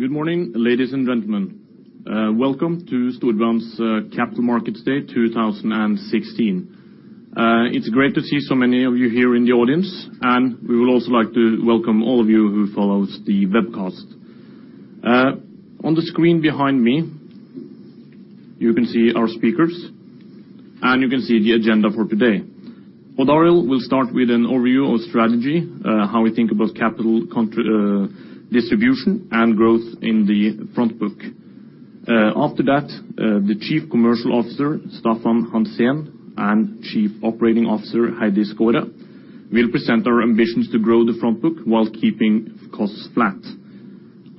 Good morning, ladies and gentlemen. Welcome to Storebrand's Capital Markets Day 2016. It's great to see so many of you here in the audience, and we would also like to welcome all of you who follow the webcast. On the screen behind me, you can see our speakers, and you can see the agenda for today. Odd Arild will start with an overview of strategy, how we think about capital contribution, distribution, and growth in the Front Book. After that, the Chief Commercial Officer, Staffan Hansén, and Chief Operating Officer, Heidi Skaaret, will present our ambitions to grow the Front Book while keeping costs flat.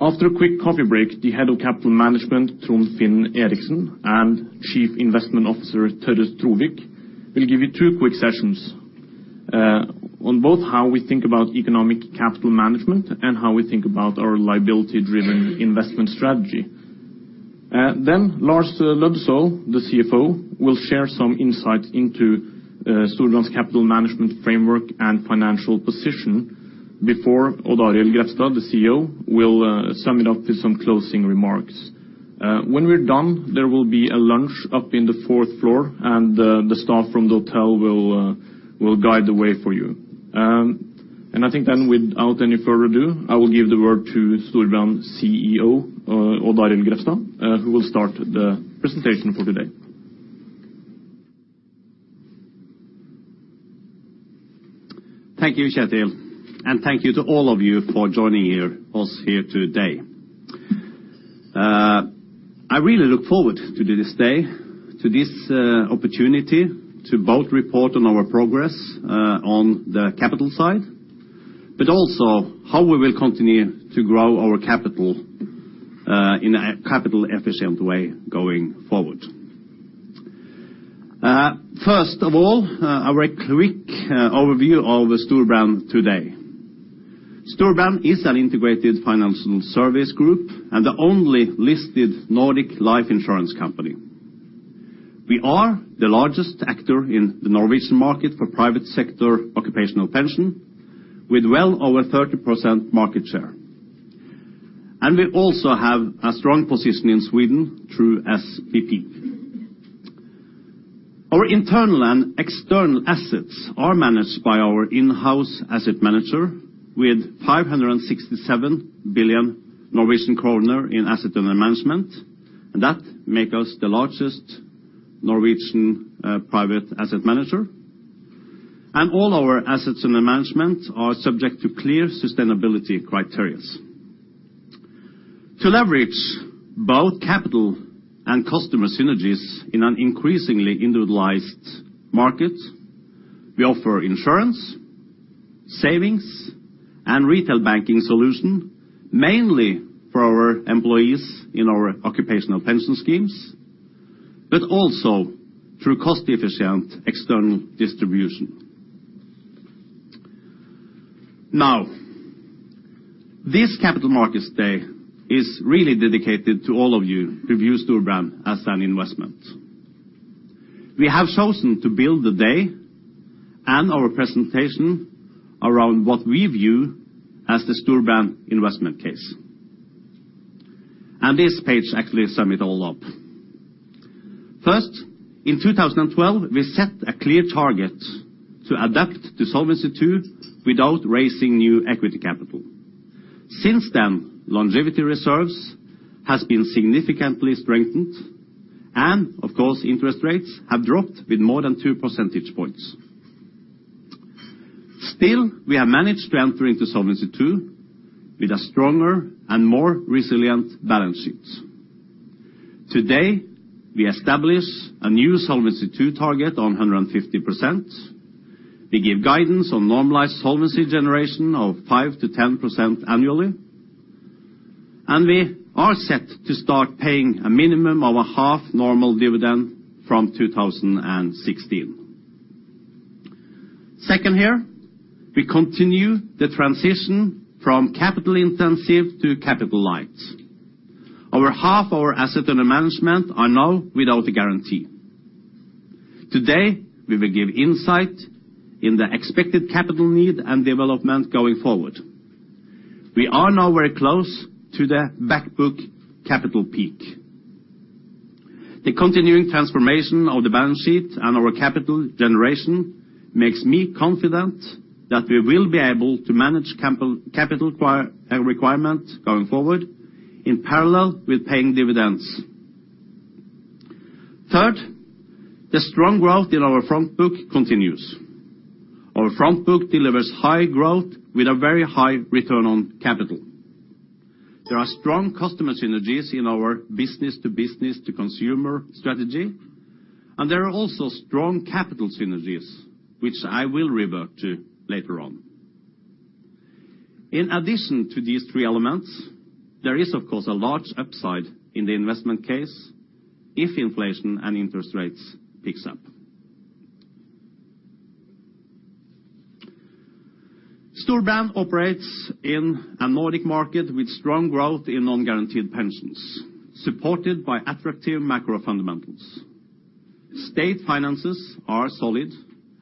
After a quick coffee break, the Head of Capital Management, Trond Finn Eriksen, and Chief Investment Officer, Tørres Trovik, will give you two quick sessions on both how we think about economic capital management and how we think about our liability-driven investment strategy. Then Lars Løddesøl, the CFO, will share some insight into Storebrand's capital management framework and financial position before Odd Arild Grefstad, the CEO, will sum it up with some closing remarks. When we're done, there will be a lunch up in the fourth floor, and the staff from the hotel will guide the way for you. And I think then without any further ado, I will give the word to Storebrand CEO Odd Arild Grefstad, who will start the presentation for today. Thank you, Kjetil, and thank you to all of you for joining us here today. I really look forward to this day, to this opportunity to both report on our progress on the capital side, but also how we will continue to grow our capital in a capital efficient way going forward. First of all, a very quick overview of Storebrand today. Storebrand is an integrated financial service group, and the only listed Nordic life insurance company. We are the largest actor in the Norwegian market for private sector occupational pension, with well over 30% market share. We also have a strong position in Sweden through SPP. Our internal and external assets are managed by our in-house asset manager, with 567 billion Norwegian kroner in assets under management. That makes us the largest Norwegian private asset manager. And all our assets under management are subject to clear sustainability criteria. To leverage both capital and customer synergies in an increasingly individualized market, we offer insurance, savings, and retail banking solutions, mainly for our employees in our occupational pension schemes, but also through cost-efficient external distribution. Now, this Capital Markets Day is really dedicated to all of you who view Storebrand as an investment. We have chosen to build the day and our presentation around what we view as the Storebrand investment case. And this page actually sums it all up. First, in 2012, we set a clear target to adapt to Solvency II without raising new equity capital. Since then, longevity reserves have been significantly strengthened, and of course, interest rates have dropped with more than two percentage points. Still, we have managed to enter into Solvency II with a stronger and more resilient balance sheet. Today, we establish a new Solvency II target on 150%. We give guidance on normalized solvency generation of 5%-10% annually, and we are set to start paying a minimum of a half normal dividend from 2016. Second here, we continue the transition from capital intensive to capital light. Over half our assets under management are now without a guarantee. Today, we will give insight in the expected capital need and development going forward. We are now very close to the Back Book capital peak. The continuing transformation of the balance sheet and our capital generation makes me confident that we will be able to manage capital requirement going forward, in parallel with paying dividends. Third, the strong growth in our Front Book continues. Our Front Book delivers high growth with a very high return on capital. There are strong customer synergies in our business to business to consumer strategy, and there are also strong capital synergies, which I will revert to later on. In addition to these three elements, there is, of course, a large upside in the investment case if inflation and interest rates picks up. Storebrand operates in a Nordic market with strong growth in non-guaranteed pensions, supported by attractive macro fundamentals.... The state finances are solid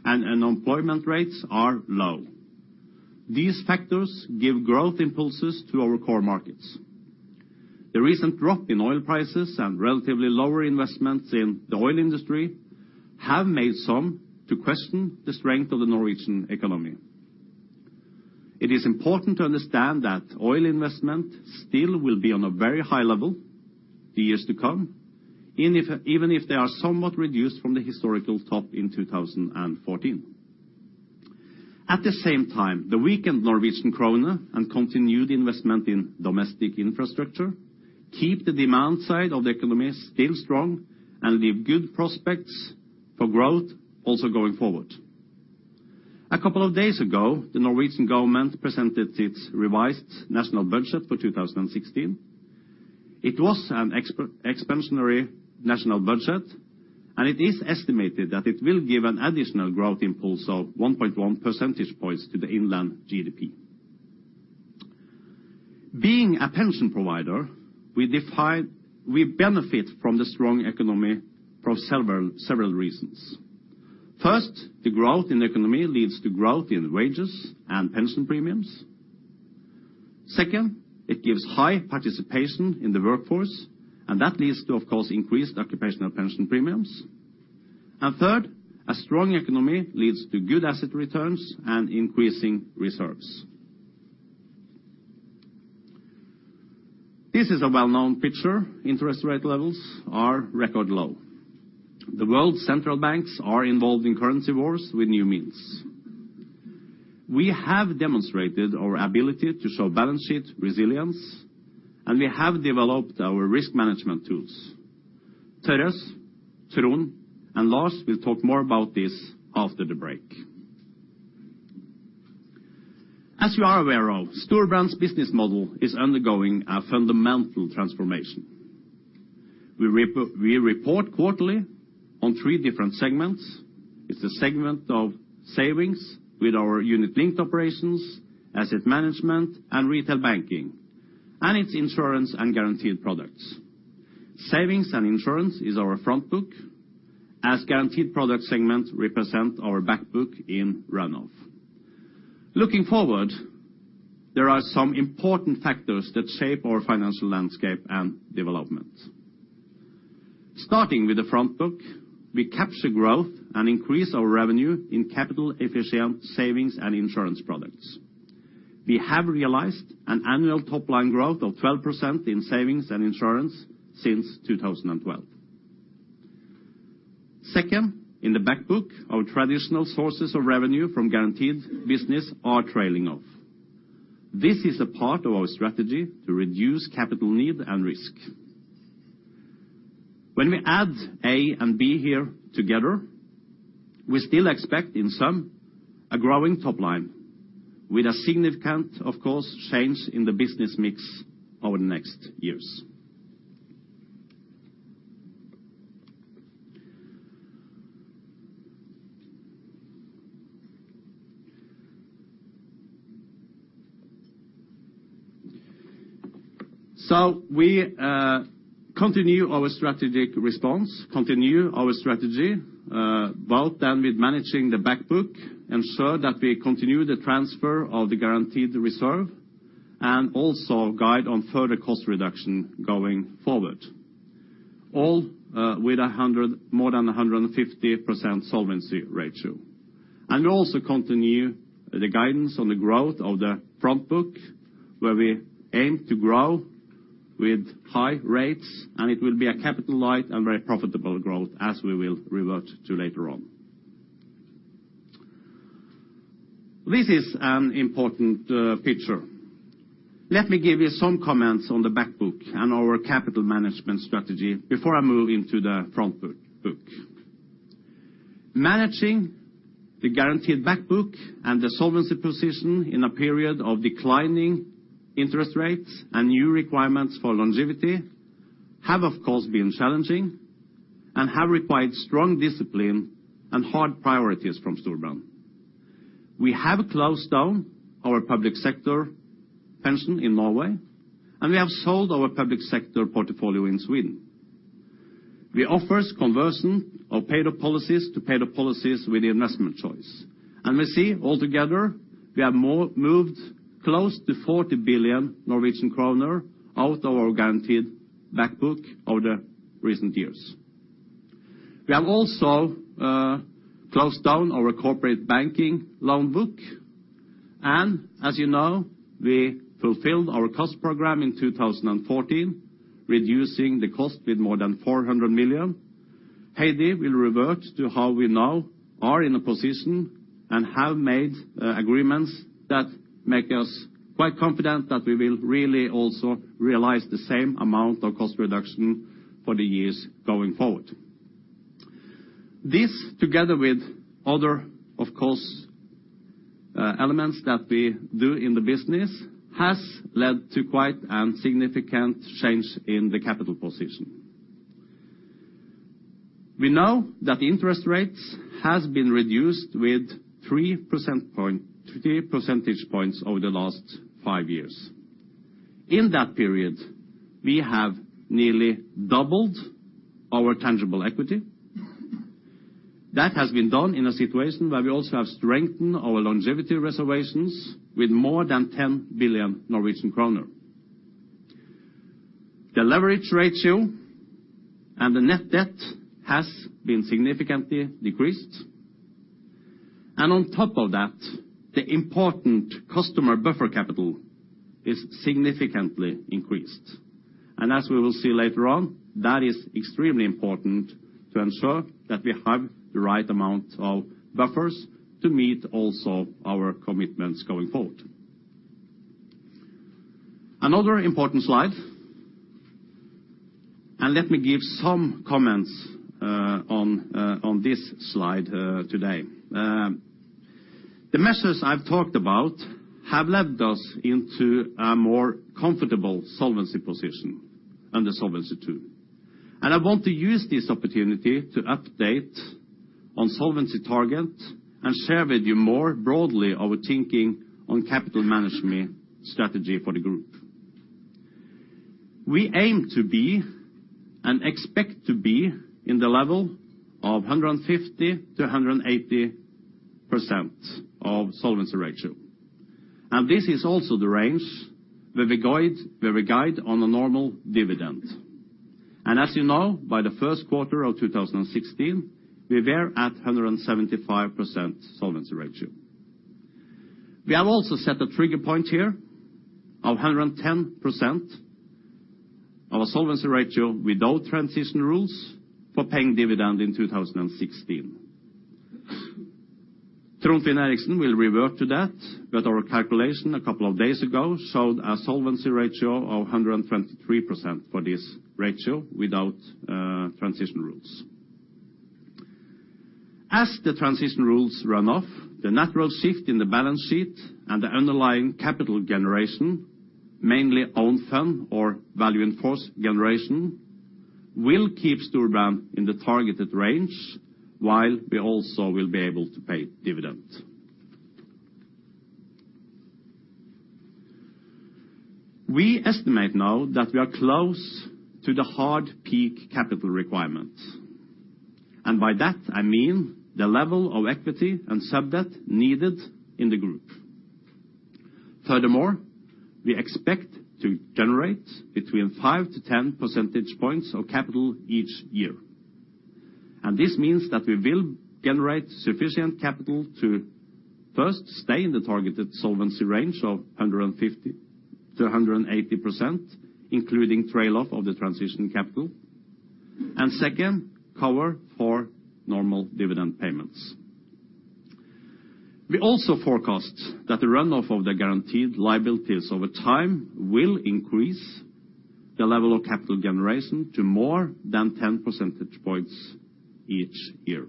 and unemployment rates are low. These factors give growth impulses to our core markets. The recent drop in oil prices and relatively lower investments in the oil industry have made some to question the strength of the Norwegian economy. It is important to understand that oil investment still will be on a very high level the years to come, even if, even if they are somewhat reduced from the historical top in 2014. At the same time, the weakened Norwegian kroner and continued investment in domestic infrastructure keep the demand side of the economy still strong, and leave good prospects for growth also going forward. A couple of days ago, the Norwegian government presented its revised national budget for 2016. It was an expansionary national budget, and it is estimated that it will give an additional growth impulse of 1.1 percentage points to the inland GDP. Being a pension provider, we benefit from the strong economy for several, several reasons. First, the growth in the economy leads to growth in wages and pension premiums. Second, it gives high participation in the workforce, and that leads to, of course, increased occupational pension premiums. And third, a strong economy leads to good asset returns and increasing reserves. This is a well-known picture. Interest rate levels are record low. The world's central banks are involved in currency wars with new means. We have demonstrated our ability to show balance sheet resilience, and we have developed our risk management tools. Therese, Torunn, and Lars will talk more about this after the break. As you are aware of, Storebrand's business model is undergoing a fundamental transformation. We report quarterly on three different segments. It's the segment of savings with our unit-linked operations, asset management, and retail banking, and it's insurance and guaranteed products. Savings and insurance is our Front Book, as guaranteed product segment represent our Back Book in run off. Looking forward, there are some important factors that shape our financial landscape and development. Starting with the Front Book, we capture growth and increase our revenue in capital efficient savings and insurance products. We have realized an annual top line growth of 12% in savings and insurance since 2012. Second, in the Back Book, our traditional sources of revenue from guaranteed business are trailing off. This is a part of our strategy to reduce capital need and risk. When we add A and B here together, we still expect, in sum, a growing top line with a significant, of course, change in the business mix over the next years. So we continue our strategic response, continue our strategy, both then with managing the Back Book, ensure that we continue the transfer of the guaranteed reserve, and also guide on further cost reduction going forward. All with more than 150% solvency ratio. And also continue the guidance on the growth of the Front Book, where we aim to grow with high rates, and it will be a capital light and very profitable growth, as we will revert to later on. This is an important picture. Let me give you some comments on the Back Book and our capital management strategy before I move into the Front Book. Managing the guaranteed Back Book and the solvency position in a period of declining interest rates and new requirements for longevity, have of course been challenging, and have required strong discipline and hard priorities from Storebrand. We have closed down our public sector pension in Norway, and we have sold our public sector portfolio in Sweden. We offer conversion of paid-up policies to paid-up policies with the investment choice. We see altogether, we have moved close to 40 billion Norwegian kroner out of our guaranteed back book over the recent years. We have also closed down our corporate banking loan book, and as you know, we fulfilled our cost program in 2014, reducing the cost with more than 400 million. Heidi will revert to how we now are in a position and have made agreements that make us quite confident that we will really also realize the same amount of cost reduction for the years going forward. This, together with other, of course, elements that we do in the business, has led to quite a significant change in the capital position. We know that interest rates has been reduced with three percentage points over the last five years. In that period, we have nearly doubled our tangible equity. That has been done in a situation where we also have strengthened our longevity reservations with more than 10 billion Norwegian kroner. The leverage ratio and the net debt has been significantly decreased, and on top of that, the important customer buffer capital is significantly increased. As we will see later on, that is extremely important to ensure that we have the right amount of buffers to meet also our commitments going forward. Another important slide and let me give some comments on this slide today. The measures I've talked about have led us into a more comfortable solvency position under Solvency II. I want to use this opportunity to update on solvency target and share with you more broadly our thinking on capital management strategy for the group. We aim to be, and expect to be, in the level of 150%-180% of solvency ratio. And this is also the range where we guide, where we guide on a normal dividend. And as you know, by the first quarter of 2016, we were at 175% solvency ratio. We have also set a trigger point here of 110% of our solvency ratio without transition rules for paying dividend in 2016. Trond Finn Eriksen will revert to that, but our calculation a couple of days ago showed a solvency ratio of 123% for this ratio without transition rules. As the transition rules run off, the natural shift in the balance sheet and the underlying capital generation, mainly own fund or value in force generation, will keep Storebrand in the targeted range, while we also will be able to pay dividend. We estimate now that we are close to the hard peak capital requirements, and by that I mean the level of equity and sub-debt needed in the group. Furthermore, we expect to generate between five to 10 percentage points of capital each year, and this means that we will generate sufficient capital to first, stay in the targeted solvency range of 150%-180%, including trail off of the transition capital, and second, cover for normal dividend payments. We also forecast that the run-off of the guaranteed liabilities over time will increase the level of capital generation to more than 10 percentage points each year.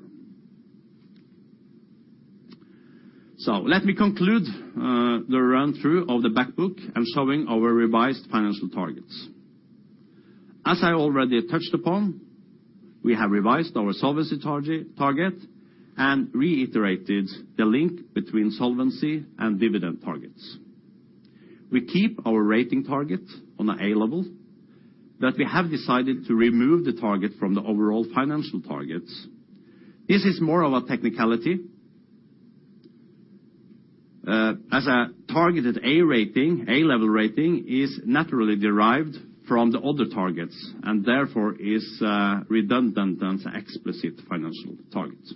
So let me conclude the run through of the back book and showing our revised financial targets. As I already touched upon, we have revised our solvency target and reiterated the link between solvency and dividend targets. We keep our rating target on an A level, but we have decided to remove the target from the overall financial targets. This is more of a technicality, as a targeted A rating, A level rating, is naturally derived from the other targets and therefore is redundant as explicit financial targets.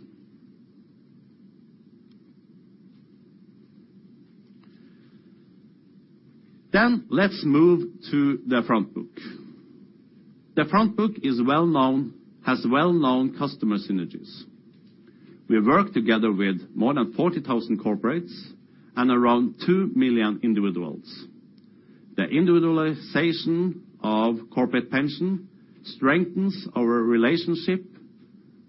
Then let's move to the front book. The Front Book is well known, has well-known customer synergies. We work together with more than 40,000 corporates and around 2 million individuals. The individualization of corporate pension strengthens our relationship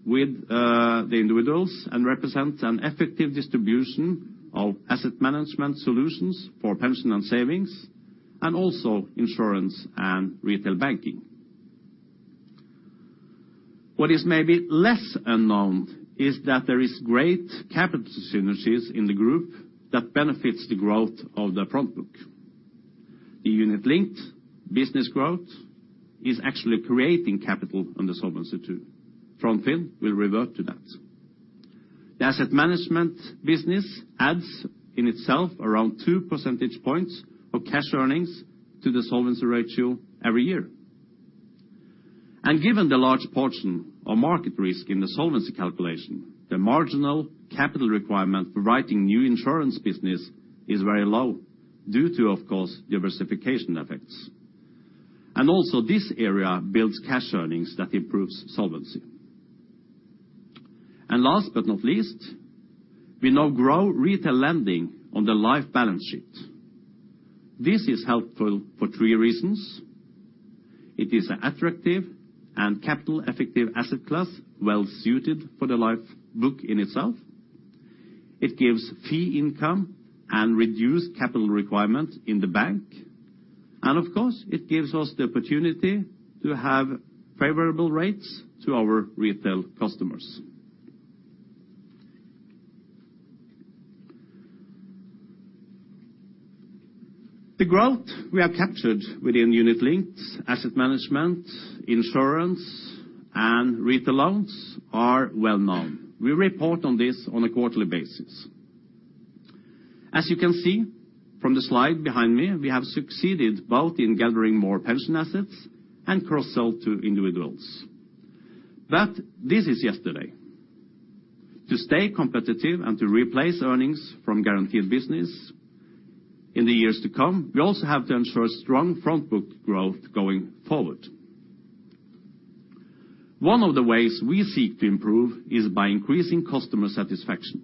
with the individuals and represents an effective distribution of asset management solutions for pension and savings, and also insurance and retail banking. What is maybe less unknown is that there is great capital synergies in the group that benefits the growth of the Front Book. The unit-linked business growth is actually creating capital under Solvency II. Trond Finn Eriksen will revert to that. The asset management business adds, in itself, around two percentage points of cash earnings to the solvency ratio every year. Given the large portion of market risk in the solvency calculation, the marginal capital requirement for writing new insurance business is very low due to, of course, diversification effects. Also, this area builds cash earnings that improves solvency. Last but not least, we now grow retail lending on the life balance sheet. This is helpful for three reasons: it is an attractive and capital effective asset class, well suited for the life book in itself, it gives fee income and reduced capital requirements in the bank, and of course, it gives us the opportunity to have favorable rates to our retail customers. The growth we have captured within unit links, asset management, insurance, and retail loans are well known. We report on this on a quarterly basis. As you can see from the slide behind me, we have succeeded both in gathering more pension assets and cross-sell to individuals. But this is yesterday. To stay competitive and to replace earnings from guaranteed business in the years to come, we also have to ensure strong Front Book growth going forward. One of the ways we seek to improve is by increasing customer satisfaction.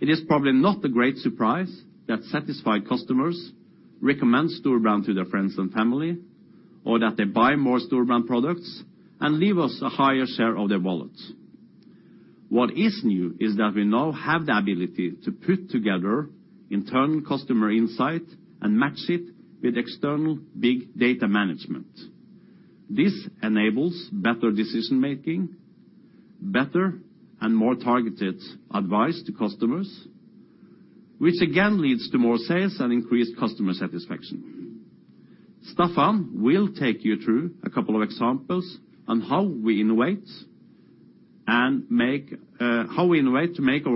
It is probably not a great surprise that satisfied customers recommend Storebrand to their friends and family, or that they buy more Storebrand products and leave us a higher share of their wallets. What is new is that we now have the ability to put together internal customer insight and match it with external big data management. This enables better decision making, better and more targeted advice to customers, which again leads to more sales and increased customer satisfaction. Staffan will take you through a couple of examples on how we innovate to make our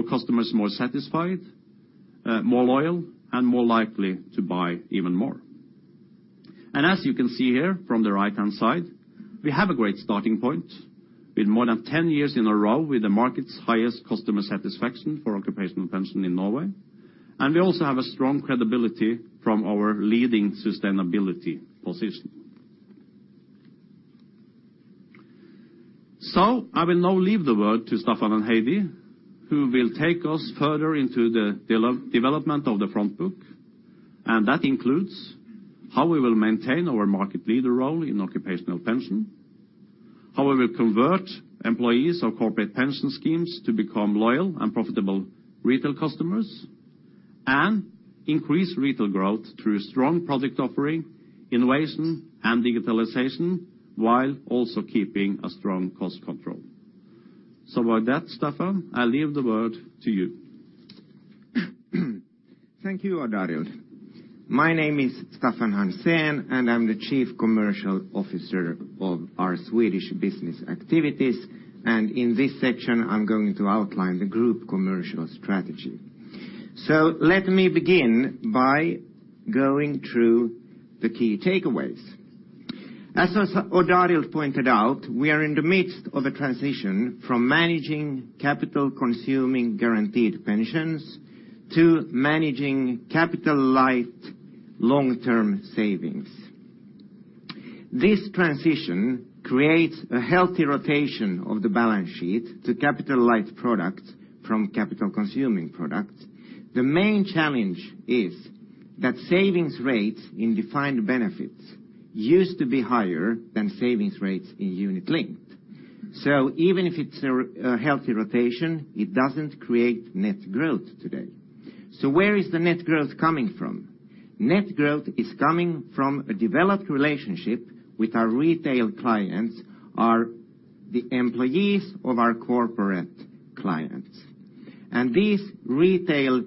customers more satisfied, more loyal, and more likely to buy even more. As you can see here, from the right-hand side, we have a great starting point. With more than 10 years in a row with the market's highest customer satisfaction for occupational pension in Norway, and we also have a strong credibility from our leading sustainability position. So I will now leave the word to Staffan and Heidi, who will take us further into the development of the Front Book, and that includes how we will maintain our market leader role in occupational pension, how we will convert employees of corporate pension schemes to become loyal and profitable retail customers, and increase retail growth through strong product offering, innovation, and digitalization, while also keeping a strong cost control. So with that, Staffan, I leave the word to you. Thank you, Odd Arild. My name is Staffan Hansén, and I'm the Chief Commercial Officer of our Swedish business activities, and in this section, I'm going to outline the group commercial strategy. So let me begin by going through the key takeaways. As Odd Arild pointed out, we are in the midst of a transition from managing capital-consuming guaranteed pensions to managing capital-light long-term savings. This transition creates a healthy rotation of the balance sheet to capital-light products from capital-consuming products. The main challenge is that savings rates in defined benefits used to be higher than savings rates in unit-linked. So even if it's a healthy rotation, it doesn't create net growth today. So where is the net growth coming from? Net growth is coming from a developed relationship with our retail clients are the employees of our corporate clients. These retail,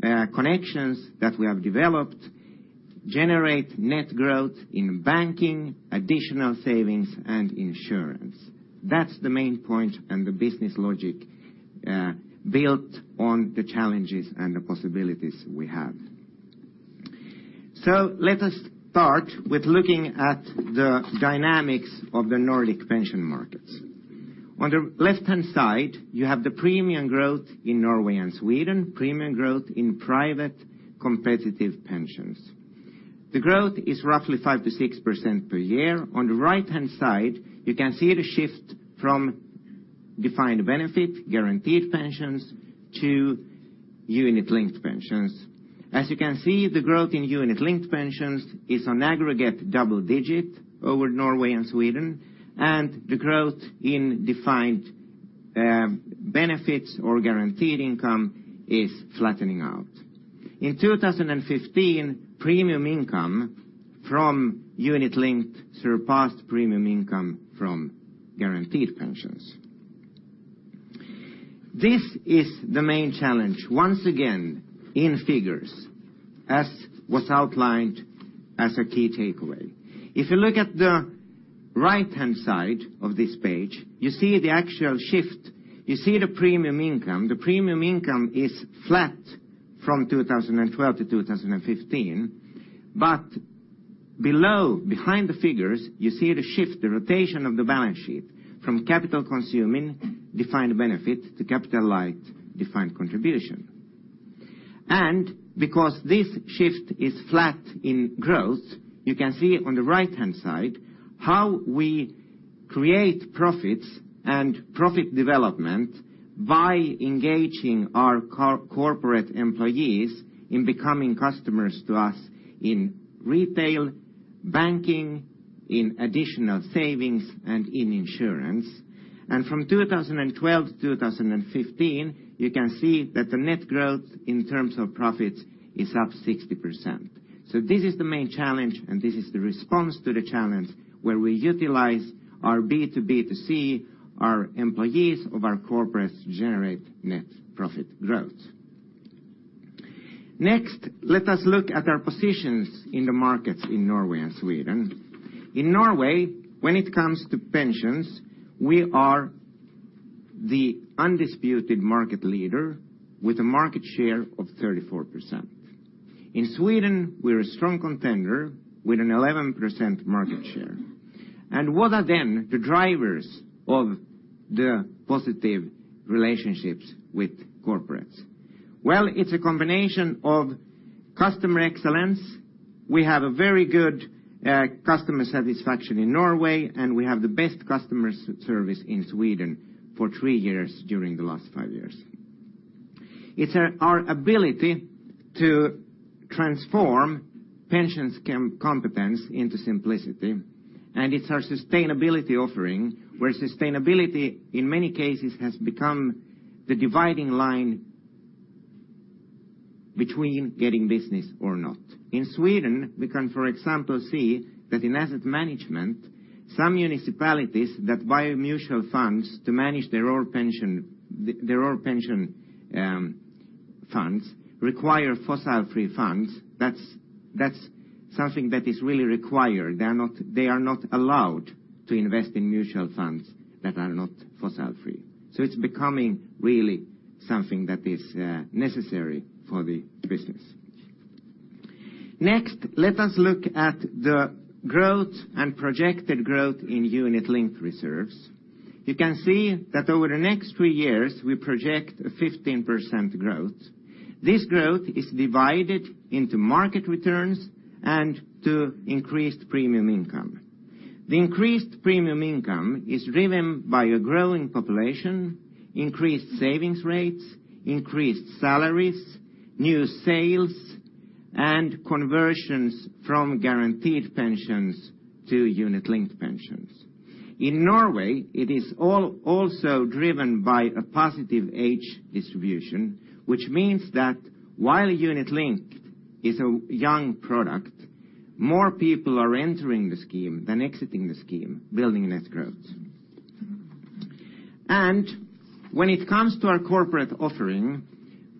connections that we have developed generate net growth in banking, additional savings, and insurance. That's the main point and the business logic, built on the challenges and the possibilities we have. Let us start with looking at the dynamics of the Nordic pension markets. On the left-hand side, you have the premium growth in Norway and Sweden, premium growth in private competitive pensions. The growth is roughly 5%-6% per year. On the right-hand side, you can see the shift from defined benefit, guaranteed pensions, to unit-linked pensions. As you can see, the growth in unit-linked pensions is on aggregate double-digit over Norway and Sweden, and the growth in defined, benefits or guaranteed income is flattening out. In 2015, premium income from unit-linked surpassed premium income from guaranteed pensions. This is the main challenge, once again, in figures, as was outlined as a key takeaway. If you look at the right-hand side of this page, you see the actual shift. You see the premium income. The premium income is flat from 2012-2015. But below, behind the figures, you see the shift, the rotation of the balance sheet from capital-consuming defined benefit to capital-light Defined Contribution. And because this shift is flat in growth, you can see on the right-hand side how we create profits and profit development by engaging our corporate employees in becoming customers to us in retail, banking, in additional savings, and in insurance. And from 2012-2015, you can see that the net growth in terms of profits is up 60%. So this is the main challenge, and this is the response to the challenge, where we utilize our B to B to C, our employees of our corporates generate net profit growth... Next, let us look at our positions in the markets in Norway and Sweden. In Norway, when it comes to pensions, we are the undisputed market leader with a market share of 34%. In Sweden, we're a strong contender with an 11% market share. And what are then the drivers of the positive relationships with corporates? Well, it's a combination of customer excellence. We have a very good customer satisfaction in Norway, and we have the best customer service in Sweden for three years during the last five years. It's our ability to transform pensions competence into simplicity, and it's our sustainability offering, where sustainability, in many cases, has become the dividing line between getting business or not. In Sweden, we can, for example, see that in asset management, some municipalities that buy mutual funds to manage their own pension, their own pension, funds, require fossil-free funds. That's something that is really required. They are not allowed to invest in mutual funds that are not fossil-free. So it's becoming really something that is necessary for the business. Next, let us look at the growth and projected growth in unit-linked reserves. You can see that over the next three years, we project a 15% growth. This growth is divided into market returns and to increased premium income. The increased premium income is driven by a growing population, increased savings rates, increased salaries, new sales, and conversions from guaranteed pensions to unit-linked pensions. In Norway, it is also driven by a positive age distribution, which means that while unit-linked is a young product, more people are entering the scheme than exiting the scheme, building net growth. When it comes to our corporate offering,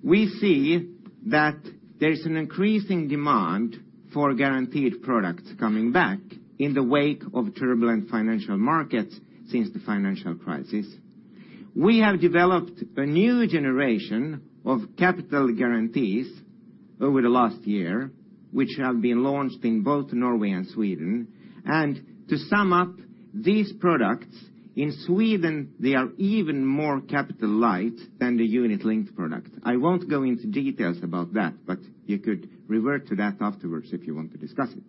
we see that there is an increasing demand for guaranteed products coming back in the wake of turbulent financial markets since the financial crisis. We have developed a new generation of capital guarantees over the last year, which have been launched in both Norway and Sweden. To sum up, these products, in Sweden, they are even more capital light than the unit-linked product. I won't go into details about that, but you could revert to that afterwards if you want to discuss it.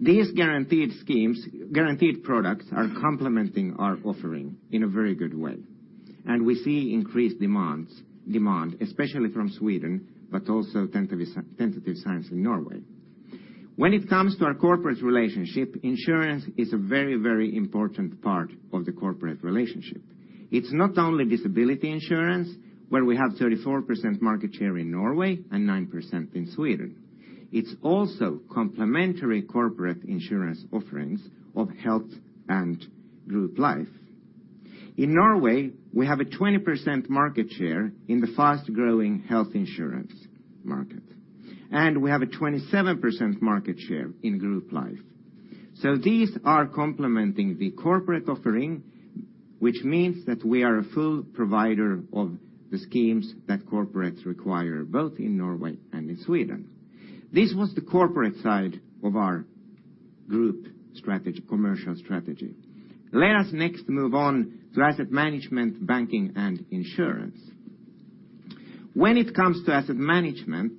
These guaranteed schemes, guaranteed products are complementing our offering in a very good way, and we see increased demands, demand, especially from Sweden, but also tentative, tentative signs in Norway. When it comes to our corporate relationship, insurance is a very, very important part of the corporate relationship. It's not only disability insurance, where we have 34% market share in Norway and 9% in Sweden. It's also complementary corporate insurance offerings of health and group life. In Norway, we have a 20% market share in the fast-growing health insurance market, and we have a 27% market share in group life. So these are complementing the corporate offering, which means that we are a full provider of the schemes that corporates require, both in Norway and in Sweden. This was the corporate side of our group strategy, commercial strategy. Let us next move on to asset management, banking, and insurance. When it comes to asset management,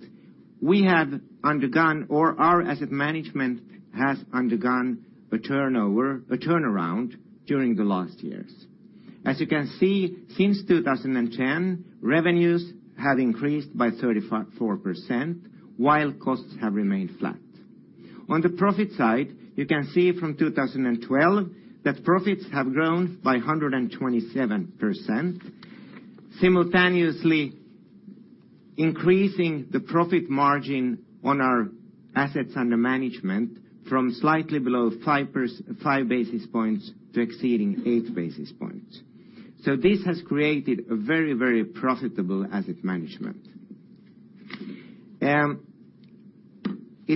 we have undergone, or our asset management has undergone a turnover, a turnaround during the last years. As you can see, since 2010, revenues have increased by 34%, while costs have remained flat. On the profit side, you can see from 2012 that profits have grown by 127%, simultaneously increasing the profit margin on our assets under management from slightly below five basis points to exceeding eight basis points. So this has created a very, very profitable asset management. It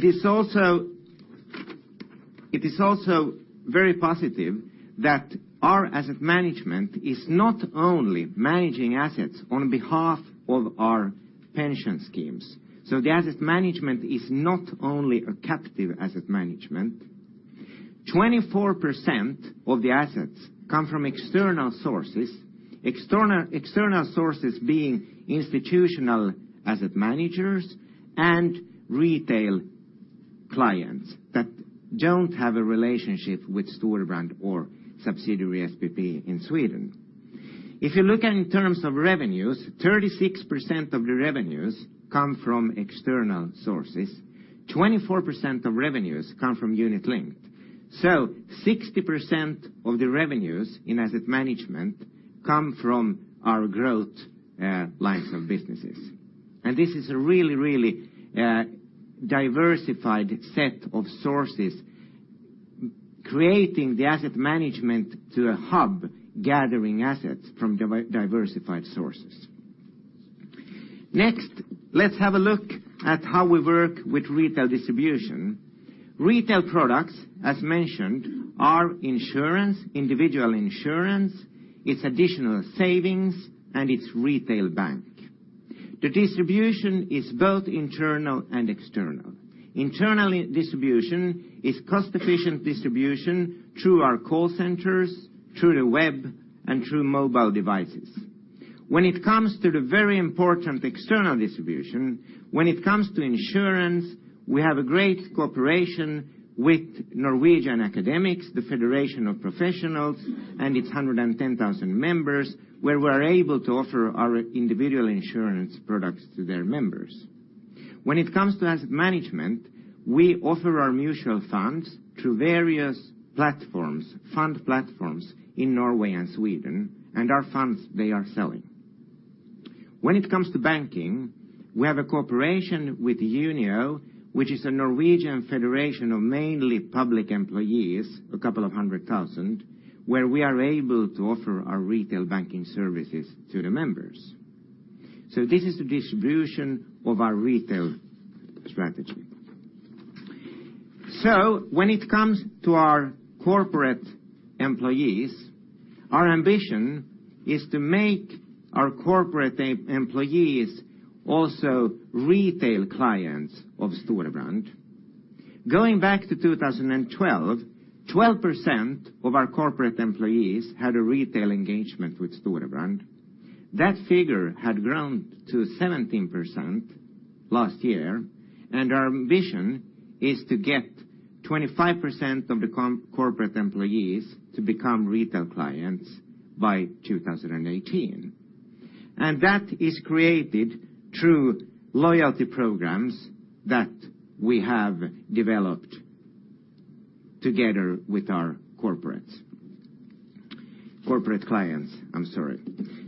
is also, it is also very positive that our asset management is not only managing assets on behalf of our pension schemes, so the asset management is not only a captive asset management. 24% of the assets come from external sources, external sources being institutional asset managers and retail clients that don't have a relationship with Storebrand or subsidiary SPP in Sweden. If you look at in terms of revenues, 36% of the revenues come from external sources, 24% of revenues come from unit-linked. So 60% of the revenues in asset management come from our growth lines of businesses. And this is a really, really diversified set of sources creating the asset management to a hub, gathering assets from diversified sources. Next, let's have a look at how we work with retail distribution. Retail products, as mentioned, are insurance, individual insurance, it's additional savings, and it's retail bank. The distribution is both internal and external. Internal distribution is cost-efficient distribution through our call centers, through the web, and through mobile devices. When it comes to the very important external distribution, when it comes to insurance, we have a great cooperation with Norwegian academics, the Federation of Professionals, and its 110,000 members, where we're able to offer our individual insurance products to their members. When it comes to asset management, we offer our mutual funds through various platforms, fund platforms in Norway and Sweden, and our funds they are selling. When it comes to banking, we have a cooperation with Unio, which is a Norwegian federation of mainly public employees, a couple of 100,000, where we are able to offer our retail banking services to the members. So this is the distribution of our retail strategy. So when it comes to our corporate employees, our ambition is to make our corporate employees also retail clients of Storebrand. Going back to 2012, 12% of our corporate employees had a retail engagement with Storebrand. That figure had grown to 17% last year, and our ambition is to get 25% of the corporate employees to become retail clients by 2018. And that is created through loyalty programs that we have developed together with our corporates. Corporate clients, I'm sorry.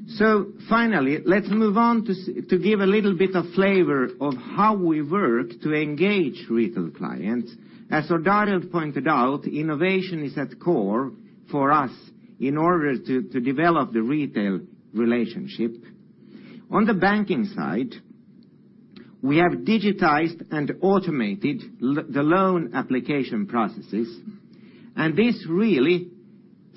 So finally, let's move on to to give a little bit of flavor of how we work to engage retail clients. As Odd Arild pointed out, innovation is at core for us in order to to develop the retail relationship. On the banking side, we have digitized and automated the loan application processes, and this really,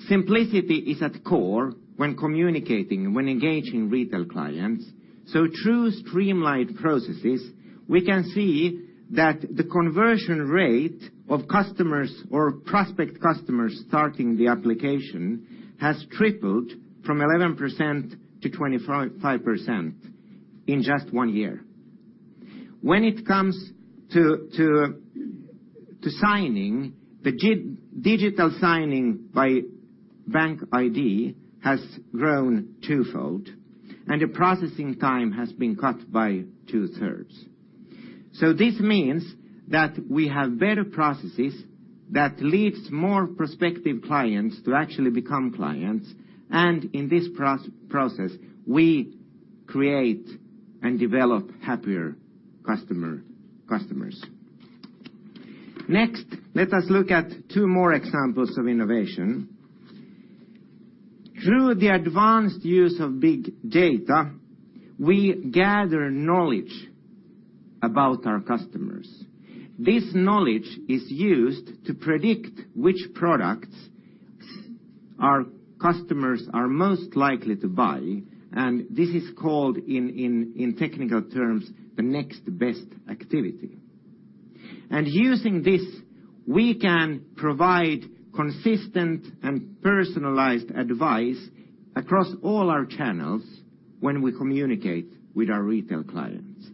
simplicity is at core when communicating, when engaging retail clients. So through streamlined processes, we can see that the conversion rate of customers or prospect customers starting the application has tripled from 11% to 25% in just one year. When it comes to signing, the digital signing by BankID has grown twofold, and the processing time has been cut by two-thirds. So this means that we have better processes that leads more prospective clients to actually become clients, and in this process, we create and develop happier customers. Next, let us look at two more examples of innovation. Through the advanced use of big data, we gather knowledge about our customers. This knowledge is used to predict which products our customers are most likely to buy, and this is called, in technical terms, the next best activity. Using this, we can provide consistent and personalized advice across all our channels when we communicate with our retail clients.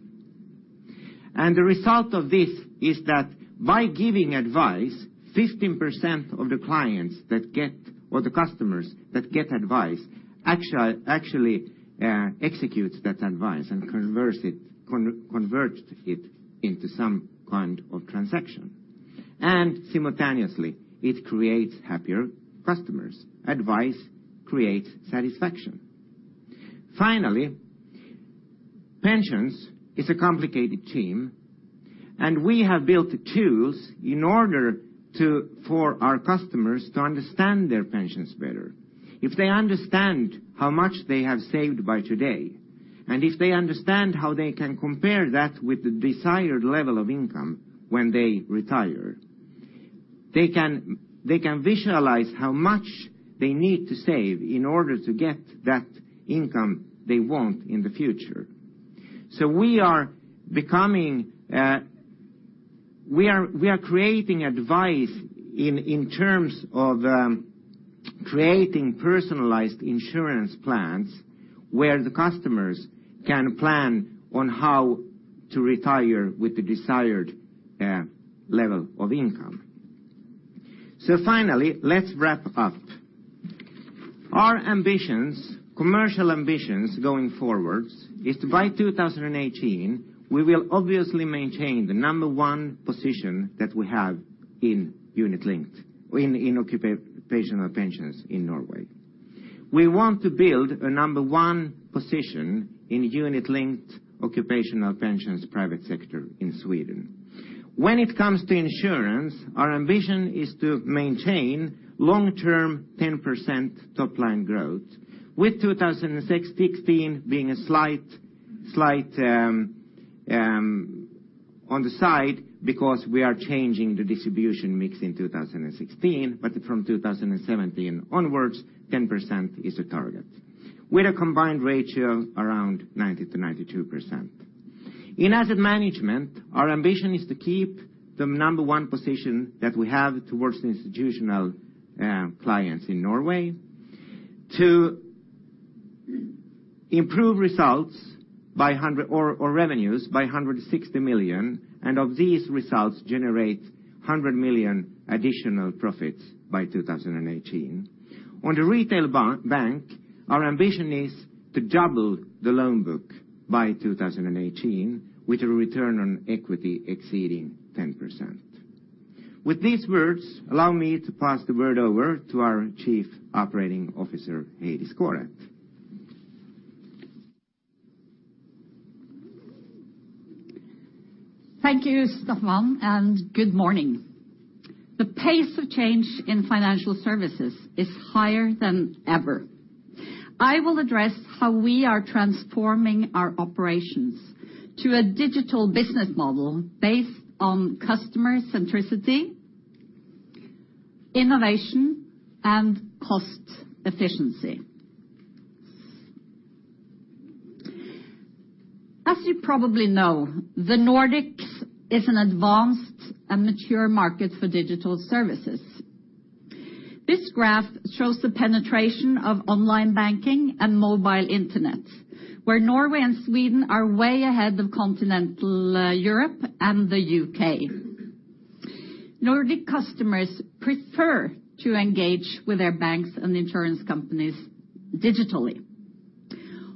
The result of this is that by giving advice, 15% of the clients that get, or the customers that get advice, actually executes that advice and converts it into some kind of transaction. Simultaneously, it creates happier customers. Advice creates satisfaction. Finally, pensions is a complicated theme, and we have built tools in order to for our customers to understand their pensions better. If they understand how much they have saved by today, and if they understand how they can compare that with the desired level of income when they retire, they can, they can visualize how much they need to save in order to get that income they want in the future. So we are creating advice in terms of creating personalized insurance plans, where the customers can plan on how to retire with the desired level of income. So finally, let's wrap up. Our ambitions, commercial ambitions going forwards, is by 2018, we will obviously maintain the number one position that we have in unit linked, in occupational pensions in Norway. We want to build a number one position in unit linked occupational pensions private sector in Sweden. When it comes to insurance, our ambition is to maintain long-term 10% top line growth, with 2016 being a slight, slight, on the side, because we are changing the distribution mix in 2016. But from 2017 onwards, 10% is the target, with a combined ratio around 90%-92%. In asset management, our ambition is to keep the number one position that we have towards institutional clients in Norway. To improve results by or revenues by 160 million, and of these results, generate 100 million additional profits by 2018. On the retail bank, our ambition is to double the loan book by 2018, with a return on equity exceeding 10%. With these words, allow me to pass the word over to our Chief Operating Officer, Heidi Skaaret. Thank you, Staffan, and good morning. The pace of change in financial services is higher than ever. I will address how we are transforming our operations to a digital business model based on customer centricity, innovation, and cost efficiency. As you probably know, the Nordics is an advanced and mature market for digital services. This graph shows the penetration of online banking and mobile internet, where Norway and Sweden are way ahead of continental Europe and the UK. Nordic customers prefer to engage with their banks and insurance companies digitally.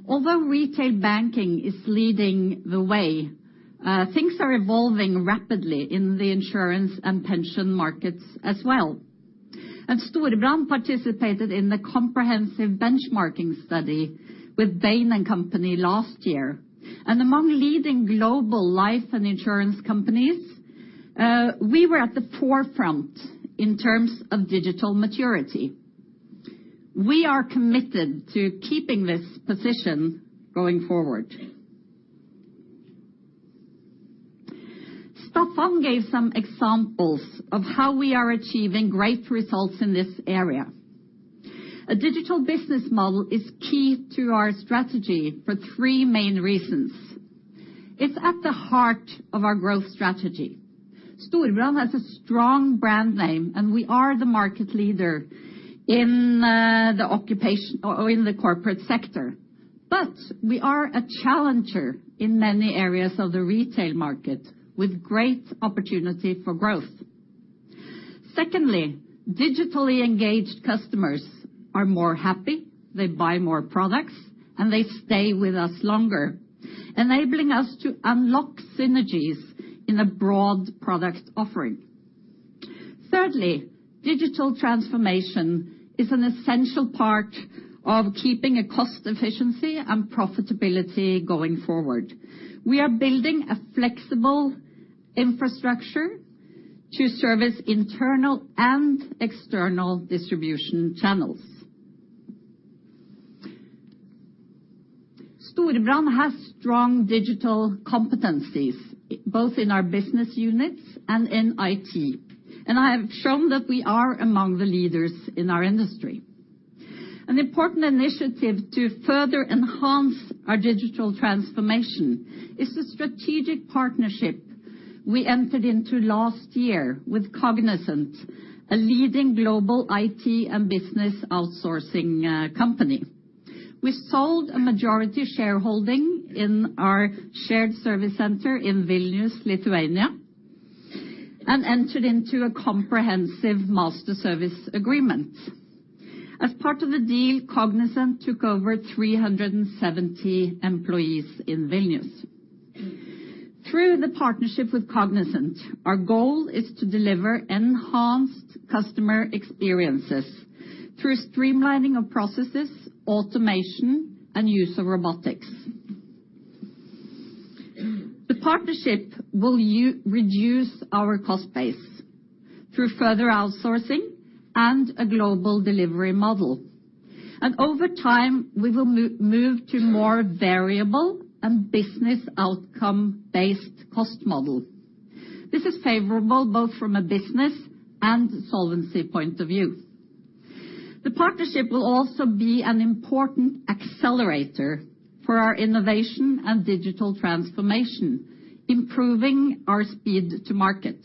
Although retail banking is leading the way, things are evolving rapidly in the insurance and pension markets as well. Storebrand participated in the comprehensive benchmarking study with Bain & Company last year. Among leading global life and insurance companies, we were at the forefront in terms of digital maturity. We are committed to keeping this position going forward. Staffan gave some examples of how we are achieving great results in this area. A digital business model is key to our strategy for three main reasons. It's at the heart of our growth strategy. Storebrand has a strong brand name, and we are the market leader in the occupational—or in the corporate sector. But we are a challenger in many areas of the retail market, with great opportunity for growth. Secondly, digitally engaged customers are more happy, they buy more products, and they stay with us longer, enabling us to unlock synergies in a broad product offering. Thirdly, digital transformation is an essential part of keeping a cost efficiency and profitability going forward. We are building a flexible infrastructure to service internal and external distribution channels. Storebrand has strong digital competencies both in our business units and in IT, and I have shown that we are among the leaders in our industry. An important initiative to further enhance our digital transformation is the strategic partnership we entered into last year with Cognizant, a leading global IT and business outsourcing company. We sold a majority shareholding in our shared service center in Vilnius, Lithuania, and entered into a comprehensive master service agreement. As part of the deal, Cognizant took over 370 employees in Vilnius. Through the partnership with Cognizant, our goal is to deliver enhanced customer experiences through streamlining of processes, automation, and use of robotics. The partnership will reduce our cost base through further outsourcing and a global delivery model. And over time, we will move to more variable and business outcome-based cost model. This is favorable, both from a business and solvency point of view. The partnership will also be an important accelerator for our innovation and digital transformation, improving our speed to market.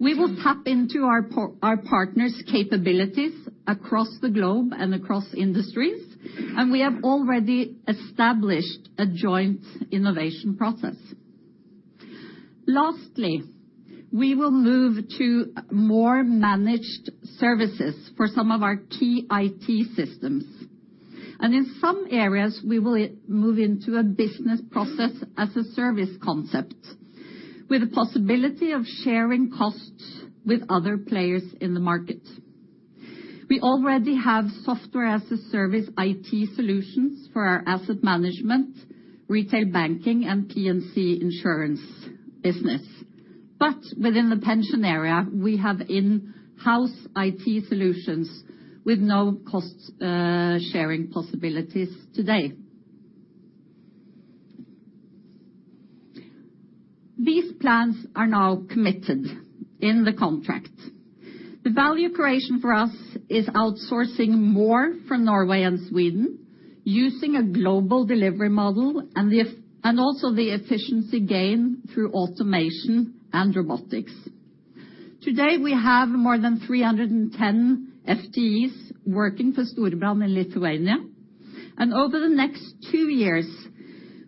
We will tap into our partner's capabilities across the globe and across industries, and we have already established a joint innovation process. Lastly, we will move to more managed services for some of our key IT systems. In some areas, we will move into a business process as a service concept, with the possibility of sharing costs with other players in the market. We already have software as a service IT solutions for our asset management, retail banking, and P&C insurance business. But within the pension area, we have in-house IT solutions with no cost sharing possibilities today. These plans are now committed in the contract. The value creation for us is outsourcing more from Norway and Sweden, using a global delivery model, and also the efficiency gain through automation and robotics. Today, we have more than 310 FTEs working for Storebrand in Lithuania, and over the next two years,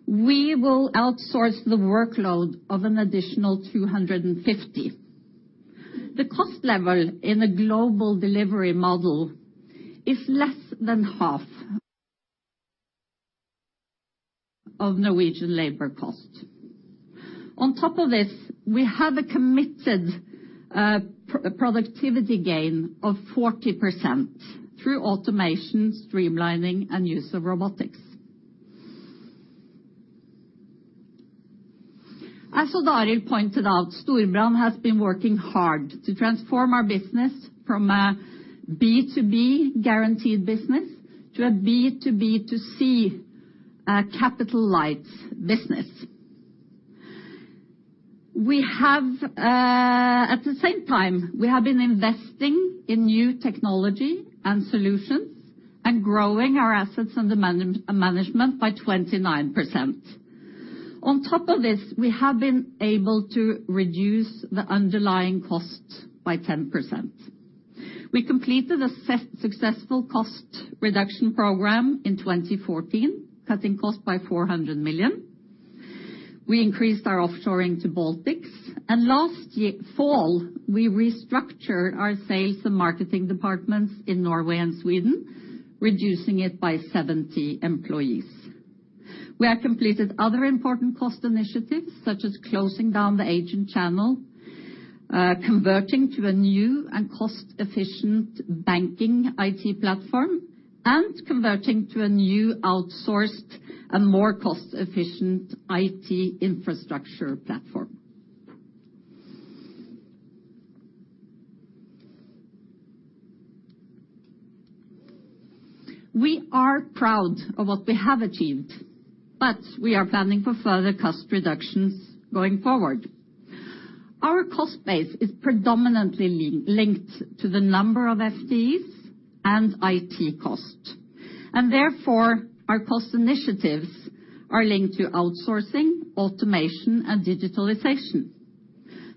we will outsource the workload of an additional 250. The cost level in a global delivery model is less than half of Norwegian labor cost. On top of this, we have a committed productivity gain of 40% through automation, streamlining, and use of robotics. As Odd Arild pointed out, Storebrand has been working hard to transform our business from a B2B guaranteed business to a B2B2C capital light business. We have... At the same time, we have been investing in new technology and solutions, and growing our assets under management by 29%. On top of this, we have been able to reduce the underlying cost by 10%. We completed a successful cost reduction program in 2014, cutting costs by 400 million. We increased our offshoring to Baltics, and last fall, we restructured our sales and marketing departments in Norway and Sweden, reducing it by 70 employees. We have completed other important cost initiatives, such as closing down the agent channel, converting to a new and cost-efficient banking IT platform, and converting to a new outsourced and more cost-efficient IT infrastructure platform. We are proud of what we have achieved, but we are planning for further cost reductions going forward. Our cost base is predominantly linked to the number of FTEs and IT cost, and therefore, our cost initiatives are linked to outsourcing, automation, and digitalization.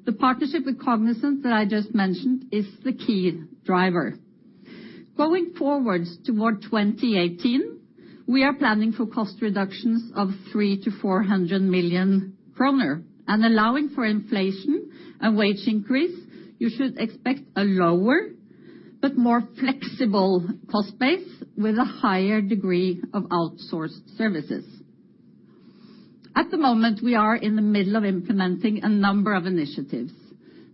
The partnership with Cognizant that I just mentioned is the key driver. Going forward toward 2018, we are planning for cost reductions of 300 million-400 million kroner. Allowing for inflation and wage increase, you should expect a lower but more flexible cost base with a higher degree of outsourced services. At the moment, we are in the middle of implementing a number of initiatives.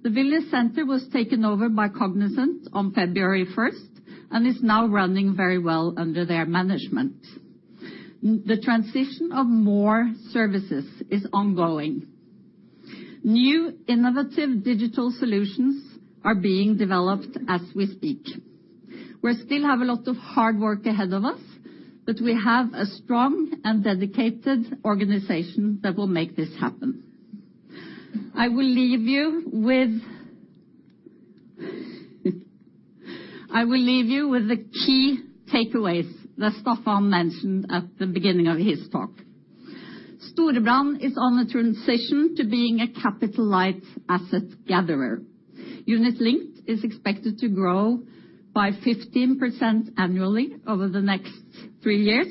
The Vilnius Center was taken over by Cognizant on February 1st and is now running very well under their management. Now the transition of more services is ongoing. New innovative digital solutions are being developed as we speak. We still have a lot of hard work ahead of us, but we have a strong and dedicated organization that will make this happen. I will leave you with the key takeaways that Staffan mentioned at the beginning of his talk. Storebrand is on a transition to being a capital light asset gatherer. Unitlinked is expected to grow by 15% annually over the next three years.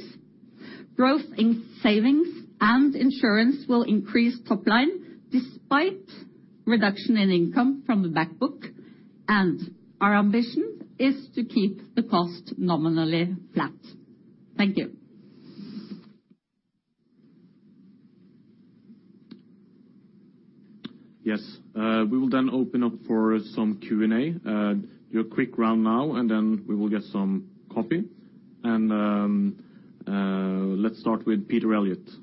Growth in savings and insurance will increase top line despite reduction in income from the Back Book, and our ambition is to keep the cost nominally flat. Thank you. Yes. We will then open up for some Q&A. Do a quick round now, and then we will get some coffee. Let's start with Peter Eliot. Peter? Thank you very much. I had one question for Heidi, first of all, on the digital side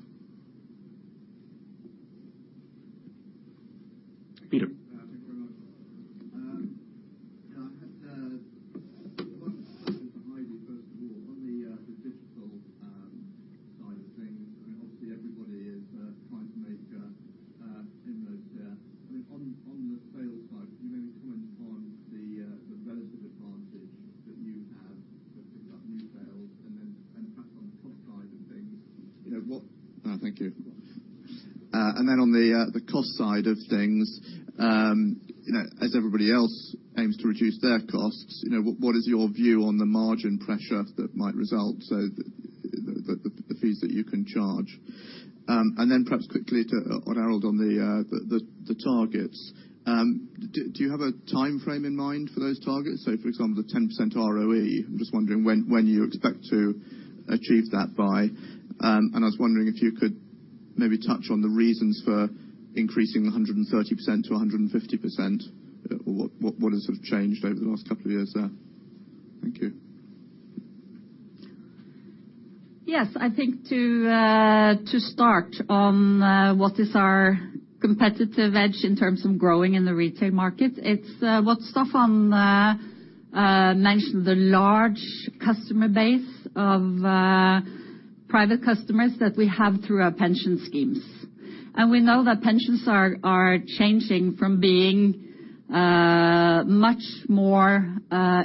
of things. I mean, obviously, everybody is trying to make inroads there. I mean, on the sales side, can you maybe comment on the relative advantage that you have, let's say, about new sales, and then perhaps on the cost side of things, you know, what... Thank you. And then on the cost side of things, you know, as everybody else aims to reduce their costs, you know, what is your view on the margin pressure that might result, so th-... the fees that you can charge. And then perhaps quickly to, on Odd Arild, on the targets. Do you have a timeframe in mind for those targets? So for example, the 10% ROE, I'm just wondering when you expect to achieve that by. And I was wondering if you could maybe touch on the reasons for increasing 130% to 150%. What has sort of changed over the last couple of years there? Thank you. Yes, I think to start on what is our competitive edge in terms of growing in the retail market, it's what Staffan mentioned, the large customer base of private customers that we have through our pension schemes. And we know that pensions are changing from being much more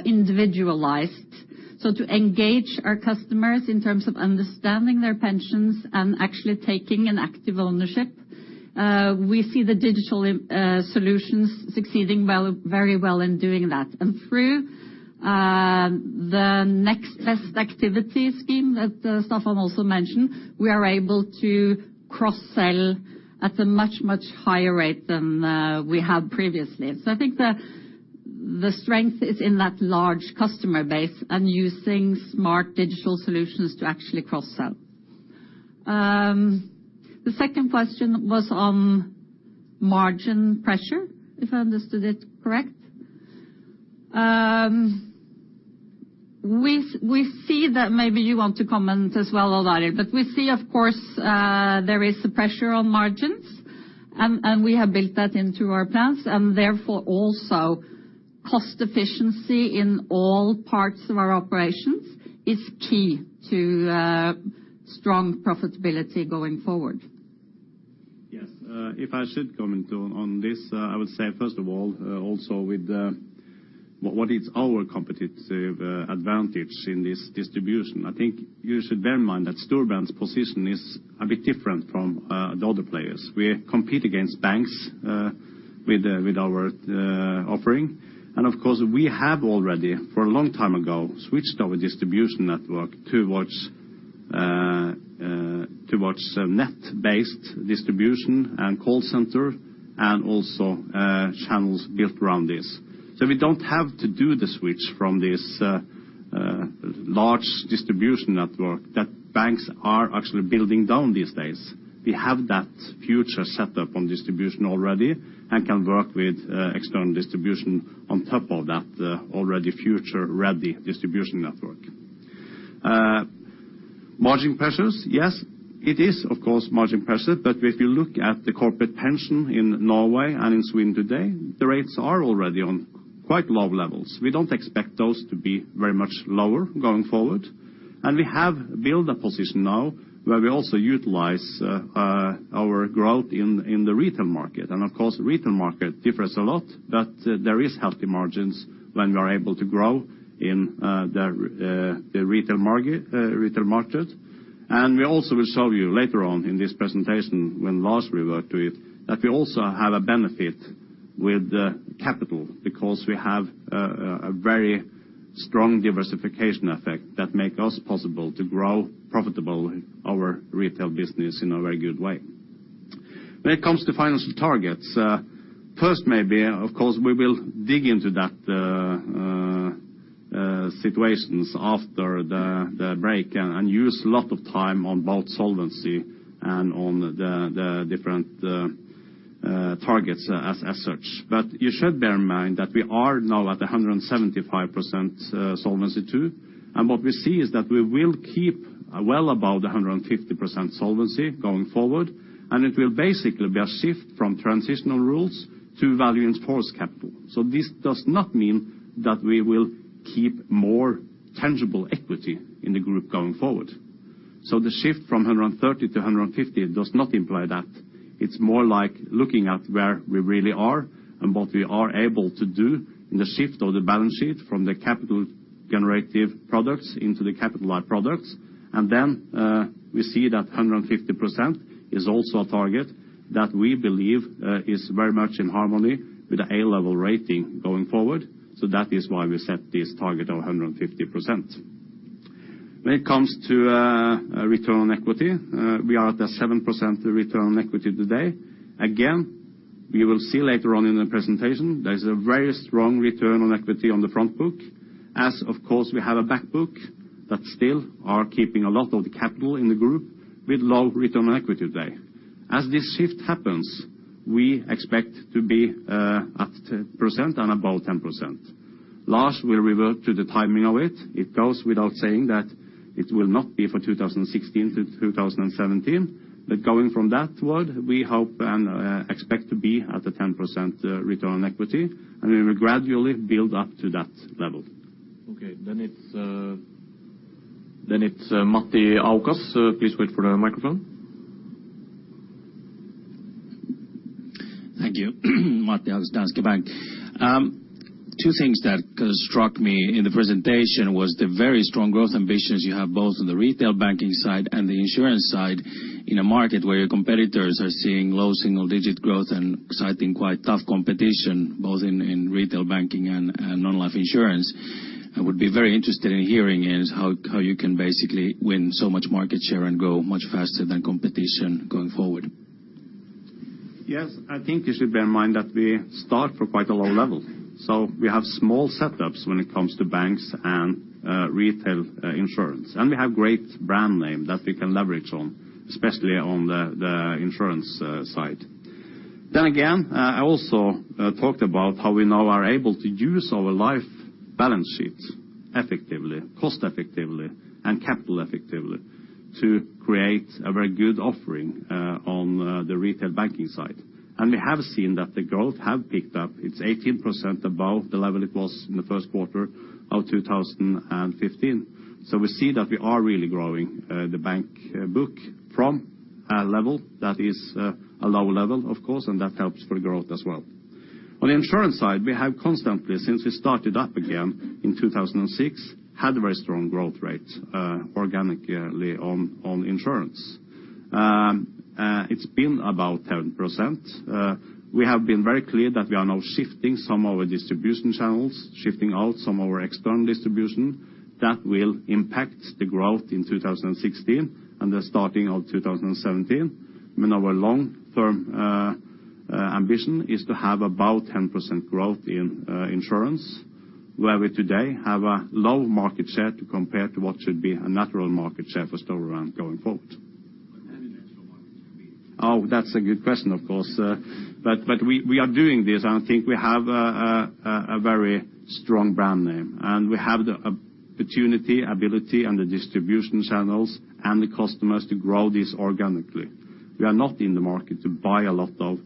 individualized. So to engage our customers in terms of understanding their pensions and actually taking an active ownership, we see the digital solutions succeeding well, very well in doing that. And through the Next Best Activity scheme that Staffan also mentioned, we are able to cross-sell at a much, much higher rate than we had previously. So I think the strength is in that large customer base and using smart digital solutions to actually cross-sell. The second question was on margin pressure, if I understood it correct. We see that maybe you want to comment as well on that. But we see, of course, there is a pressure on margins, and we have built that into our plans, and therefore, also, cost efficiency in all parts of our operations is key to strong profitability going forward. Yes, if I should comment on this, I would say, first of all, also with what is our competitive advantage in this distribution? I think you should bear in mind that Storebrand's position is a bit different from the other players. We compete against banks with our offering. And of course, we have already, for a long time ago, switched our distribution network towards net-based distribution and call center, and also channels built around this. So we don't have to do the switch from this large distribution network that banks are actually building down these days. We have that future set up on distribution already and can work with external distribution on top of that already future-ready distribution network. Margin pressures, yes, it is, of course, margin pressure, but if you look at the corporate pension in Norway and in Sweden today, the rates are already on quite low levels. We don't expect those to be very much lower going forward. We have built a position now where we also utilize our growth in the retail market. Of course, the retail market differs a lot, but there is healthy margins when we are able to grow in the retail market. We also will show you later on in this presentation, when Lars revert to it, that we also have a benefit with capital, because we have a very strong diversification effect that make us possible to grow profitable our retail business in a very good way. When it comes to financial targets, first, maybe, of course, we will dig into that, situations after the break and use a lot of time on both solvency and on the different targets as such. But you should bear in mind that we are now at 175% Solvency II. And what we see is that we will keep well above the 150% Solvency II going forward, and it will basically be a shift from transitional rules to Value in Force capital. So this does not mean that we will keep more tangible equity in the group going forward. So the shift from 130 to 150 does not imply that. It's more like looking at where we really are and what we are able to do in the shift of the balance sheet from the capital generative products into the capitalized products. And then, we see that 150% is also a target that we believe, is very much in harmony with the A-level rating going forward. So that is why we set this target of 150%. When it comes to, return on equity, we are at the 7% return on equity today. Again, we will see later on in the presentation, there is a very strong return on equity on the Front Book, as of course, we have a Back Book that still are keeping a lot of the capital in the group with low return on equity today. As this shift happens, we expect to be at 10% and above 10%. Lars will revert to the timing of it. It goes without saying that it will not be for 2016 to 2017, but going from that one, we hope and expect to be at the 10%, return on equity, and we will gradually build up to that level. Okay, then it's Matti Ahokas. Please wait for the microphone. Thank you. Matti Ahokas, Danske Bank. Two things that struck me in the presentation was the very strong growth ambitions you have both in the retail banking side and the insurance side, in a market where your competitors are seeing low single digit growth and citing quite tough competition, both in retail banking and non-life insurance. I would be very interested in hearing is how you can basically win so much market share and grow much faster than competition going forward?... Yes, I think you should bear in mind that we start from quite a low level. So we have small setups when it comes to banks and retail insurance, and we have great brand name that we can leverage on, especially on the insurance side. Then again, I also talked about how we now are able to use our life balance sheets effectively, cost effectively, and capital effectively, to create a very good offering on the retail banking side. And we have seen that the growth have picked up. It's 18% above the level it was in the first quarter of 2015. So we see that we are really growing the bank book from a level that is a low level, of course, and that helps for growth as well. On the insurance side, we have constantly, since we started up again in 2006, had very strong growth rates, organically on, on insurance. It's been about 10%. We have been very clear that we are now shifting some of our distribution channels, shifting out some of our external distribution. That will impact the growth in 2016 and the starting of 2017. I mean, our long-term, ambition is to have about 10% growth in, insurance, where we today have a low market share to compare to what should be a natural market share for Storebrand going forward. What does natural market share mean? Oh, that's a good question, of course. But we are doing this, and I think we have a very strong brand name, and we have the opportunity, ability, and the distribution channels and the customers to grow this organically. We are not in the market to buy a lot of,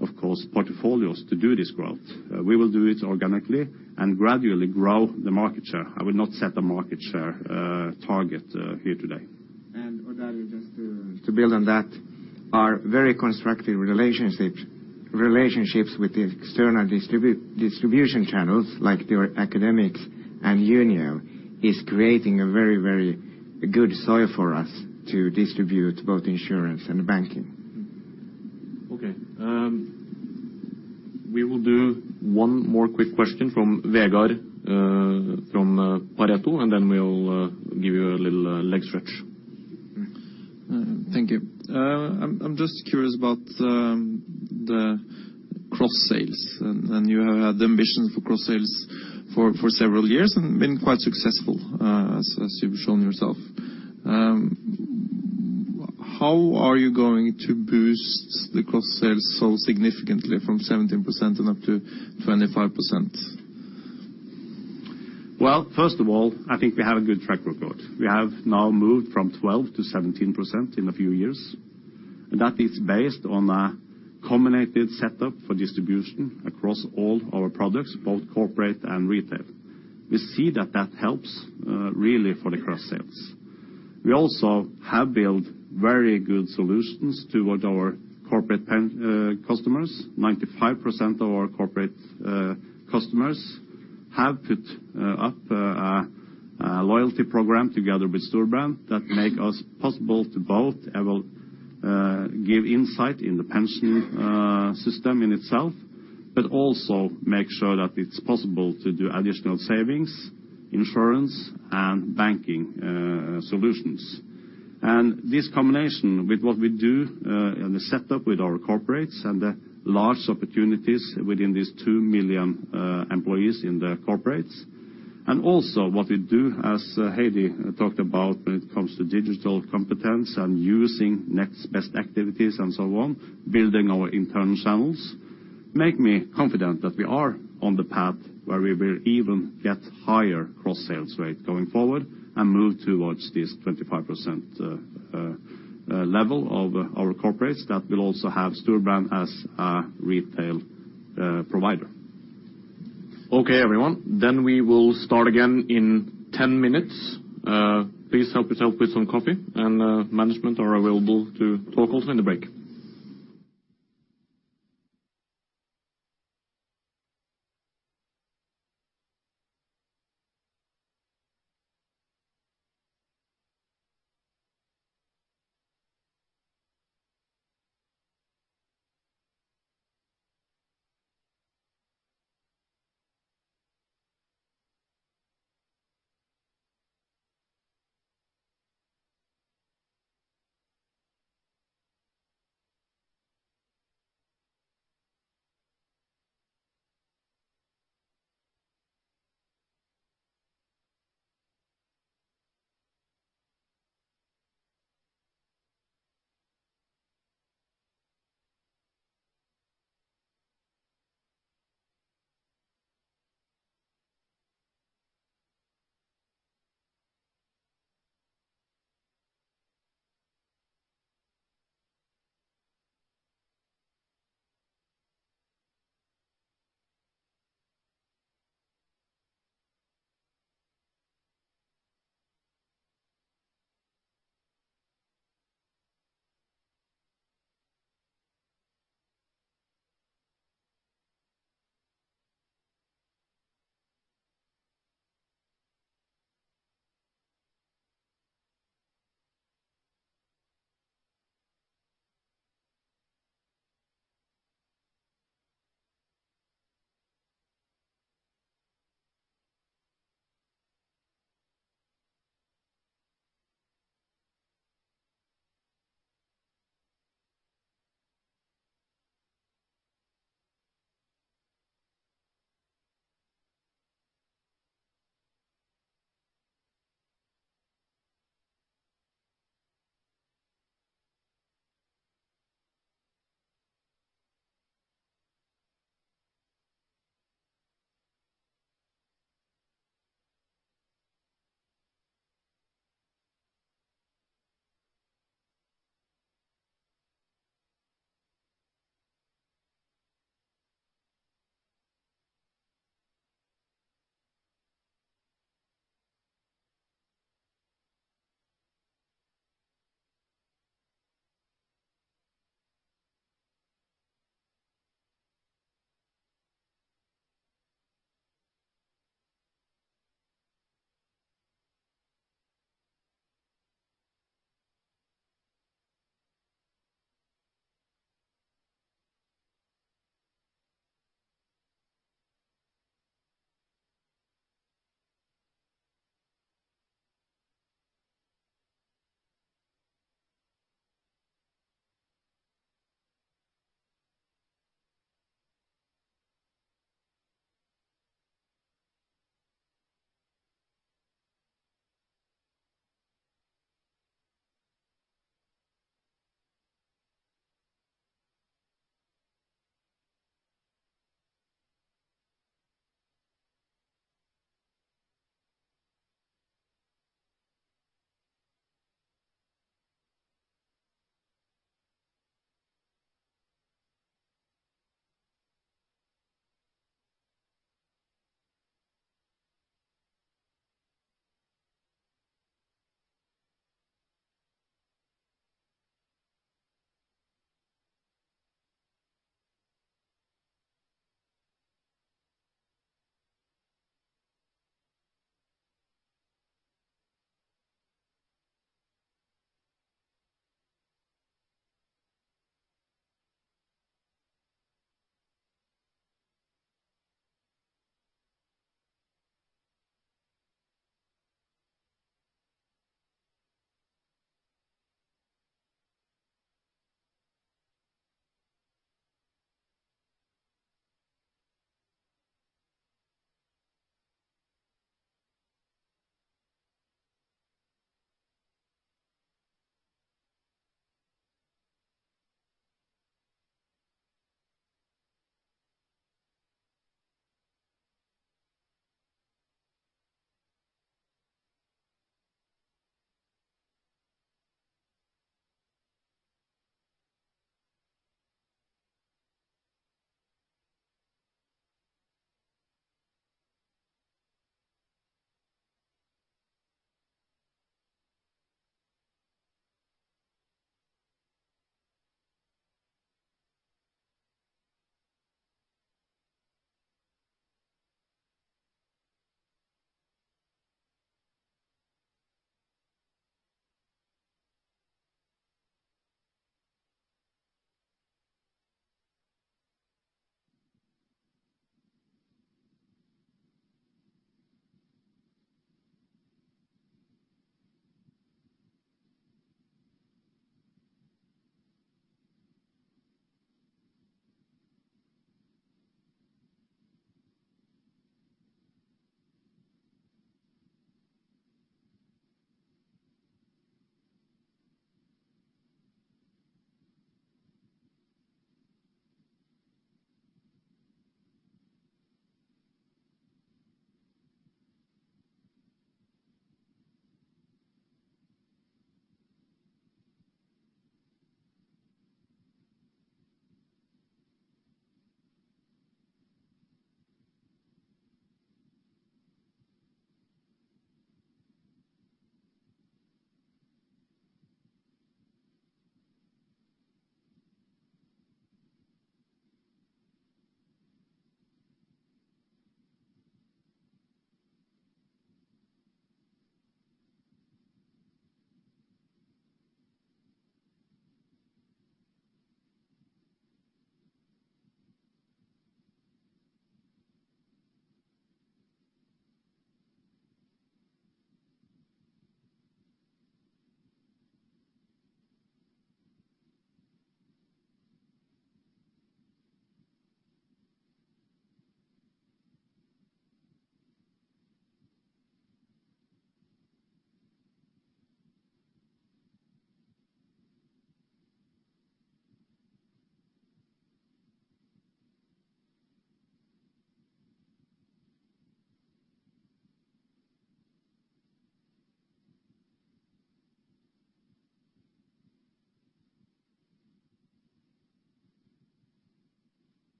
of course, portfolios to do this growth. We will do it organically and gradually grow the market share. I will not set a market share target here today. Odd Arild, just to build on that, our very constructive relationships with the external distribution channels, like your Akademikerne and Unio, is creating a very, very good soil for us to distribute both insurance and banking. Okay, we will do one more quick question from Vegard from Pareto, and then we'll give you a little leg stretch. Thank you. I'm just curious about the cross sales. And you have had the ambition for cross sales for several years and been quite successful, as you've shown yourself. How are you going to boost the cross sales so significantly from 17% and up to 25%? Well, first of all, I think we have a good track record. We have now moved from 12%-17% in a few years, and that is based on a combined setup for distribution across all our products, both corporate and retail. We see that that helps really for the cross sales. We also have built very good solutions towards our corporate pension customers. 95% of our corporate customers have put up a loyalty program together with Storebrand that make us possible to both able give insight in the pension system in itself, but also make sure that it's possible to do additional savings, insurance, and banking solutions. This combination with what we do in the setup with our corporates and the large opportunities within these 2 million employees in the corporates, and also what we do, as Heidi talked about when it comes to digital competence and using next best activities and so on, building our internal channels, make me confident that we are on the path where we will even get higher cross sales rate going forward and move towards this 25% level of our corporates that will also have Storebrand as a retail provider. Okay, everyone, then we will start again in 10 minutes. Please help yourself with some coffee, and management are available to talk also in the break. ...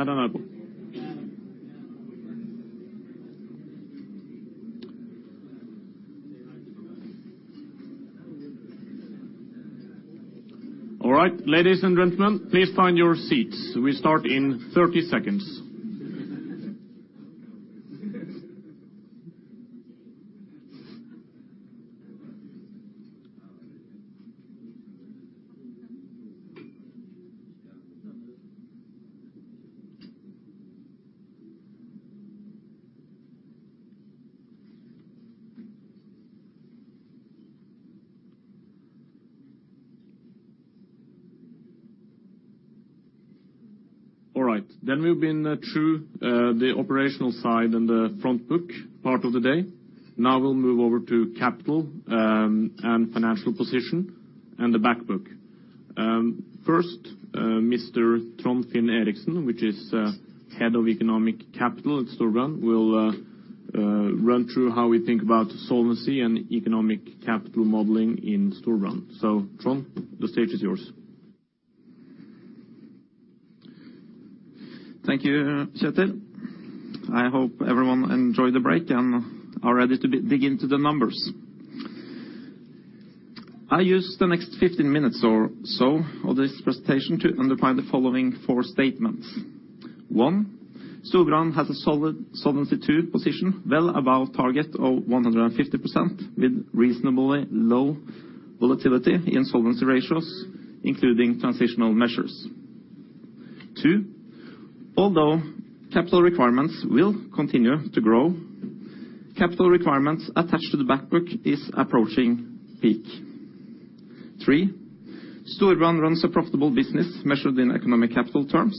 All right, ladies and gentlemen, please find your seats. We start in 30 seconds. All right, then we've been through the operational side and the Front Book part of the day. Now we'll move over to capital and financial position and the back book. First, Mr. Trond Finn Eriksen, which is head of economic capital at Storebrand, will run through how we think about solvency and economic capital modeling in Storebrand. So Trond, the stage is yours. Thank you, Kjetil. I hope everyone enjoyed the break and are ready to begin to dig into the numbers. I use the next 15 minutes or so of this presentation to underline the following four statements. One, Storebrand has a solid Solvency II position, well above target of 150%, with reasonably low volatility in solvency ratios, including transitional measures. Two, although capital requirements will continue to grow, capital requirements attached to the back book is approaching peak. Three, Storebrand runs a profitable business measured in economic capital terms,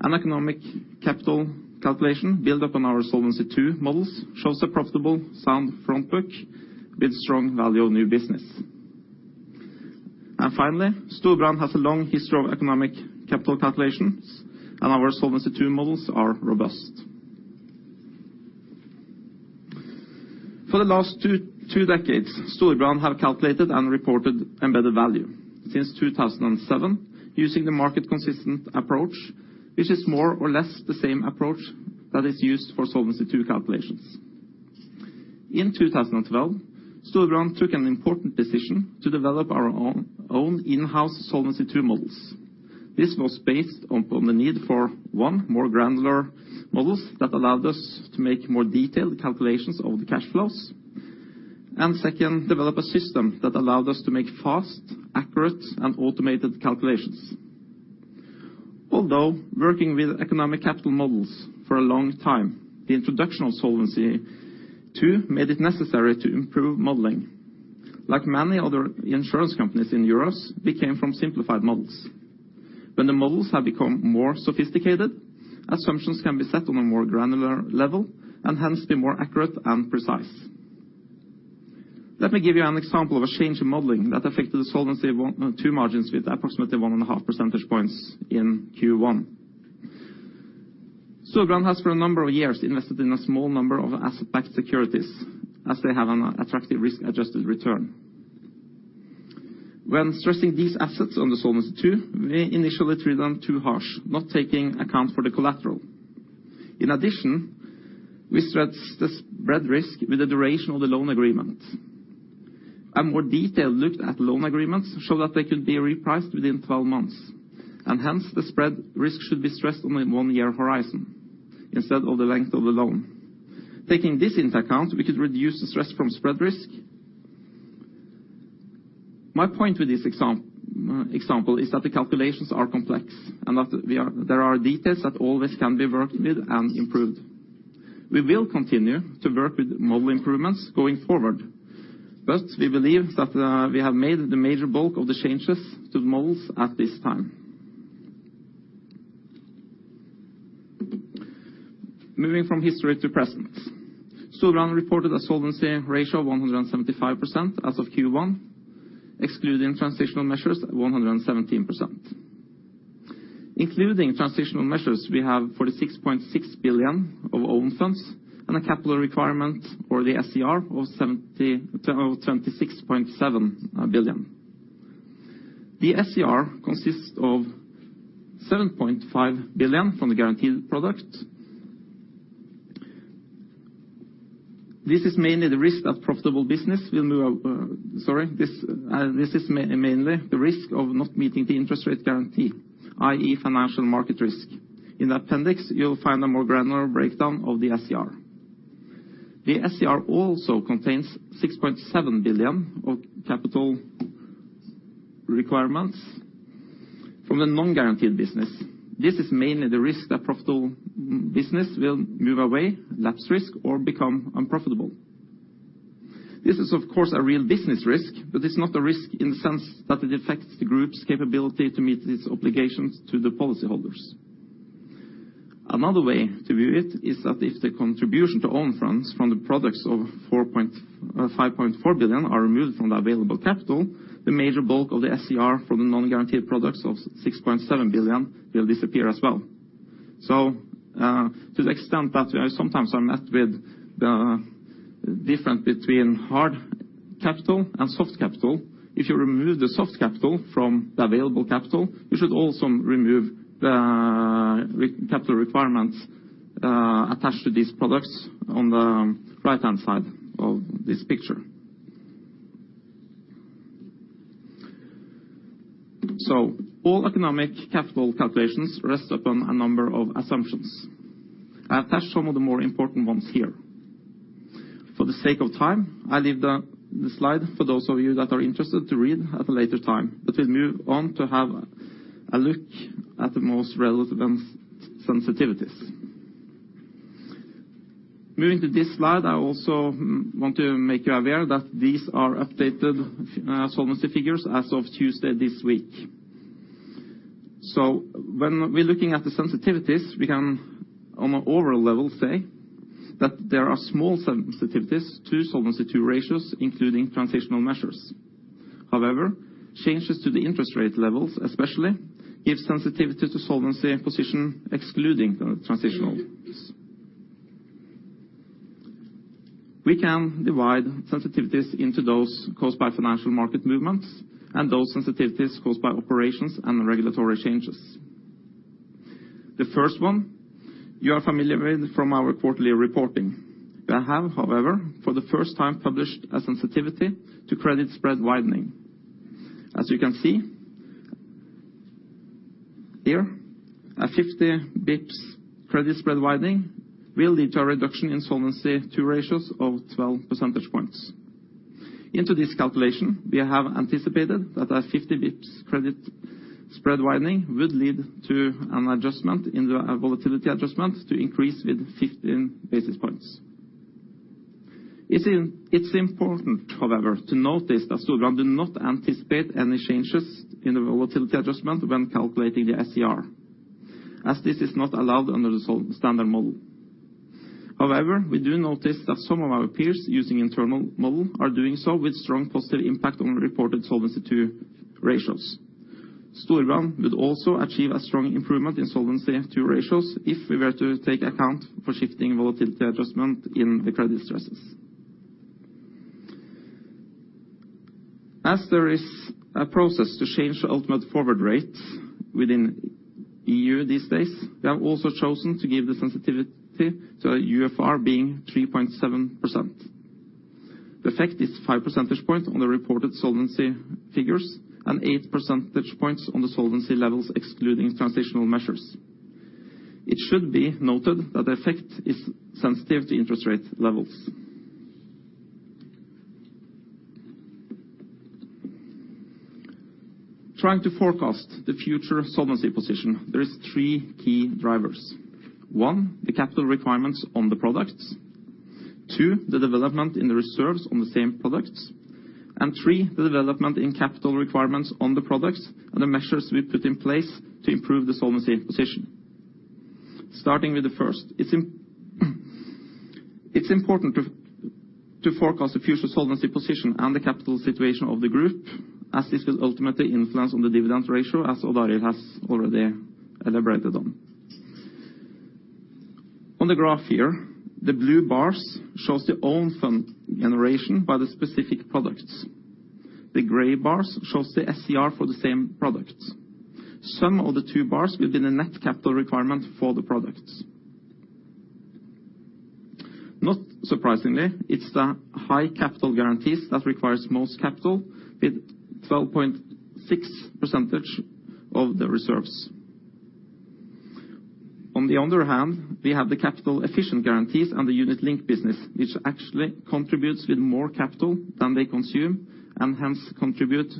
and economic capital calculation build up on our Solvency II models shows a profitable, sound Front Book with strong value of new business. And finally, Storebrand has a long history of economic capital calculations, and our Solvency II models are robust. For the last two decades, Storebrand have calculated and reported embedded value. Since 2007, using the market consistent approach, which is more or less the same approach that is used for Solvency II calculations. In 2012, Storebrand took an important decision to develop our own in-house Solvency II models. This was based on the need for, one, more granular models that allowed us to make more detailed calculations of the cash flows. And second, develop a system that allowed us to make fast, accurate, and automated calculations. Although working with economic capital models for a long time, the introduction of Solvency II made it necessary to improve modeling. Like many other insurance companies in Europe, we came from simplified models. When the models have become more sophisticated, assumptions can be set on a more granular level and hence be more accurate and precise. Let me give you an example of a change in modeling that affected the Solvency II margins with approximately 1.5 percentage points in Q1. Storebrand has, for a number of years, invested in a small number of asset-backed securities, as they have an attractive risk-adjusted return. When stressing these assets on the Solvency II, we initially treat them too harsh, not taking account for the collateral. In addition, we spread risk with the duration of the loan agreement. A more detailed look at loan agreements show that they could be repriced within 12 months, and hence, the spread risk should be stressed on a 1-year horizon instead of the length of the loan. Taking this into account, we could reduce the stress from spread risk. My point with this example is that the calculations are complex and that there are details that always can be worked with and improved. We will continue to work with model improvements going forward, but we believe that we have made the major bulk of the changes to the models at this time. Moving from history to present. Storebrand reported a solvency ratio of 175% as of Q1, excluding transitional measures of 117%. Including transitional measures, we have 46.6 billion of own funds and a capital requirement or the SCR of 26.7 billion. The SCR consists of 7.5 billion from the guaranteed product. This is mainly the risk that profitable business will move... Sorry, this is mainly the risk of not meeting the interest rate guarantee, i.e., financial market risk. In the appendix, you will find a more granular breakdown of the SCR. The SCR also contains 6.7 billion of capital requirements from the non-guaranteed business. This is mainly the risk that profitable business will move away, lapse risk, or become unprofitable. This is, of course, a real business risk, but it's not a risk in the sense that it affects the group's capability to meet its obligations to the policyholders. Another way to view it is that if the contribution to own funds from the products of 5.4 billion are removed from the available capital, the major bulk of the SCR from the non-guaranteed products of 6.7 billion will disappear as well. So, to the extent that I sometimes I'm met with the difference between hard capital and soft capital. If you remove the soft capital from the available capital, you should also remove the capital requirements attached to these products on the right-hand side of this picture. All economic capital calculations rest upon a number of assumptions. I attached some of the more important ones here. For the sake of time, I leave the slide for those of you that are interested to read at a later time. But we'll move on to have a look at the most relevant sensitivities. Moving to this slide, I also want to make you aware that these are updated solvency figures as of Tuesday this week. So when we're looking at the sensitivities, we can, on an overall level, say that there are small sensitivities to Solvency II ratios, including transitional measures. However, changes to the interest rate levels, especially give sensitivity to Solvency position excluding the transitional. We can divide sensitivities into those caused by financial market movements, and those sensitivities caused by operations and regulatory changes. The first one, you are familiar with from our quarterly reporting. We have, however, for the first time, published a sensitivity to credit spread widening. As you can see, here, a 50 basis points credit spread widening will lead to a reduction in Solvency II ratios of 12 percentage points. Into this calculation, we have anticipated that a 50 basis points credit spread widening would lead to an adjustment in the Volatility Adjustment to increase with 15 basis points. It's important, however, to note this, that Storebrand do not anticipate any changes in the volatility adjustment when calculating the SCR, as this is not allowed under the Standard Model. However, we do notice that some of our peers using internal model are doing so with strong positive impact on reported Solvency II ratios. Storebrand would also achieve a strong improvement in Solvency II ratios if we were to take account for shifting volatility adjustment in the credit stresses. As there is a process to change the ultimate forward rate within EU these days, we have also chosen to give the sensitivity to a UFR being 3.7%. The effect is five percentage points on the reported solvency figures and eight percentage points on the solvency levels, excluding transitional measures. It should be noted that the effect is sensitive to interest rate levels. Trying to forecast the future solvency position, there is 3 key drivers. 1, the capital requirements on the products. 2, the development in the reserves on the same products. And 3, the development in capital requirements on the products and the measures we put in place to improve the solvency position. Starting with the first, it's important to forecast the future solvency position and the capital situation of the group, as this will ultimately influence on the dividend ratio, as Odd Arild has already elaborated on. On the graph here, the blue bars shows the own fund generation by the specific products. The gray bars shows the SCR for the same products. Some of the two bars will be the net capital requirement for the products. Not surprisingly, it's the high capital guarantees that requires most capital, with 12.6% of the reserves. On the other hand, we have the capital efficient guarantees and the unit-linked business, which actually contributes with more capital than they consume, and hence contribute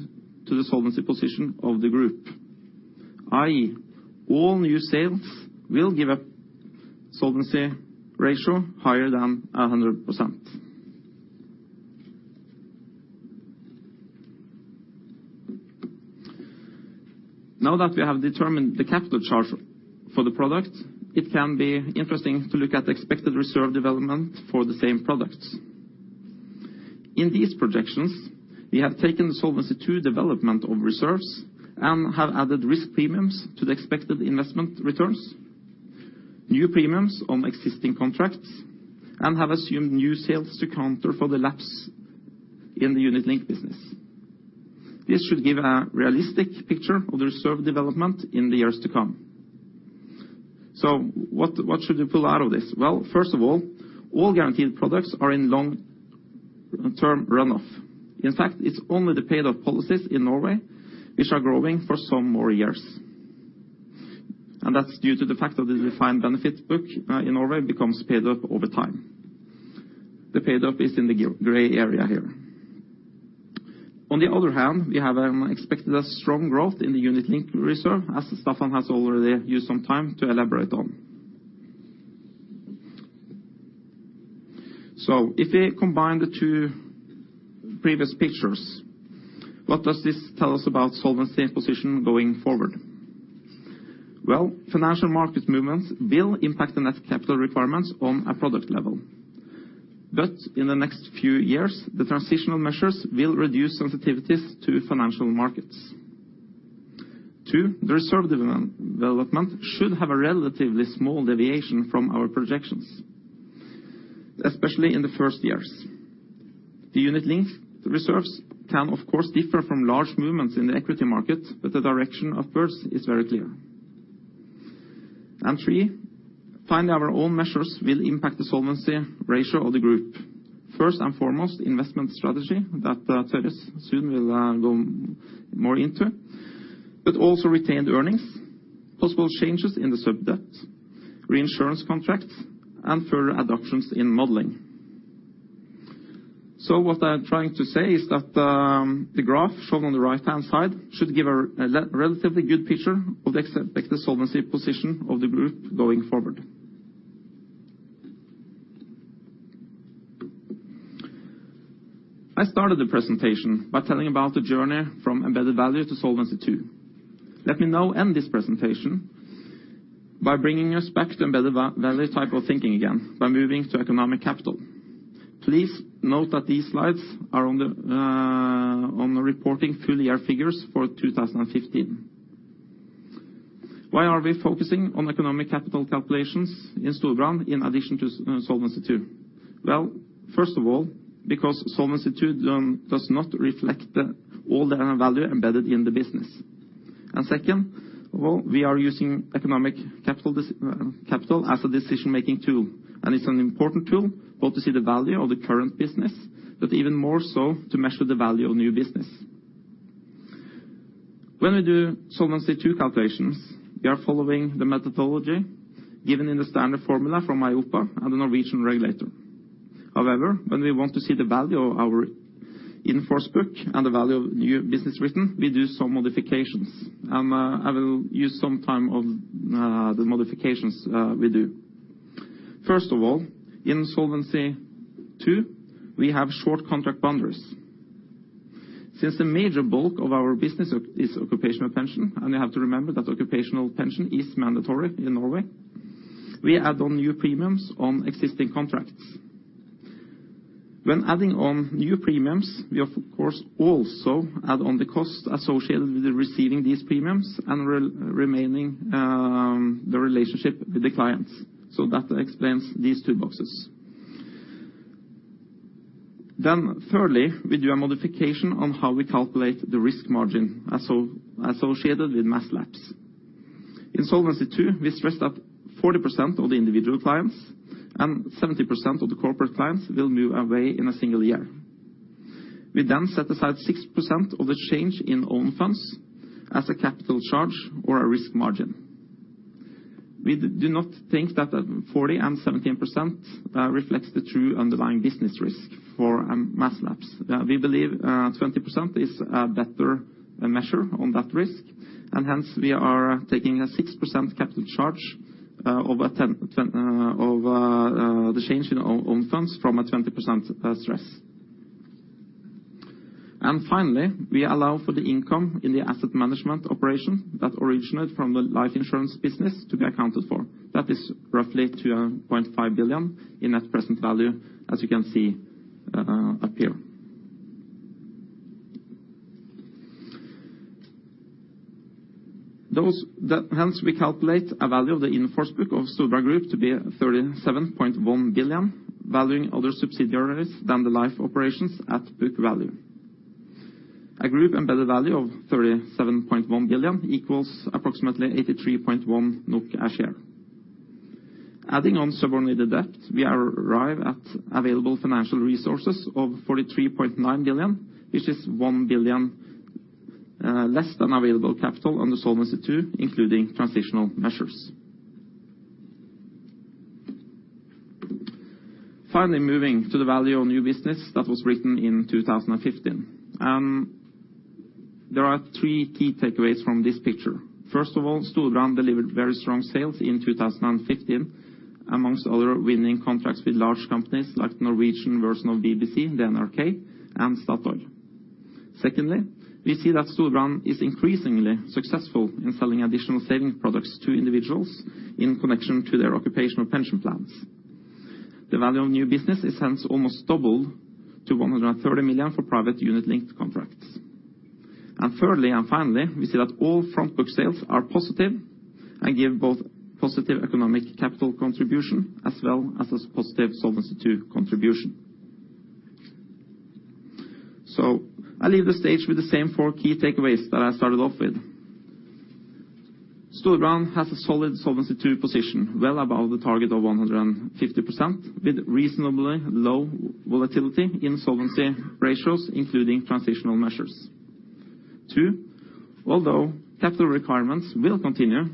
to the solvency position of the group. i.e., all new sales will give a solvency ratio higher than 100%. Now that we have determined the capital charge for the product, it can be interesting to look at the expected reserve development for the same products. In these projections, we have taken the Solvency II development of reserves and have added risk premiums to the expected investment returns, new premiums on existing contracts, and have assumed new sales to account for the lapse in the unit-linked business. This should give a realistic picture of the reserve development in the years to come. So what, what should you pull out of this? Well, first of all, all guaranteed products are in long-term run-off. In fact, it's only the paid-up policies in Norway, which are growing for some more years. And that's due to the fact that the defined benefits book in Norway becomes paid-up over time. The paid up is in the gray area here. On the other hand, we have expected a strong growth in the unit-linked reserve, as Staffan has already used some time to elaborate on. So if we combine the two previous pictures, what does this tell us about solvency and position going forward? Well, financial market movements will impact the net capital requirements on a product level... But in the next few years, the transitional measures will reduce sensitivities to financial markets. Two, the reserve development should have a relatively small deviation from our projections, especially in the first years. The Unit Linked, the reserves can, of course, differ from large movements in the equity market, but the direction, of course, is very clear. And three, finally, our own measures will impact the solvency ratio of the group. First and foremost, investment strategy that Tørres' soon will go more into, but also retained earnings, possible changes in the subdebt, reinsurance contracts, and further adoptions in modeling. So what I'm trying to say is that the graph shown on the right-hand side should give a relatively good picture of the expected solvency position of the group going forward. I started the presentation by telling about the journey from embedded value to Solvency II. Let me now end this presentation by bringing us back to embedded value type of thinking again by moving to economic capital. Please note that these slides are on the reporting full year figures for 2015. Why are we focusing on economic capital calculations in Storebrand in addition to Solvency II? Well, first of all, because Solvency II does not reflect all the value embedded in the business. Well, we are using economic capital as a decision-making tool, and it's an important tool, both to see the value of the current business, but even more so to measure the value of new business. When we do Solvency II calculations, we are following the methodology given in the standard formula from EIOPA and the Norwegian regulator. However, when we want to see the value of our in-force book and the value of new business written, we do some modifications. I will use some time on the modifications we do. First of all, in Solvency II, we have short contract boundaries. Since the major bulk of our business is occupational pension, and you have to remember that occupational pension is mandatory in Norway, we add on new premiums on existing contracts. When adding on new premiums, we, of course, also add on the costs associated with receiving these premiums and remaining the relationship with the clients. So that explains these two boxes. Then thirdly, we do a modification on how we calculate the risk margin associated with mass lapse. In Solvency II, we stressed that 40% of the individual clients and 70% of the corporate clients will move away in a single year. We then set aside 6% of the change in own funds as a capital charge or a risk margin. We do not think that 40% and 17% reflects the true underlying business risk for mass lapse. We believe 20% is a better measure on that risk, and hence we are taking a 6% capital charge over the change in own funds from a 20% stress. Finally, we allow for the income in the asset management operation that originated from the life insurance business to be accounted for. That is roughly 2.5 billion in net present value, as you can see up here. Hence, we calculate a value of the in-force book of Storebrand Group to be 37.1 billion, valuing other subsidiaries than the life operations at book value. A group embedded value of 37.1 billion equals approximately 83.1 NOK a share. Adding on subordinated debt, we arrive at available financial resources of 43.9 billion, which is 1 billion less than available capital under Solvency II, including transitional measures. Finally, moving to the value of new business that was written in 2015. There are three key takeaways from this picture. First of all, Storebrand delivered very strong sales in 2015, among other winning contracts with large companies like Norwegian version of BBC, the NRK, and Statoil. Secondly, we see that Storebrand is increasingly successful in selling additional savings products to individuals in connection to their occupational pension plans. The value of new business is hence almost double to 130 million for private Unit-Linked contracts. And thirdly, and finally, we see that all Front Book sales are positive and give both positive economic capital contribution as well as a positive Solvency II contribution. So I leave the stage with the same four key takeaways that I started off with. Storebrand has a solid Solvency II position, well above the target of 150%, with reasonably low volatility in solvency ratios, including transitional measures. Two, although capital requirements will continue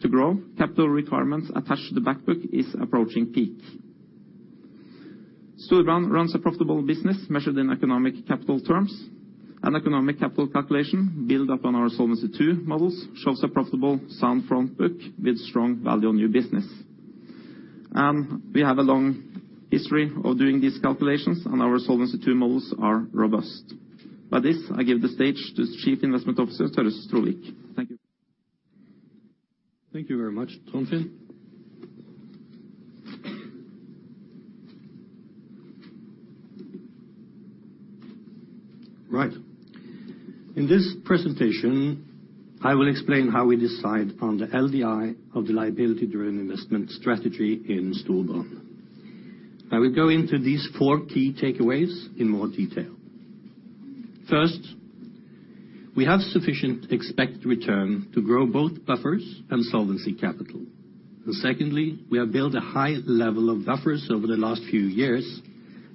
to grow, capital requirements attached to the Back Book is approaching peak. Storebrand runs a profitable business measured in economic capital terms, and economic capital calculation, built up on our Solvency II models, shows a profitable sound Front Book with strong value on new business. We have a long history of doing these calculations, and our Solvency II models are robust. By this, I give the stage to Chief Investment Officer, Tørres Trovik. Thank you.... Thank you very much, Tørres. Right. In this presentation, I will explain how we decide on the LDI in our liability-driven investment strategy in Storebrand. I will go into these four key takeaways in more detail. First, we have sufficient expected return to grow both buffers and solvency capital. Secondly, we have built a high level of buffers over the last few years,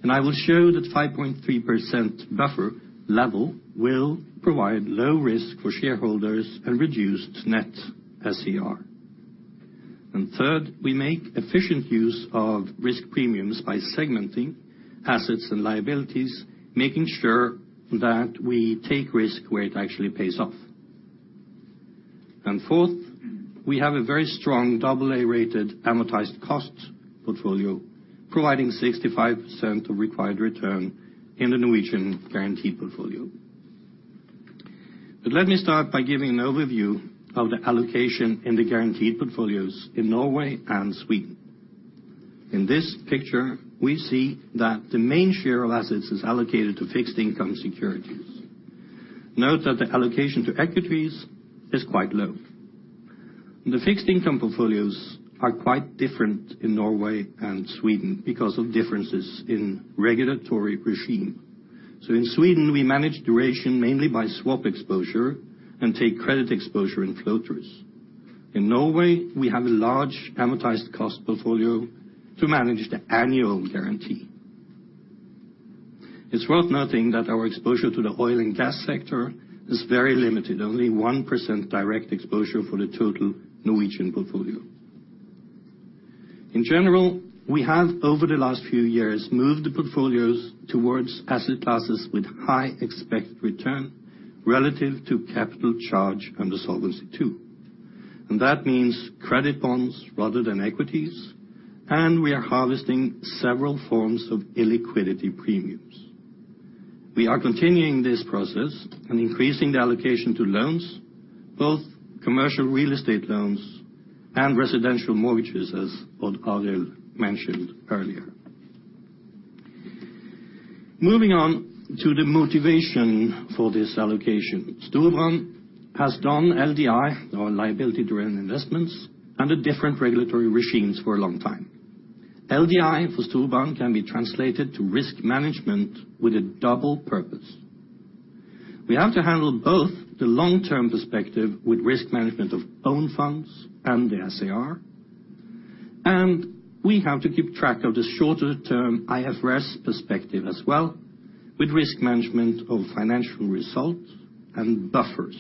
and I will show that 5.3% buffer level will provide low risk for shareholders and reduced net SCR. Third, we make efficient use of risk premiums by segmenting assets and liabilities, making sure that we take risk where it actually pays off. Fourth, we have a very strong double A-rated amortized cost portfolio, providing 65% of required return in the Norwegian guaranteed portfolio. But let me start by giving an overview of the allocation in the guaranteed portfolios in Norway and Sweden. In this picture, we see that the main share of assets is allocated to fixed income securities. Note that the allocation to equities is quite low. The fixed income portfolios are quite different in Norway and Sweden because of differences in regulatory regime. So in Sweden, we manage duration mainly by swap exposure and take credit exposure in floaters. In Norway, we have a large amortized cost portfolio to manage the annual guarantee. It's worth noting that our exposure to the oil and gas sector is very limited, only 1% direct exposure for the total Norwegian portfolio. In general, we have, over the last few years, moved the portfolios towards asset classes with high expected return relative to capital charge and the Solvency II. That means credit bonds rather than equities, and we are harvesting several forms of illiquidity premiums. We are continuing this process and increasing the allocation to loans, both commercial real estate loans and residential mortgages, as Odd Arild mentioned earlier. Moving on to the motivation for this allocation. Storebrand has done LDI, or liability-driven investments, under different regulatory regimes for a long time. LDI for Storebrand can be translated to risk management with a double purpose. We have to handle both the long-term perspective with risk management of own funds and the SCR, and we have to keep track of the shorter term IFRS perspective as well, with risk management of financial results and buffers.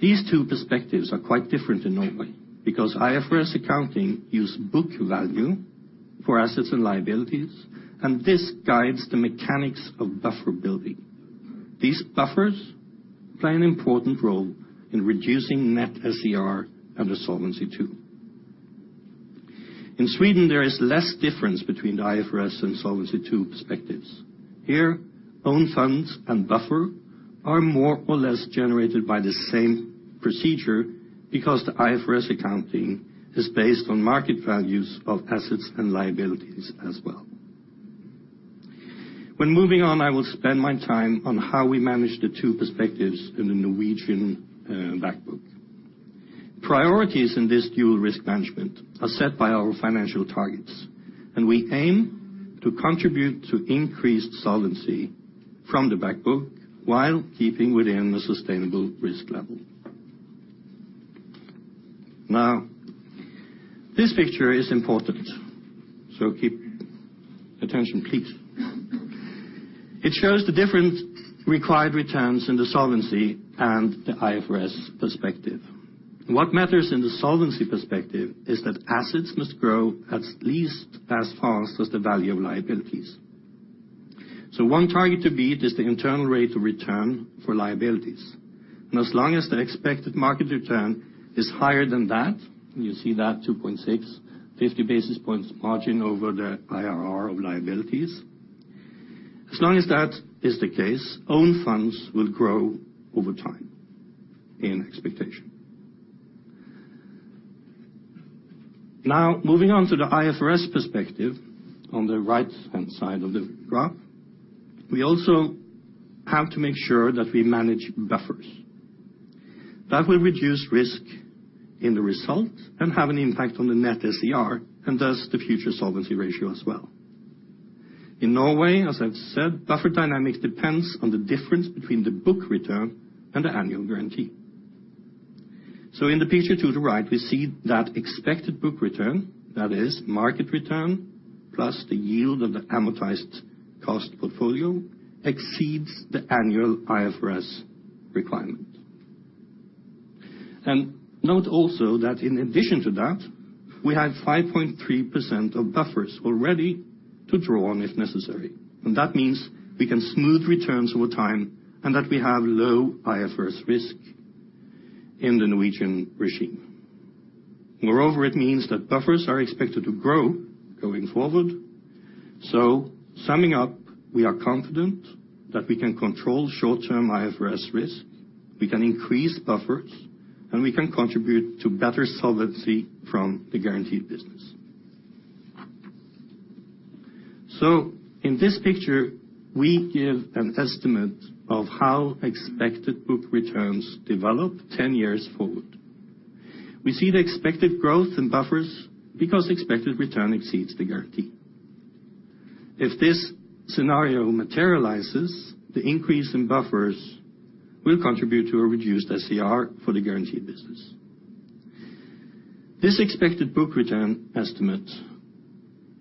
These two perspectives are quite different in Norway, because IFRS accounting use book value for assets and liabilities, and this guides the mechanics of buffer building. These buffers play an important role in reducing net SCR under Solvency II. In Sweden, there is less difference between the IFRS and Solvency II perspectives. Here, own funds and buffer are more or less generated by the same procedure, because the IFRS accounting is based on market values of assets and liabilities as well. When moving on, I will spend my time on how we manage the two perspectives in the Norwegian Back Book. Priorities in this dual risk management are set by our financial targets, and we aim to contribute to increased solvency from the Back Book while keeping within the sustainable risk level. Now, this picture is important, so keep attention, please. It shows the different required returns in the solvency and the IFRS perspective. What matters in the solvency perspective is that assets must grow at least as fast as the value of liabilities. So one target to beat is the internal rate of return for liabilities, and as long as the expected market return is higher than that, you see that 2.6, 50 basis points margin over the IRR of liabilities. As long as that is the case, own funds will grow over time in expectation. Now, moving on to the IFRS perspective, on the right-hand side of the graph, we also have to make sure that we manage buffers. That will reduce risk in the result and have an impact on the net SCR, and thus, the future solvency ratio as well. In Norway, as I've said, buffer dynamic depends on the difference between the book return and the annual guarantee. So in the picture to the right, we see that expected book return, that is market return, plus the yield of the amortized cost portfolio, exceeds the annual IFRS requirement. And note also that in addition to that, we have 5.3% of buffers already to draw on if necessary. And that means we can smooth returns over time and that we have low IFRS risk in the Norwegian regime. Moreover, it means that buffers are expected to grow going forward. So summing up, we are confident that we can control short-term IFRS risk, we can increase buffers, and we can contribute to better solvency from the guaranteed business. So in this picture, we give an estimate of how expected book returns develop 10 years forward. We see the expected growth in buffers because expected return exceeds the guarantee. If this scenario materializes, the increase in buffers will contribute to a reduced SCR for the guaranteed business. This expected book return estimate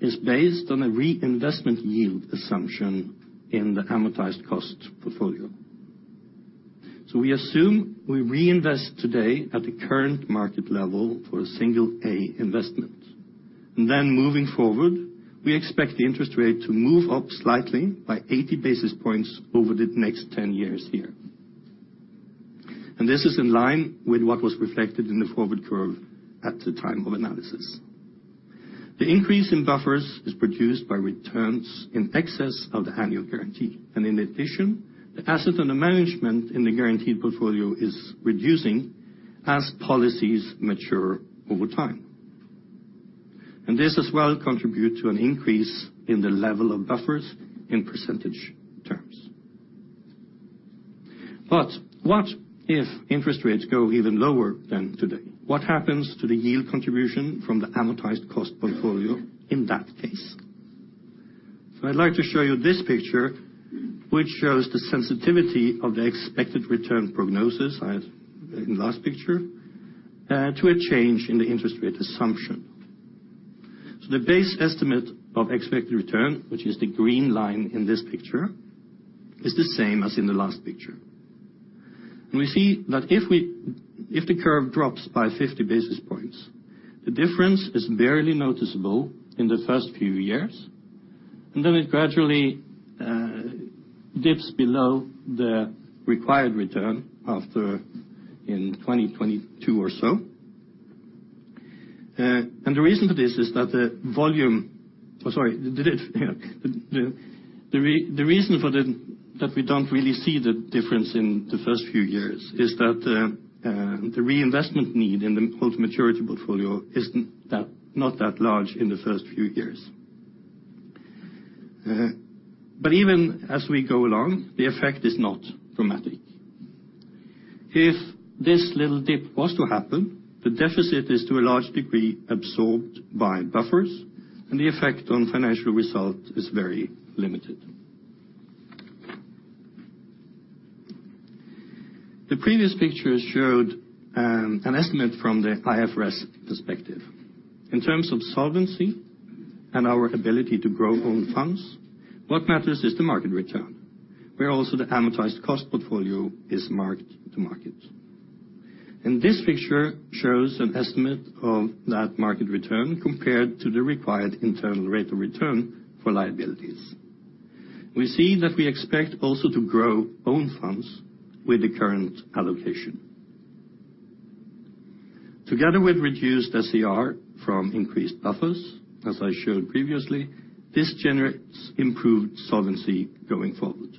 is based on a reinvestment yield assumption in the amortized cost portfolio. So we assume we reinvest today at the current market level for a single pay investment. And then moving forward, we expect the interest rate to move up slightly by 80 basis points over the next 10 years here. And this is in line with what was reflected in the forward curve at the time of analysis. The increase in buffers is produced by returns in excess of the annual guarantee, and in addition, the assets under management in the guaranteed portfolio is reducing as policies mature over time. And this as well, contribute to an increase in the level of buffers in percentage terms. But what if interest rates go even lower than today? What happens to the yield contribution from the amortized cost portfolio in that case? So I'd like to show you this picture, which shows the sensitivity of the expected return prognosis as in the last picture, to a change in the interest rate assumption. So the base estimate of expected return, which is the green line in this picture, is the same as in the last picture. And we see that if the curve drops by 50 basis points, the difference is barely noticeable in the first few years, and then it gradually dips below the required return after in 2022 or so. And the reason for this is that the volume... Oh, sorry, the reason for that we don't really see the difference in the first few years is that the reinvestment need in the whole maturity portfolio isn't that not that large in the first few years. But even as we go along, the effect is not dramatic. If this little dip was to happen, the deficit is to a large degree absorbed by buffers, and the effect on financial results is very limited. The previous picture showed an estimate from the IFRS perspective. In terms of solvency and our ability to grow own funds, what matters is the market return, where also the amortized cost portfolio is marked to market. This picture shows an estimate of that market return compared to the required internal rate of return for liabilities. We see that we expect also to grow own funds with the current allocation. Together with reduced SCR from increased buffers, as I showed previously, this generates improved solvency going forward.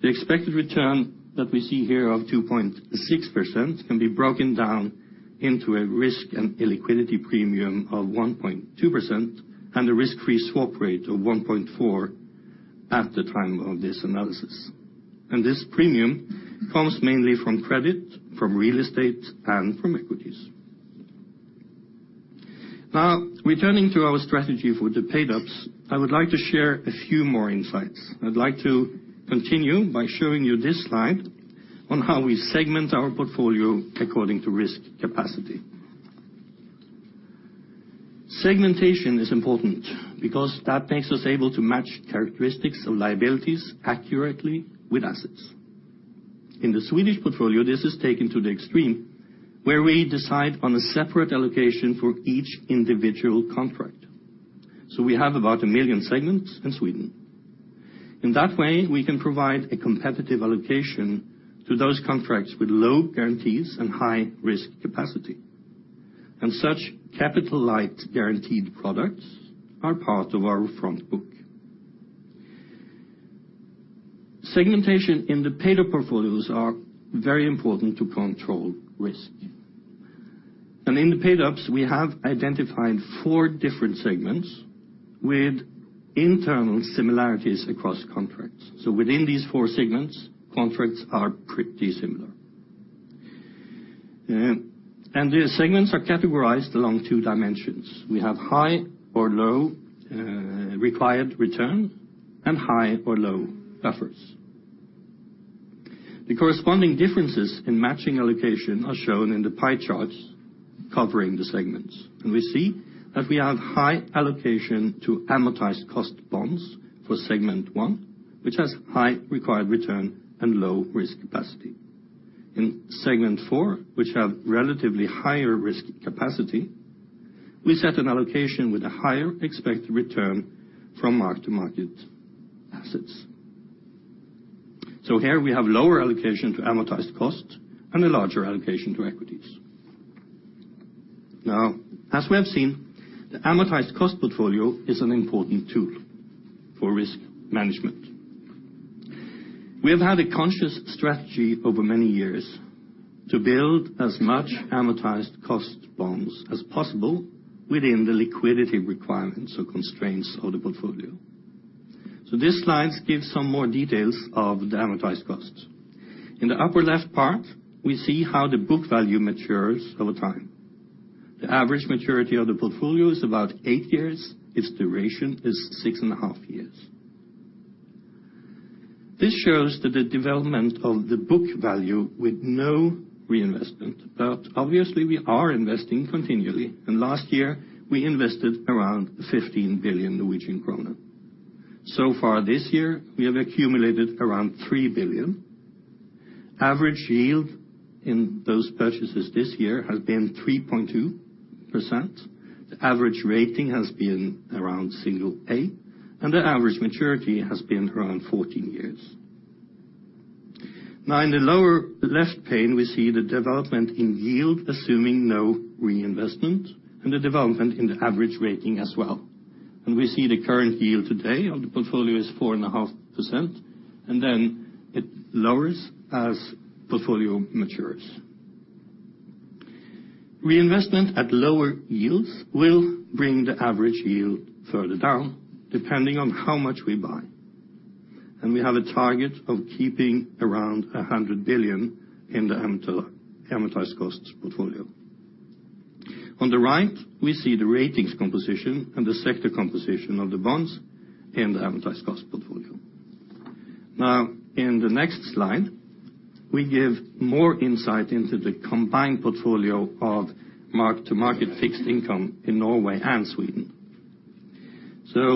The expected return that we see here of 2.6% can be broken down into a risk and illiquidity premium of 1.2%, and a risk-free swap rate of 1.4 at the time of this analysis. And this premium comes mainly from credit, from real estate, and from equities. Now, returning to our strategy for the paid-ups, I would like to share a few more insights. I'd like to continue by showing you this slide on how we segment our portfolio according to risk capacity. Segmentation is important because that makes us able to match characteristics of liabilities accurately with assets. In the Swedish portfolio, this is taken to the extreme, where we decide on a separate allocation for each individual contract. So we have about 1 million segments in Sweden. In that way, we can provide a competitive allocation to those contracts with low guarantees and high risk capacity. And such capital-light guaranteed products are part of our Front Book. Segmentation in the paid-up portfolios are very important to control risk. And in the paid-ups, we have identified four different segments with internal similarities across contracts. So within these four segments, contracts are pretty similar. And the segments are categorized along two dimensions. We have high or low, required return and high or low buffers. The corresponding differences in matching allocation are shown in the pie charts covering the segments, and we see that we have high allocation to amortized cost bonds for segment one, which has high required return and low risk capacity. In segment four, which have relatively higher risk capacity, we set an allocation with a higher expected return from mark-to-market assets.... So here we have lower allocation to amortized cost and a larger allocation to equities. Now, as we have seen, the amortized cost portfolio is an important tool for risk management. We have had a conscious strategy over many years to build as much amortized cost bonds as possible within the liquidity requirements or constraints of the portfolio. So this slide gives some more details of the amortized cost. In the upper left part, we see how the book value matures over time. The average maturity of the portfolio is about 8 years, its duration is 6.5 years. This shows that the development of the book value with no reinvestment, but obviously we are investing continually, and last year, we invested around 15 billion Norwegian kroner. So far this year, we have accumulated around 3 billion. Average yield in those purchases this year has been 3.2%. The average rating has been around single A, and the average maturity has been around 14 years. Now, in the lower left pane, we see the development in yield, assuming no reinvestment, and the development in the average rating as well. And we see the current yield today of the portfolio is 4.5%, and then it lowers as portfolio matures. Reinvestment at lower yields will bring the average yield further down, depending on how much we buy. We have a target of keeping around 100 billion in the amortized costs portfolio. On the right, we see the ratings composition and the sector composition of the bonds in the amortized cost portfolio. Now, in the next slide, we give more insight into the combined portfolio of mark-to-market fixed income in Norway and Sweden.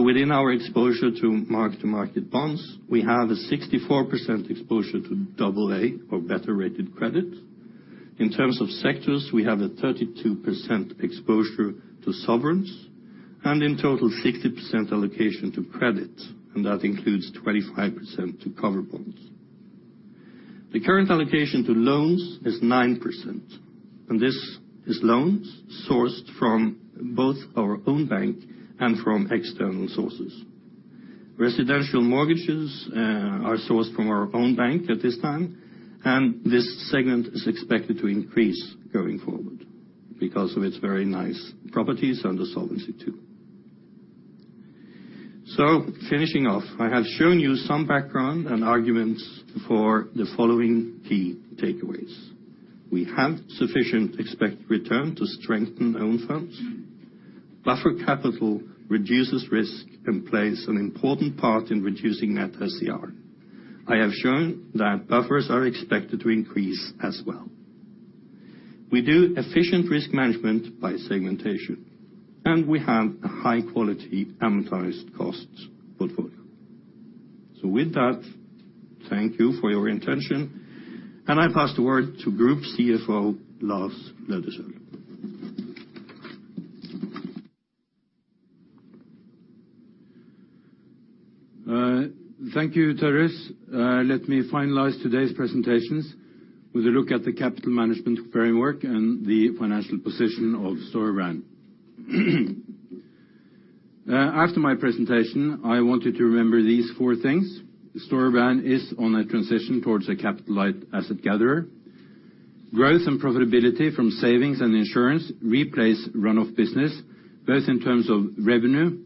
Within our exposure to mark-to-market bonds, we have a 64% exposure to double A or better rated credit. In terms of sectors, we have a 32% exposure to sovereigns, and in total, 60% allocation to credit, and that includes 25% to covered bonds. The current allocation to loans is 9%, and this is loans sourced from both our own bank and from external sources. Residential mortgages are sourced from our own bank at this time, and this segment is expected to increase going forward because of its very nice properties and the solvency, too. So finishing off, I have shown you some background and arguments for the following key takeaways. We have sufficient expected return to strengthen own funds. Buffer capital reduces risk and plays an important part in reducing net SCR. I have shown that buffers are expected to increase as well. We do efficient risk management by segmentation, and we have a high-quality amortized costs portfolio. So with that, thank you for your attention, and I pass the word to Group CFO, Lars Løddesøl. Thank you, Toris. Let me finalize today's presentations with a look at the capital management framework and the financial position of Storebrand. After my presentation, I want you to remember these four things. Storebrand is on a transition towards a capital-light asset gatherer. Growth and profitability from savings and insurance replace run-off business, both in terms of revenue,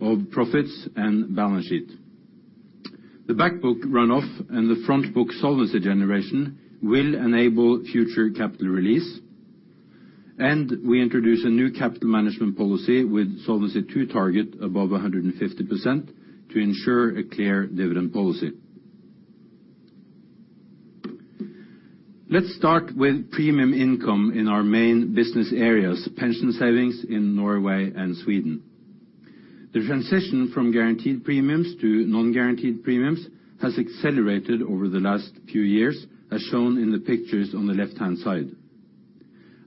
of profits, and balance sheet. The Back Book run-off and the Front Book solvency generation will enable future capital release, and we introduce a new capital management policy with solvency target above 150% to ensure a clear dividend policy. Let's start with premium income in our main business areas, pension savings in Norway and Sweden. The transition from guaranteed premiums to non-guaranteed premiums has accelerated over the last few years, as shown in the pictures on the left-hand side.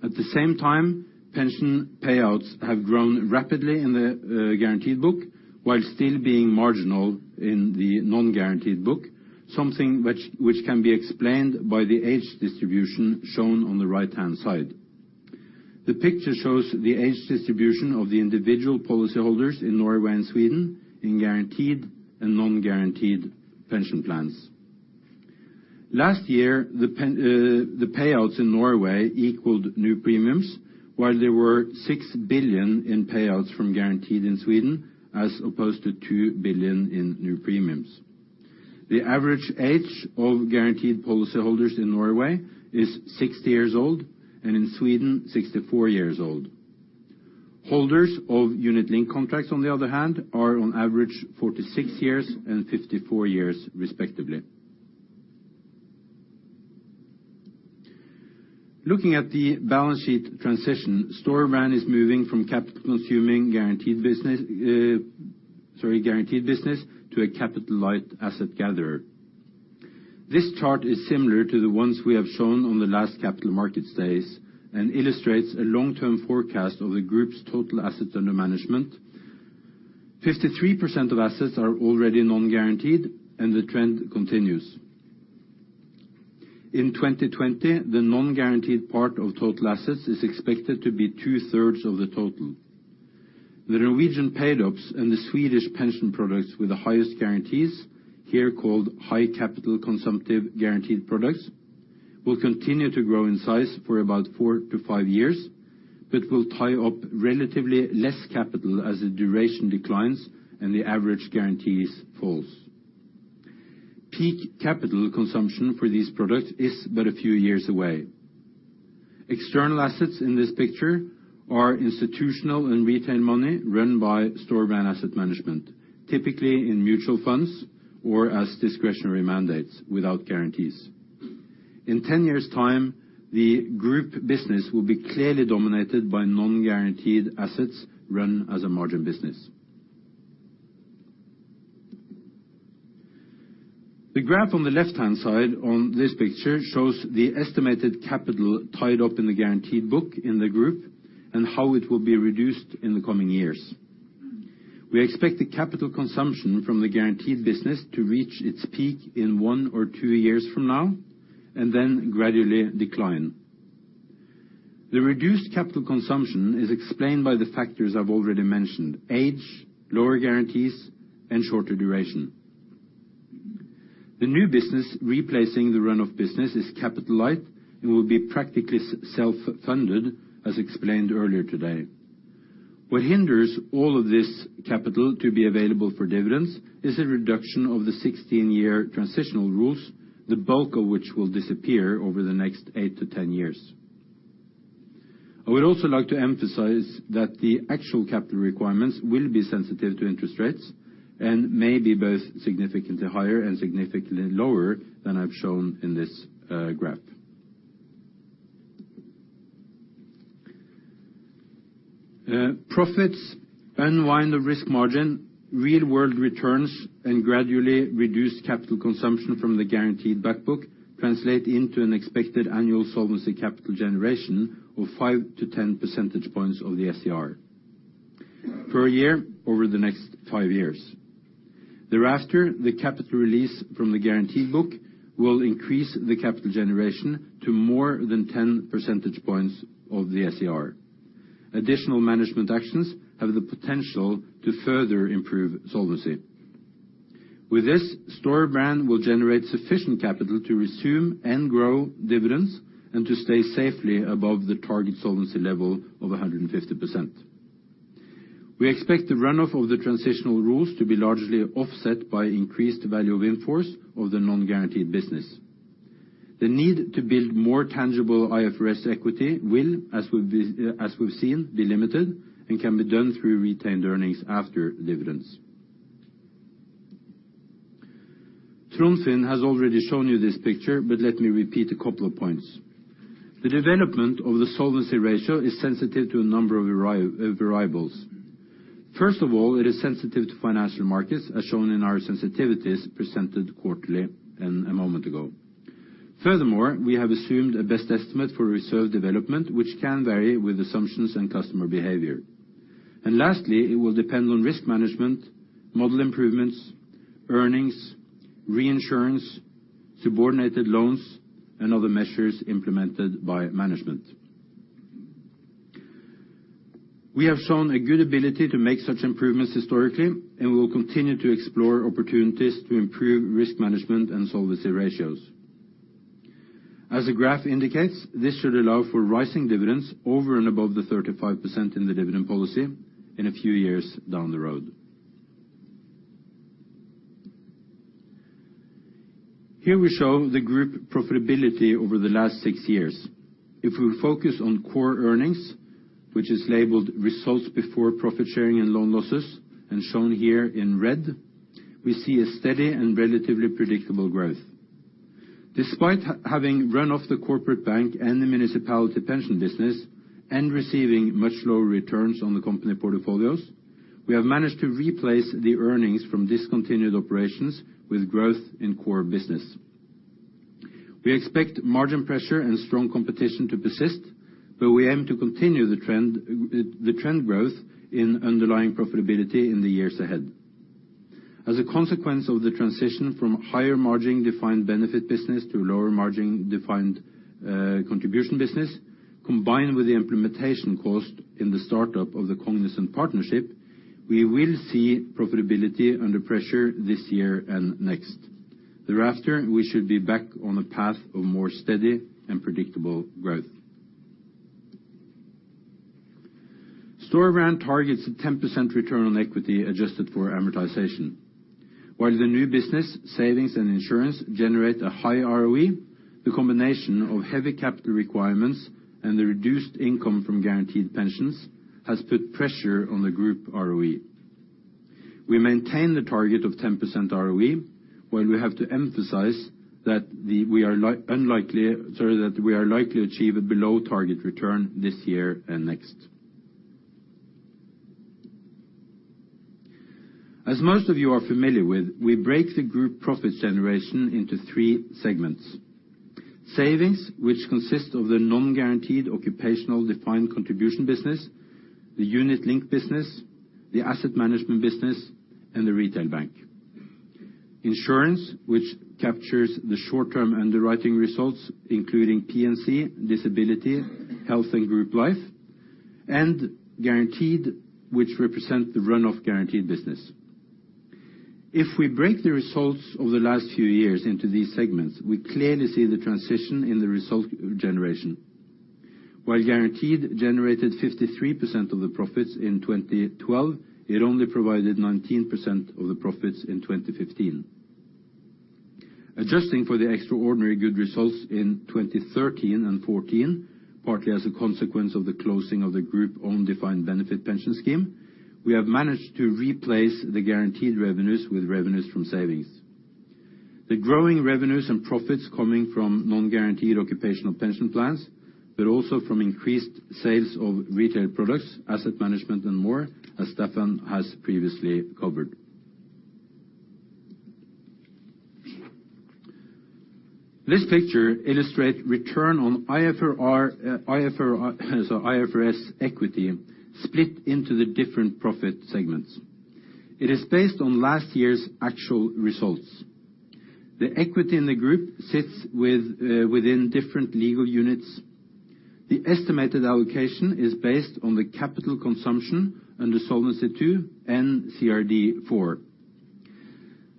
At the same time, pension payouts have grown rapidly in the guaranteed book, while still being marginal in the non-guaranteed book, something which can be explained by the age distribution shown on the right-hand side. The picture shows the age distribution of the individual policyholders in Norway and Sweden in guaranteed and non-guaranteed pension plans. Last year, the payouts in Norway equaled new premiums, while there were 6 billion in payouts from guaranteed in Sweden, as opposed to 2 billion in new premiums. The average age of guaranteed policyholders in Norway is 60 years old, and in Sweden, 64 years old. Holders of unit link contracts, on the other hand, are on average 46 years and 54 years, respectively. Looking at the balance sheet transition, Storebrand is moving from guaranteed business to a capital-light asset gatherer. This chart is similar to the ones we have shown on the last Capital Markets Days and illustrates a long-term forecast of the group's total assets under management. 53% of assets are already non-guaranteed, and the trend continues. In 2020, the non-guaranteed part of total assets is expected to be two-thirds of the total. The Norwegian paid-ups and the Swedish pension products with the highest guarantees, here called high capital consumptive guaranteed products, will continue to grow in size for about 4-5 years, but will tie up relatively less capital as the duration declines and the average guarantees falls. Peak capital consumption for these products is but a few years away. External assets in this picture are institutional and retail money run by Storebrand Asset Management, typically in mutual funds or as discretionary mandates without guarantees. In 10 years' time, the group business will be clearly dominated by non-guaranteed assets run as a margin business. The graph on the left-hand side on this picture shows the estimated capital tied up in the guaranteed book in the group and how it will be reduced in the coming years. We expect the capital consumption from the guaranteed business to reach its peak in 1 or 2 years from now, and then gradually decline. The reduced capital consumption is explained by the factors I've already mentioned: age, lower guarantees, and shorter duration. The new business replacing the run-off business is capital light and will be practically self-funded, as explained earlier today. What hinders all of this capital to be available for dividends is a reduction of the 16-year transitional rules, the bulk of which will disappear over the next 8-10 years. I would also like to emphasize that the actual capital requirements will be sensitive to interest rates and may be both significantly higher and significantly lower than I've shown in this, graph. Profits unwind the risk margin, real world returns, and gradually reduce capital consumption from the guaranteed back book translate into an expected annual solvency capital generation of five to 10 percentage points of the SCR per year over the next five years. Thereafter, the capital release from the guaranteed book will increase the capital generation to more than 10 percentage points of the SCR. Additional management actions have the potential to further improve solvency. With this, Storebrand will generate sufficient capital to resume and grow dividends and to stay safely above the target solvency level of 150%. We expect the run-off of the transitional rules to be largely offset by increased value of in-force of the non-guaranteed business. The need to build more tangible IFRS equity will, as we've, as we've seen, be limited and can be done through retained earnings after dividends. Trond Finn has already shown you this picture but let me repeat a couple of points. The development of the solvency ratio is sensitive to a number of variables. First of all, it is sensitive to financial markets, as shown in our sensitivities presented quarterly and a moment ago. Furthermore, we have assumed a best estimate for reserve development, which can vary with assumptions and customer behavior. Lastly, it will depend on risk management, model improvements, earnings, reinsurance, subordinated loans, and other measures implemented by management. We have shown a good ability to make such improvements historically, and we will continue to explore opportunities to improve risk management and solvency ratios. As the graph indicates, this should allow for rising dividends over and above the 35% in the dividend policy in a few years down the road. Here we show the group profitability over the last six years. If we focus on core earnings, which is labeled results before profit sharing and loan losses, and shown here in red, we see a steady and relatively predictable growth. Despite having run off the corporate bank and the municipality pension business and receiving much lower returns on the company portfolios, we have managed to replace the earnings from discontinued operations with growth in core business. We expect margin pressure and strong competition to persist, but we aim to continue the trend, the trend growth in underlying profitability in the years ahead. As a consequence of the transition from higher margin defined benefit business to lower margin defined contribution business, combined with the implementation cost in the startup of the Cognizant partnership, we will see profitability under pressure this year and next. Thereafter, we should be back on a path of more steady and predictable growth. Storebrand targets a 10% return on equity adjusted for amortization. While the new business, savings, and insurance generate a high ROE, the combination of heavy capital requirements and the reduced income from guaranteed pensions has put pressure on the group ROE. We maintain the target of 10% ROE, while we have to emphasize that the... We are likely to achieve a below target return this year and next. As most of you are familiar with, we break the group profit generation into three segments. Savings, which consists of the non-guaranteed occupational defined contribution business, the unit link business, the asset management business, and the retail bank. Insurance, which captures the short-term underwriting results, including P&C, disability, health, and group life, and guaranteed, which represent the run-off guaranteed business. If we break the results of the last few years into these segments, we clearly see the transition in the result generation. While guaranteed generated 53% of the profits in 2012, it only provided 19% of the profits in 2015. Adjusting for the extraordinary good results in 2013 and 2014, partly as a consequence of the closing of the group-owned defined benefit pension scheme, we have managed to replace the guaranteed revenues with revenues from savings. The growing revenues and profits coming from non-guaranteed occupational pension plans, but also from increased sales of retail products, asset management, and more, as Stefan has previously covered. This picture illustrate return on IFRS equity split into the different profit segments. It is based on last year's actual results. The equity in the group sits within different legal units. The estimated allocation is based on the capital consumption and the Solvency II and CRD IV.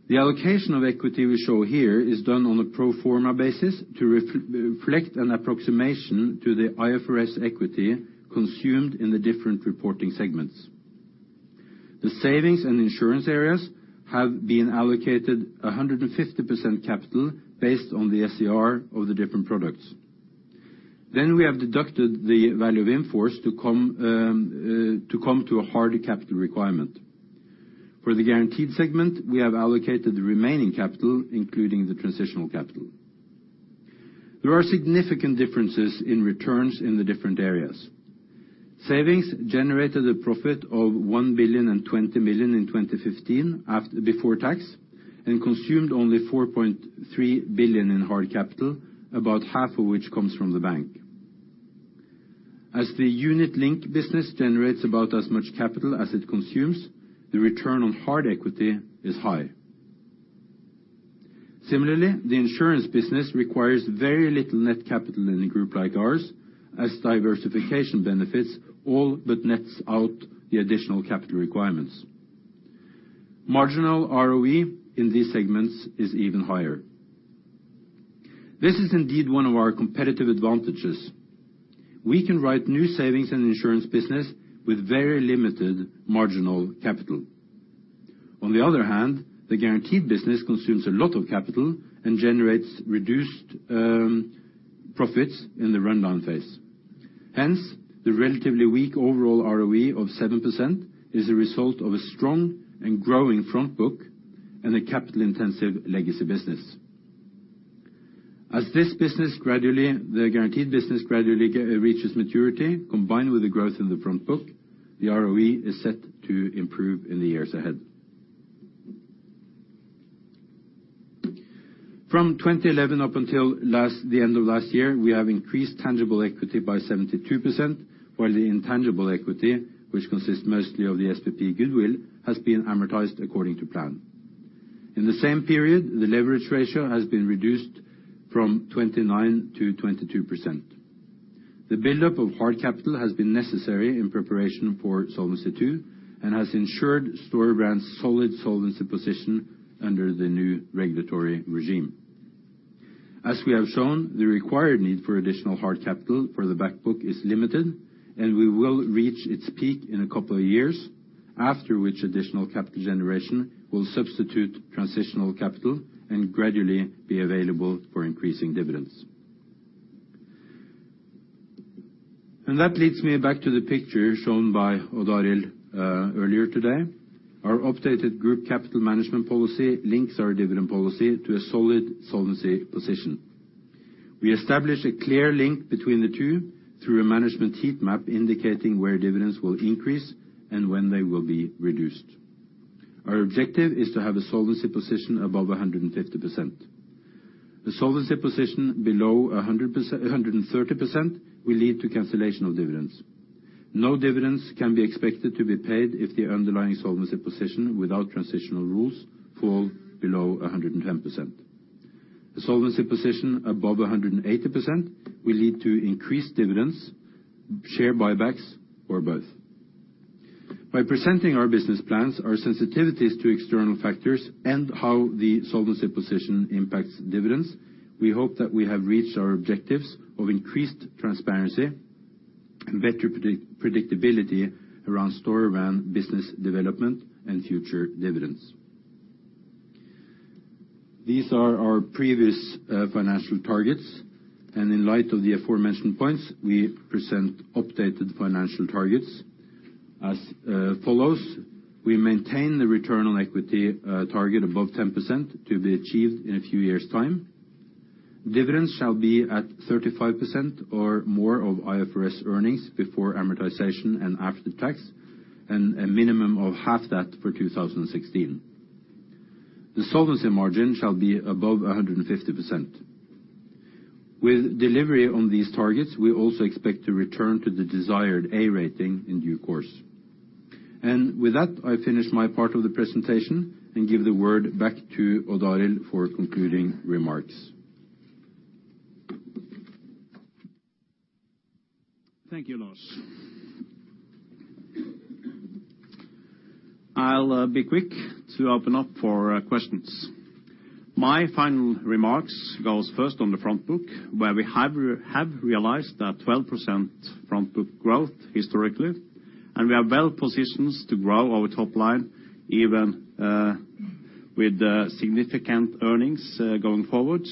The allocation of equity we show here is done on a pro forma basis to reflect an approximation to the IFRS equity consumed in the different reporting segments. The savings and insurance areas have been allocated 150% capital based on the SCR of the different products. Then we have deducted the value of in-force to come to a hard capital requirement. For the guaranteed segment, we have allocated the remaining capital, including the transitional capital. There are significant differences in returns in the different areas. Savings generated a profit of 1.02 billion in 2015, before tax, and consumed only 4.3 billion in hard capital, about half of which comes from the bank. As the unit-linked business generates about as much capital as it consumes, the return on hard equity is high. Similarly, the insurance business requires very little net capital in a group like ours, as diversification benefits all but nets out the additional capital requirements. Marginal ROE in these segments is even higher. This is indeed one of our competitive advantages. We can write new savings and insurance business with very limited marginal capital. On the other hand, the guaranteed business consumes a lot of capital and generates reduced profits in the rundown phase. Hence, the relatively weak overall ROE of 7% is a result of a strong and growing Front Book and a capital-intensive legacy business. As this business gradually, the guaranteed business gradually reaches maturity, combined with the growth in the Front Book, the ROE is set to improve in the years ahead. From 2011 up until the end of last year, we have increased tangible equity by 72%, while the intangible equity, which consists mostly of the SPP goodwill, has been amortized according to plan. In the same period, the leverage ratio has been reduced from 29%-22%. The buildup of hard capital has been necessary in preparation for Solvency II, and has ensured Storebrand's solid solvency position under the new regulatory regime. As we have shown, the required need for additional hard capital for the Back Book is limited, and we will reach its peak in a couple of years, after which additional capital generation will substitute transitional capital and gradually be available for increasing dividends. And that leads me back to the picture shown by Odd Arild, earlier today. Our updated group capital management policy links our dividend policy to a solid solvency position. We established a clear link between the two through a management heat map, indicating where dividends will increase and when they will be reduced. Our objective is to have a solvency position above 150%. A solvency position below 100%, 130% will lead to cancellation of dividends. No dividends can be expected to be paid if the underlying solvency position without transitional rules fall below 110%. A solvency position above 180% will lead to increased dividends, share buybacks, or both. By presenting our business plans, our sensitivities to external factors, and how the solvency position impacts dividends, we hope that we have reached our objectives of increased transparency and better predictability around Storebrand business development and future dividends. These are our previous financial targets, and in light of the aforementioned points, we present updated financial targets as follows. We maintain the return on equity target above 10% to be achieved in a few years' time. Dividends shall be at 35% or more of IFRS earnings before amortization and after tax, and a minimum of half that for 2016. ... The solvency margin shall be above 150%. With delivery on these targets, we also expect to return to the desired A rating in due course. With that, I finish my part of the presentation and give the word back to Odd Arild for concluding remarks. Thank you, Lars. I'll be quick to open up for questions. My final remarks goes first on the Front Book, where we have realized 12% Front Book growth historically, and we are well positioned to grow our top line, even with significant earnings going forward,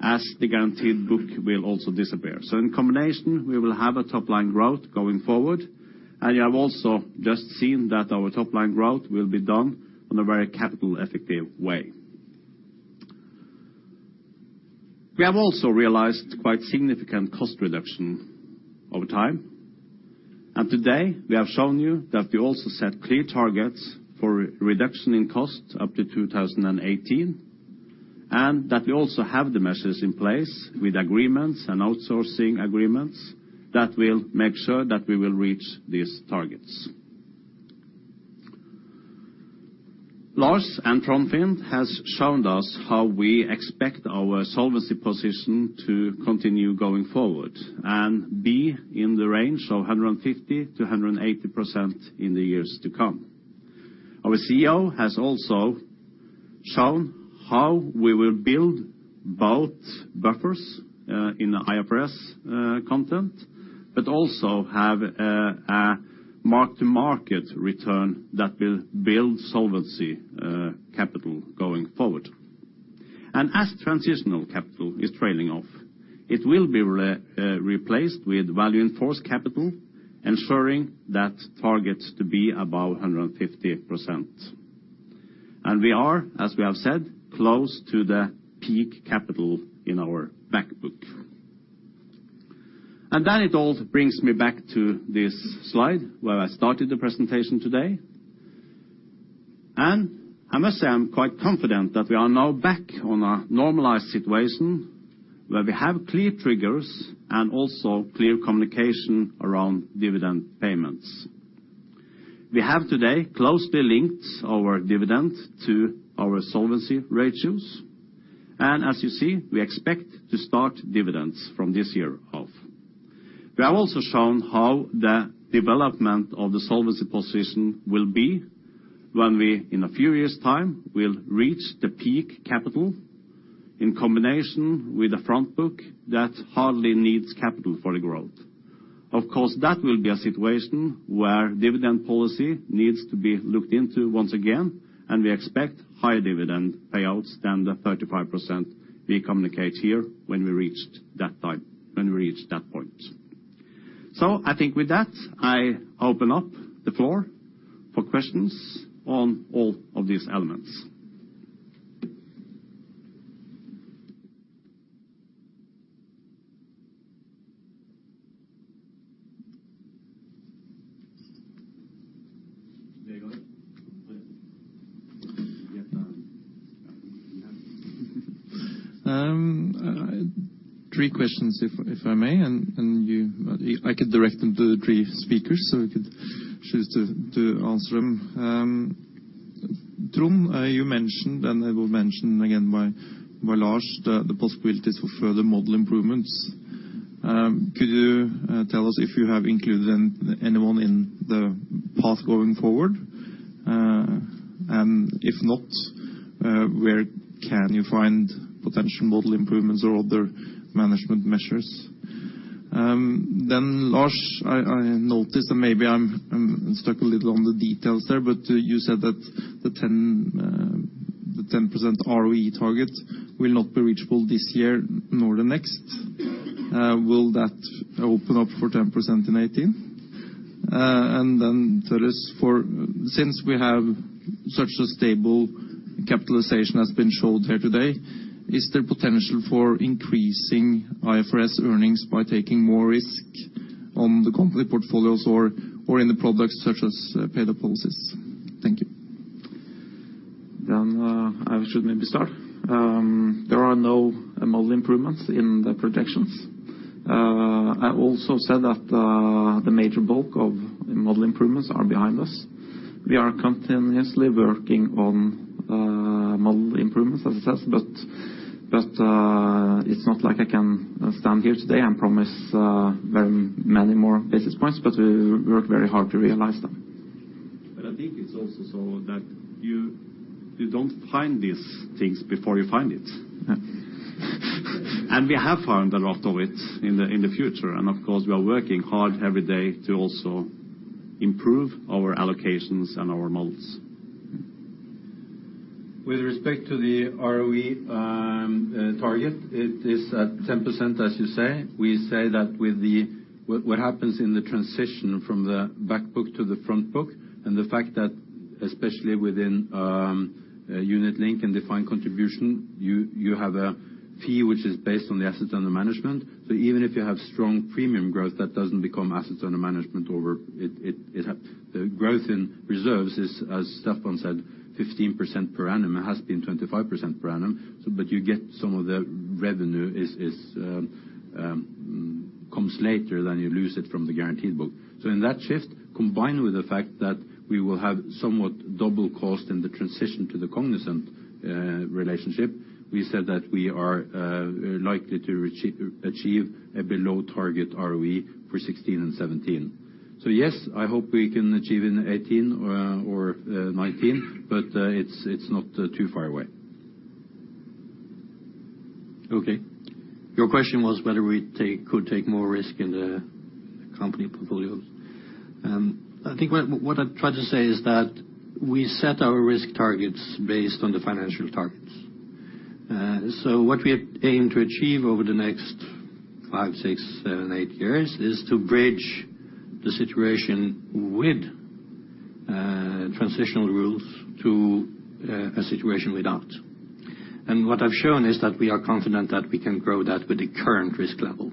as the guaranteed book will also disappear. So in combination, we will have a top line growth going forward, and you have also just seen that our top line growth will be done on a very capital effective way. We have also realized quite significant cost reduction over time, and today, we have shown you that we also set clear targets for reduction in cost up to 2018, and that we also have the measures in place with agreements and outsourcing agreements that will make sure that we will reach these targets. Lars and Trond Finn have shown us how we expect our solvency position to continue going forward and be in the range of 150%-180% in the years to come. Our CEO has also shown how we will build both buffers in the IFRS context, but also have a mark-to-market return that will build solvency capital going forward. As transitional capital is trailing off, it will be replaced with value-enhancing capital, ensuring that targets to be above 150%. We are, as we have said, close to the peak capital in our back book. Then it all brings me back to this slide where I started the presentation today. I must say, I'm quite confident that we are now back on a normalized situation, where we have clear triggers and also clear communication around dividend payments. We have today closely linked our dividend to our solvency ratios, and as you see, we expect to start dividends from this year off. We have also shown how the development of the solvency position will be when we, in a few years' time, will reach the peak capital in combination with the Front Book that hardly needs capital for the growth. Of course, that will be a situation where dividend policy needs to be looked into once again, and we expect higher dividend payouts than the 35% we communicate here when we reached that time, when we reach that point. I think with that, I open up the floor for questions on all of these elements. Three questions, if I may, and you... I could direct them to the three speakers, so we could choose to answer them. Trond, you mentioned, and it was mentioned again by Lars, the possibilities for further model improvements. Could you tell us if you have included anyone in the path going forward? If not, where can you find potential model improvements or other management measures? Lars, I noticed, and maybe I'm stuck a little on the details there, but you said that the 10% ROE target will not be reachable this year nor the next. Will that open up for 10% in 2018? Then there is for... Since we have such a stable capitalization that's been shown here today, is there potential for increasing IFRS earnings by taking more risk on the company portfolios or in the products such as paid-up policies? Thank you. Then, I should maybe start. There are no model improvements in the projections. I also said that the major bulk of model improvements are behind us. We are continuously working on model improvements, as I said, but, but, it's not like I can stand here today and promise very many more basis points, but we work very hard to realize them. But I think it's also so that you don't find these things before you find it. We have found a lot of it in the future, and of course, we are working hard every day to also improve our allocations and our models. With respect to the ROE target, it is at 10%, as you say. We say that with the what happens in the transition from the Back Book to the Front Book, and the fact that especially within unit-linked and defined contribution, you have a fee which is based on the assets under management. So even if you have strong premium growth, that doesn't become assets under management overnight, it has the growth in reserves is, as Staffan said, 15% per annum. It has been 25% per annum, so but you get some of the revenue comes later, then you lose it from the guaranteed book. So in that shift, combined with the fact that we will have somewhat double cost in the transition to the Cognizant relationship, we said that we are likely to achieve a below target ROE for 2016 and 2017. So yes, I hope we can achieve in 2018 or 2019, but it's not too far away. Okay. Your question was whether we could take more risk in the company portfolios. I think what I've tried to say is that we set our risk targets based on the financial targets. So what we aim to achieve over the next five, six, seven, eight years is to bridge the situation with transitional rules to a situation without. And what I've shown is that we are confident that we can grow that with the current risk level.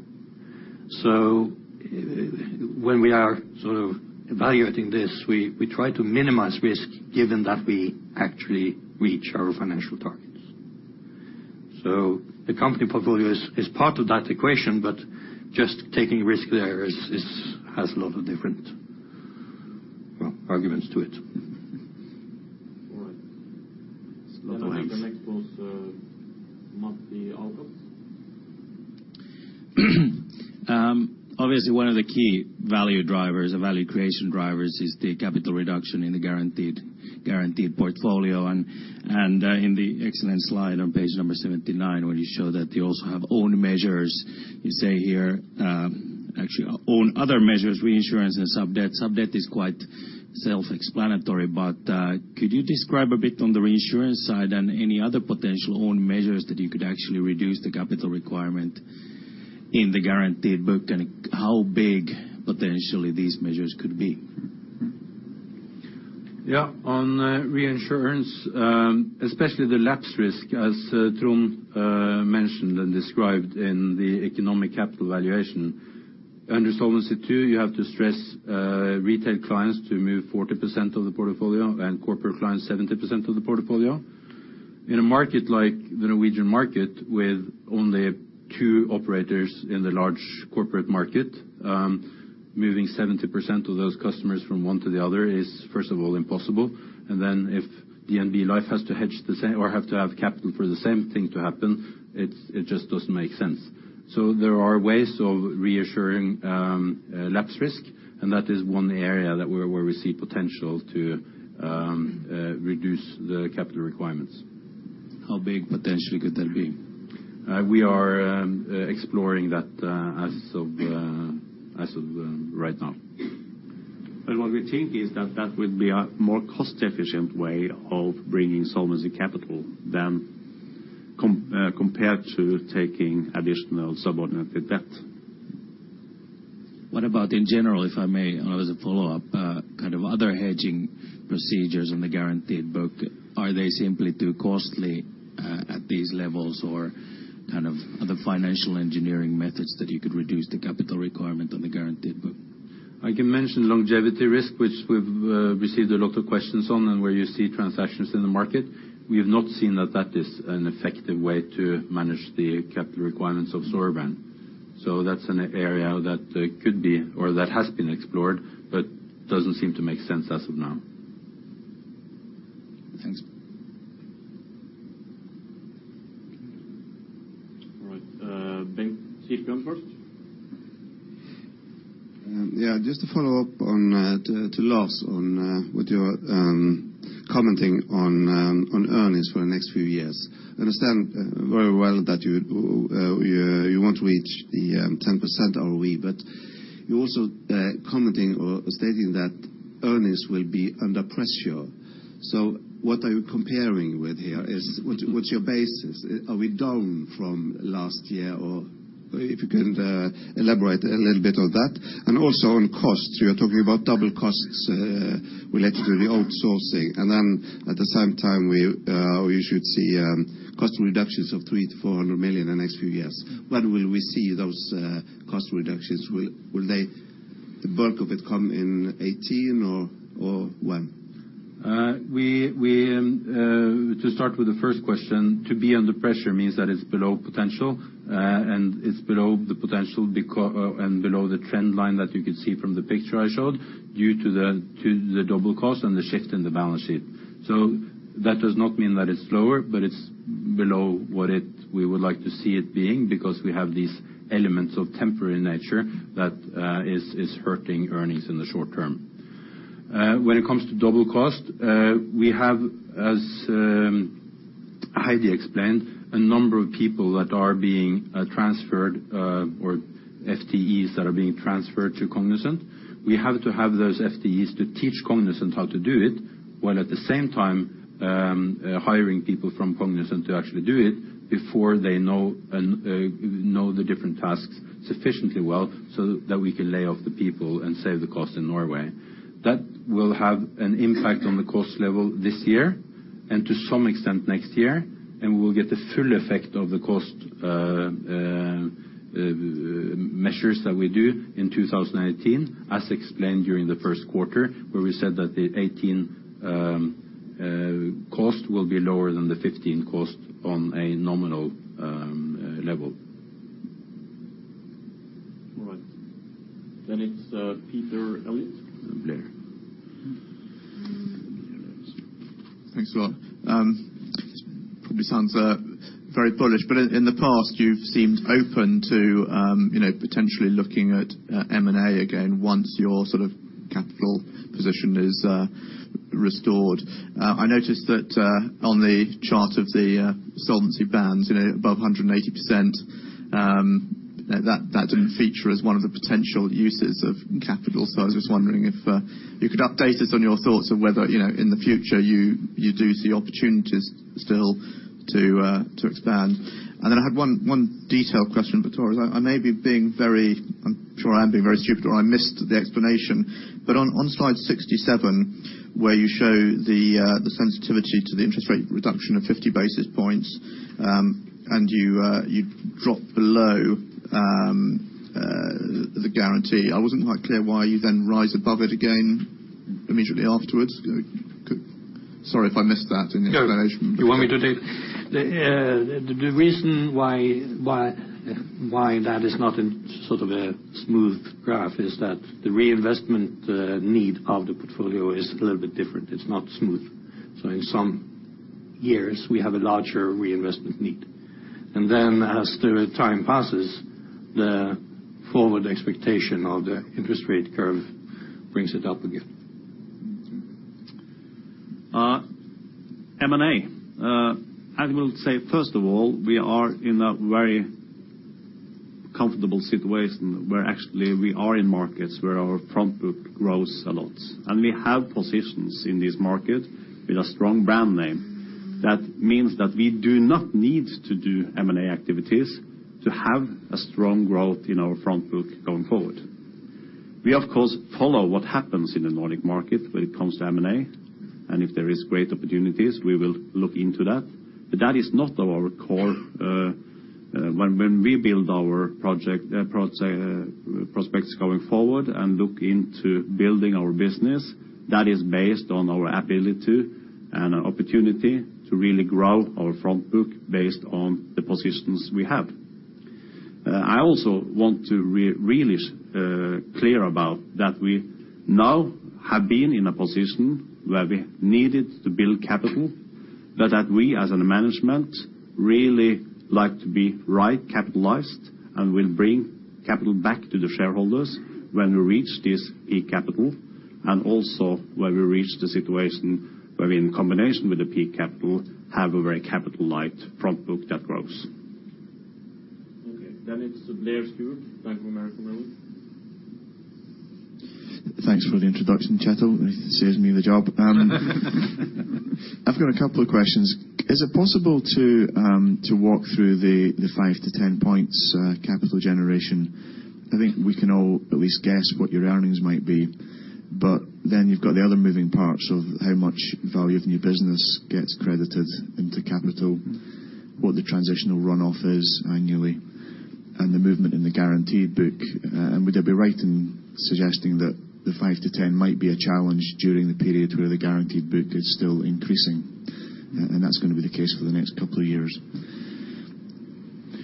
When we are sort of evaluating this, we try to minimize risk, given that we actually reach our financial targets. The company portfolio is part of that equation, but just taking risk there is has a lot of different, well, arguments to it. All right. It's not a lot. The next was, Matti Ahokas. Obviously, one of the key value drivers, the value creation drivers, is the capital reduction in the guaranteed portfolio. And in the excellent slide on page 79, where you show that you also have own measures, you say here, actually, own other measures, reinsurance and sub-debt. Sub-debt is quite self-explanatory, but could you describe a bit on the reinsurance side and any other potential own measures that you could actually reduce the capital requirement in the guaranteed book, and how big, potentially, these measures could be? Yeah, on reinsurance, especially the lapse risk, as Trond mentioned and described in the economic capital valuation. Under Solvency II, you have to stress retail clients to move 40% of the portfolio and corporate clients 70% of the portfolio. In a market like the Norwegian market, with only two operators in the large corporate market, moving 70% of those customers from one to the other is, first of all, impossible. And then if DNB Life has to hedge the same or have to have capital for the same thing to happen, it just doesn't make sense. So there are ways of reassuring lapse risk, and that is one area where we see potential to reduce the capital requirements. How big potentially could that be? We are exploring that as of right now. What we think is that that would be a more cost-efficient way of bringing Solvency capital than compared to taking additional subordinated debt. What about in general, if I may, as a follow-up, kind of other hedging procedures on the guaranteed book, are they simply too costly at these levels? Or kind of other financial engineering methods that you could reduce the capital requirement on the guaranteed book? I can mention longevity risk, which we've received a lot of questions on and where you see transactions in the market. We have not seen that that is an effective way to manage the capital requirements of Storebrand. So that's an area that could be or that has been explored, but doesn't seem to make sense as of now. Thanks. All right. Bengt Sifjin first. Yeah, just to follow up on, to Lars on, with your, commenting on, on earnings for the next few years. I understand very well that you, you won't reach the 10% ROE, but you're also, commenting or stating that earnings will be under pressure. What are you comparing with here? Is... What's your basis? Are we down from last year, or if you can, elaborate a little bit on that. Also on costs, you are talking about double costs, related to the outsourcing. At the same time, we, or you should see, cost reductions of 300 million-400 million in the next few years. When will we see those, cost reductions? Will the bulk of it come in 2018 or, or when? To start with the first question, to be under pressure means that it's below potential, and it's below the potential and below the trend line that you can see from the picture I showed, due to the double cost and the shift in the balance sheet. So that does not mean that it's lower, but it's below what it, we would like to see it being, because we have these elements of temporary nature that is hurting earnings in the short term. When it comes to double cost, we have, as Heidi explained, a number of people that are being transferred, or FTEs that are being transferred to Cognizant. We have to have those FTEs to teach Cognizant how to do it, while at the same time, hiring people from Cognizant to actually do it before they know the different tasks sufficiently well so that we can lay off the people and save the cost in Norway. That will have an impact on the cost level this year and to some extent next year, and we will get the full effect of the cost.... measures that we do in 2018, as explained during the first quarter, where we said that the 2018 cost will be lower than the 2015 cost on a nominal level. All right. Then it's Peter Eliot. Kepler. Thanks a lot. Probably sounds very bullish, but in the past, you've seemed open to, you know, potentially looking at M&A again, once your sort of capital position is restored. I noticed that on the chart of the solvency bands, you know, above 180%, that didn't feature as one of the potential uses of capital. So I was just wondering if you could update us on your thoughts on whether, you know, in the future, you do see opportunities still to expand. And then I had one detailed question for Tor. I may be being very... I'm sure I am being very stupid, or I missed the explanation. But on slide 67, where you show the sensitivity to the interest rate reduction of 50 basis points, and you drop below the guarantee. I wasn't quite clear why you then rise above it again immediately afterwards. Could-- Sorry if I missed that in the explanation. No, you want me to take? The reason why that is not in sort of a smooth graph is that the reinvestment need of the portfolio is a little bit different. It's not smooth. So in some years, we have a larger reinvestment need. And then as the time passes, the forward expectation of the interest rate curve brings it up again. Mm-hmm. M&A. I will say, first of all, we are in a very comfortable situation, where actually we are in markets where our Front Book grows a lot. And we have positions in this market with a strong brand name. That means that we do not need to do M&A activities to have a strong growth in our Front Book going forward. We, of course, follow what happens in the Nordic market when it comes to M&A, and if there is great opportunities, we will look into that. But that is not our core, when we build our project, prospects going forward and look into building our business, that is based on our ability and opportunity to really grow our Front Book based on the positions we have. I also want to be really clear about that we now have been in a position where we needed to build capital, but that we, as management, really like to be right capitalized and will bring capital back to the shareholders when we reach this peak capital, and also when we reach the situation where, in combination with the peak capital, have a very capital-light Front Book that grows. Okay, then it's Blair Stewart, Bank of America Merrill. Thanks for the introduction, Kjetil. It saves me the job. I've got a couple of questions. Is it possible to walk through the five to 10 points capital generation? I think we can all at least guess what your earnings might be, but then you've got the other moving parts of how much value of new business gets credited into capital, what the transitional run-off is annually, and the movement in the guaranteed book. And would I be right in suggesting that the 5-10 might be a challenge during the period where the guaranteed book is still increasing? And that's going to be the case for the next couple of years.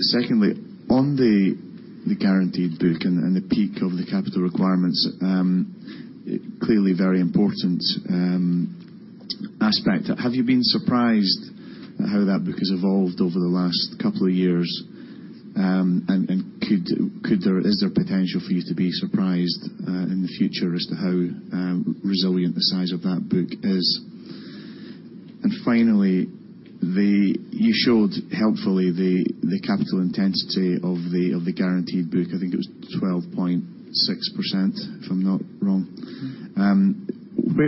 Secondly, on the guaranteed book and the peak of the capital requirements, clearly very important aspect. Have you been surprised at how that book has evolved over the last couple of years? And is there potential for you to be surprised in the future as to how resilient the size of that book is? And finally, you showed helpfully the capital intensity of the guaranteed book. I think it was 12.6%, if I'm not wrong.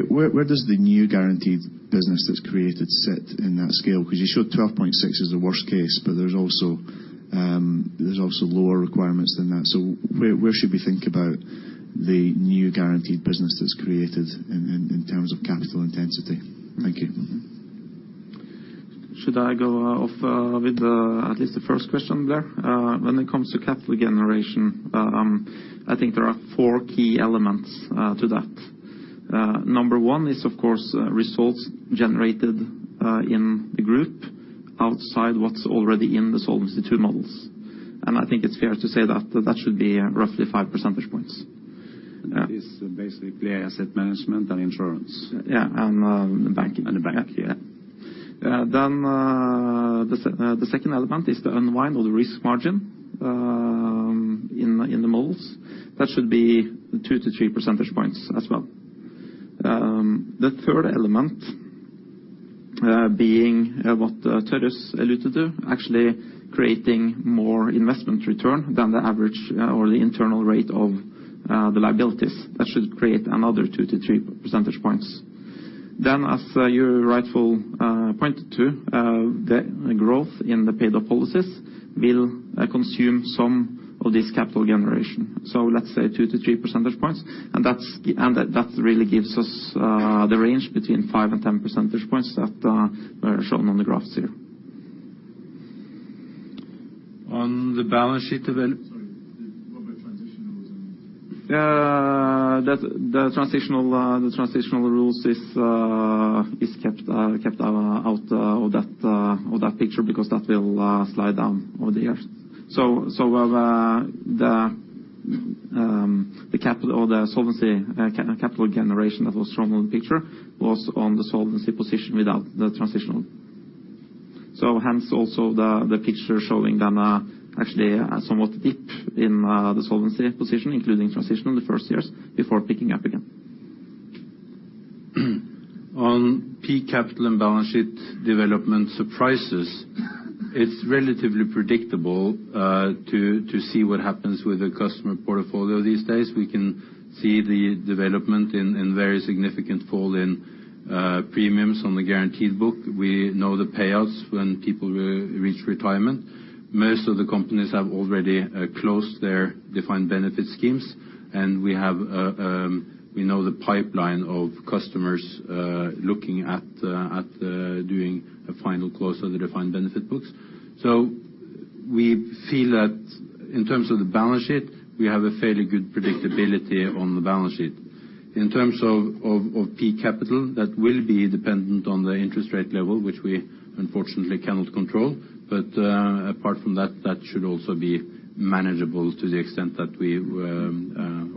Where does the new guaranteed business that's created sit in that scale? Because you showed 12.6% as the worst case, but there's also lower requirements than that. So where should we think about the new guaranteed business that's created in terms of capital intensity? Thank you. Should I go off with at least the first question, Blair? When it comes to capital generation, I think there are four key elements to that. Number 1 is, of course, results generated in the group outside what's already in the Solvency II models. And I think it's fair to say that that should be roughly 5 percentage points. It is basically asset management and insurance. Yeah, and, The banking. The bank, yeah. Yeah. The second element is the unwind or the risk margin in the models. That should be two to three percentage points as well. The third element, being what Torjus alluded to, actually creating more investment return than the average or the internal rate of the liabilities. That should create another two to three percentage points. As you rightfully pointed to, the growth in the paid-up policies will consume some of this capital generation. Let's say 2-3 percentage points, and that really gives us the range between five to 10 percentage points that are shown on the graphs here... on the balance sheet of the- Sorry, what were the transitional rules? Yeah, the transitional rules is kept out of that picture, because that will slide down over the years. So the capital or the solvency capital generation that was shown on the picture was on the solvency position without the transitional. So hence, also the picture showing then actually a somewhat dip in the solvency position, including transitional in the first years before picking up again. On peak capital and balance sheet development surprises, it's relatively predictable to see what happens with the customer portfolio these days. We can see the development in very significant fall in premiums on the guaranteed book. We know the payouts when people will reach retirement. Most of the companies have already closed their defined benefit schemes, and we have we know the pipeline of customers looking at doing a final close on the defined benefit books. So we feel that in terms of the balance sheet, we have a fairly good predictability on the balance sheet. In terms of peak capital, that will be dependent on the interest rate level, which we unfortunately cannot control. But, apart from that, that should also be manageable to the extent that we,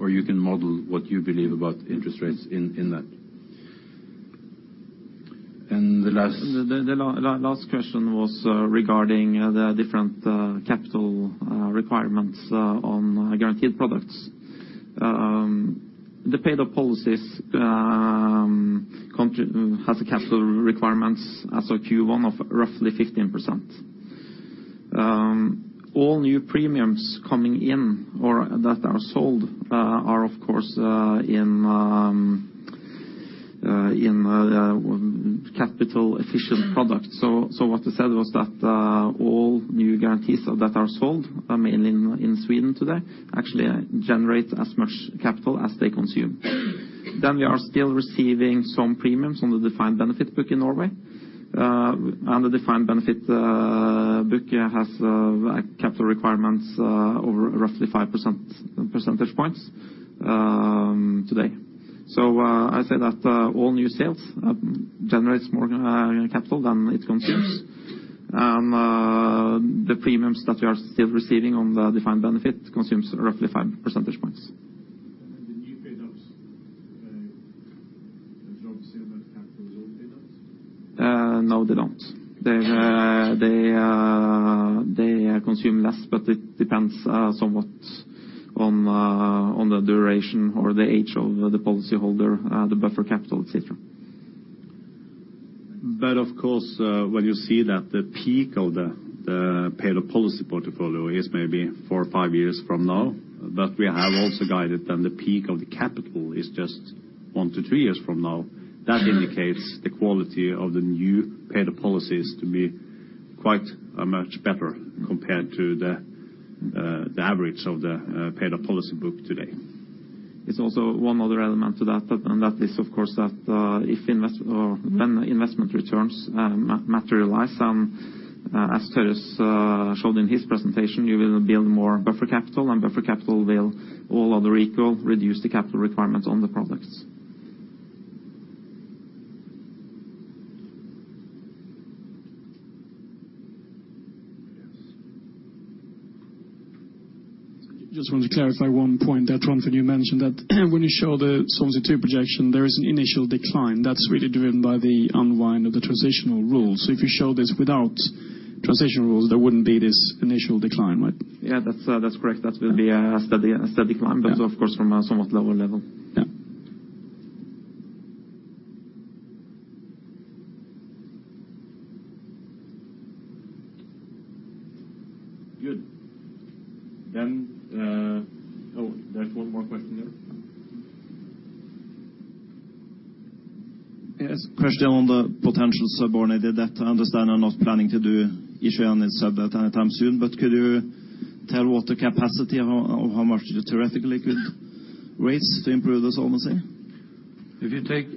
or you can model what you believe about interest rates in, in that. And the last- The last question was regarding the different capital requirements on guaranteed products. The paid-up policies currently has the capital requirements as of Q1 of roughly 15%. All new premiums coming in or that are sold are, of course, in capital efficient products. So what we said was that all new guarantees that are sold, mainly in Sweden today, actually generate as much capital as they consume. Then we are still receiving some premiums on the defined benefit book in Norway. And the defined benefit book has capital requirements over roughly five percentage points today. So I say that all new sales generates more capital than it consumes. The premiums that we are still receiving on the defined benefit consumes roughly 5 percentage points. And then the new paydowns don't consume as capital as old paydowns? No, they don't. They consume less, but it depends somewhat on the duration or the age of the policyholder, the buffer capital, et cetera. But of course, when you see that the peak of the, the paid-up policy portfolio is maybe four or five years from now, but we have also guided that the peak of the capital is just one to two years from now. That indicates the quality of the new paid-up policies to be quite, much better compared to the, the average of the, paid-up policy book today. It's also one other element to that, and that is, of course, that, if or when investment returns materialize, as Terje showed in his presentation, you will build more buffer capital, and buffer capital will, all other equal, reduce the capital requirements on the products. Yes. Just wanted to clarify one point that, Trond, you mentioned that when you show the Solvency II projection, there is an initial decline. That's really driven by the unwind of the transitional rules. So if you show this without transitional rules, there wouldn't be this initial decline, right? Yeah, that's correct. That will be a steady, a steady decline. Yeah. But of course, from a somewhat lower level. Yeah. Good. Then, oh, there's one more question there. Yes, question on the potential subordinated debt. I understand you are not planning to do issue any sub debt any time soon, but could you tell what the capacity of how much you theoretically could raise to improve the solvency? If you take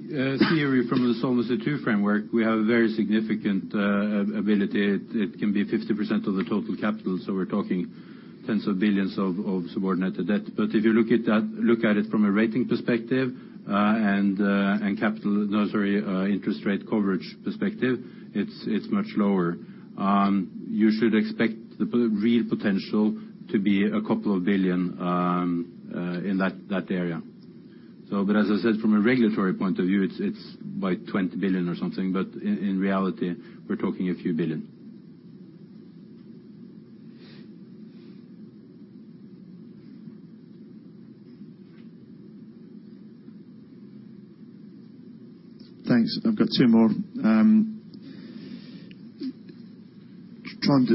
theory from the Solvency II framework, we have a very significant ability. It can be 50% of the total capital, so we're talking tens of billions of NOK subordinated debt. But if you look at that, look at it from a rating perspective, interest rate coverage perspective, it's much lower. You should expect the real potential to be a couple of billion NOK in that area. But as I said, from a regulatory point of view, it's by 20 billion or something, but in reality, we're talking a few billion NOK. Thanks. I've got two more. Trond,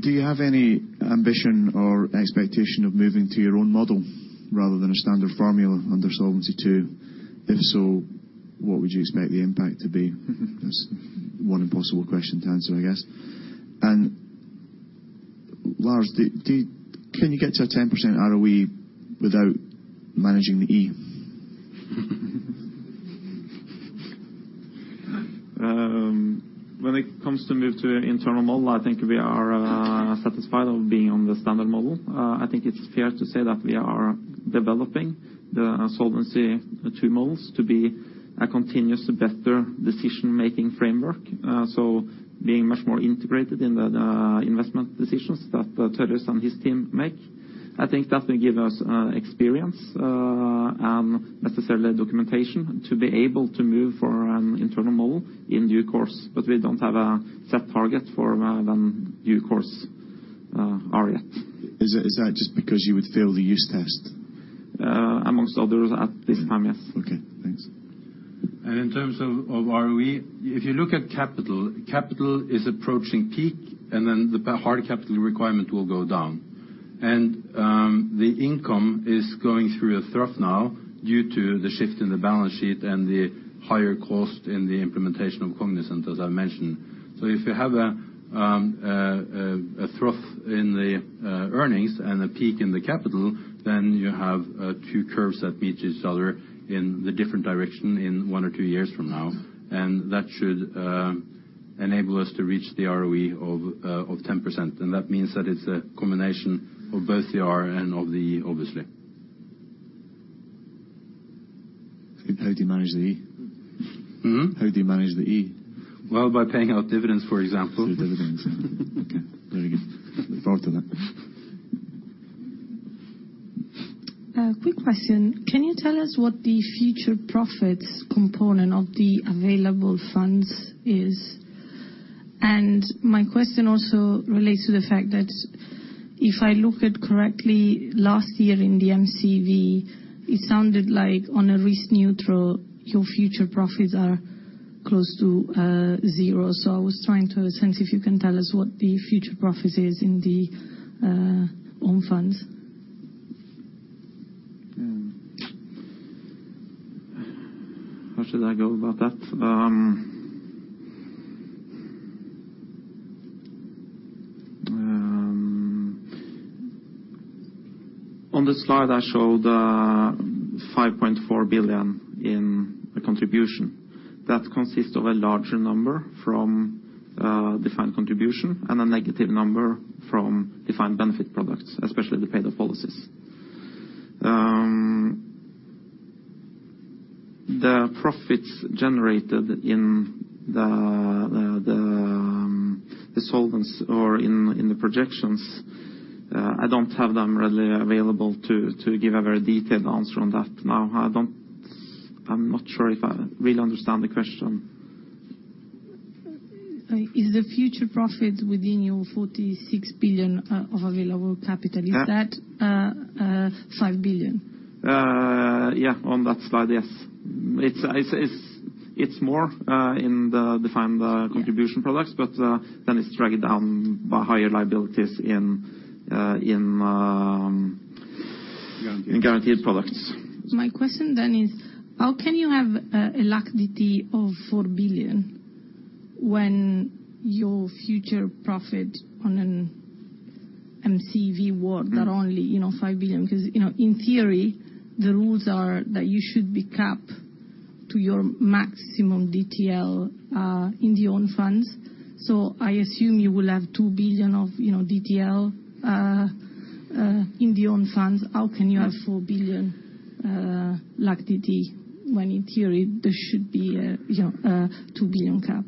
do you have any ambition or expectation of moving to your own model rather than a standard formula under Solvency II? If so, what would you expect the impact to be? Mm-hmm. That's one impossible question to answer, I guess. And, Lars, can you get to a 10% ROE without managing the E? ... When it comes to move to an internal model, I think we are satisfied of being on the Standard Model. I think it's fair to say that we are developing the solvency, the two models, to be a continuous, better decision-making framework. So being much more integrated in the investment decisions that Torjus and his team make. I think that will give us experience and necessarily documentation to be able to move for an internal model in due course. But we don't have a set target for more than due course yet. Is that, is that just because you would fail the use test? Among others at this time, yes. Okay, thanks. In terms of ROE, if you look at capital, capital is approaching peak, and then the hard capital requirement will go down. The income is going through a trough now due to the shift in the balance sheet and the higher cost in the implementation of Cognizant, as I mentioned. So if you have a trough in the earnings and a peak in the capital, then you have two curves that meet each other in the different direction in one or two years from now. That should enable us to reach the ROE of 10%, and that means that it's a combination of both the R and of the E, obviously. How do you manage the E? Hmm? How do you manage the E? Well, by paying out dividends, for example. Through dividends. Okay, very good. Thought of that. Quick question. Can you tell us what the future profits component of the available funds is? My question also relates to the fact that if I look at correctly, last year in the MCEV, it sounded like on a risk neutral, your future profits are close to zero. I was trying to sense if you can tell us what the future profits is in the own funds. How should I go about that? On this slide, I showed 5.4 billion in contribution. That consists of a larger number from defined contribution and a negative number from defined benefit products, especially the paid-up policies. The profits generated in the solvency or in the projections, I don't have them readily available to give a very detailed answer on that now. I don't-- I'm not sure if I really understand the question. Is the future profit within your 46 billion of available capital? Yeah. Is that 5 billion? Yeah, on that slide, yes. It's more in the defined- Yeah contribution products, but then it's dragged down by higher liabilities in Guaranteed in guaranteed products. My question then is: how can you have a LAC DT of 4 billion when your future profit on an MCEV work are only, you know, 5 billion? Because, you know, in theory, the rules are that you should be capped to your maximum DTL in the own funds. So I assume you will have 2 billion of, you know, DTL in the own funds. How can you have 4 billion LAC DT, when in theory there should be a, you know, a 2 billion cap?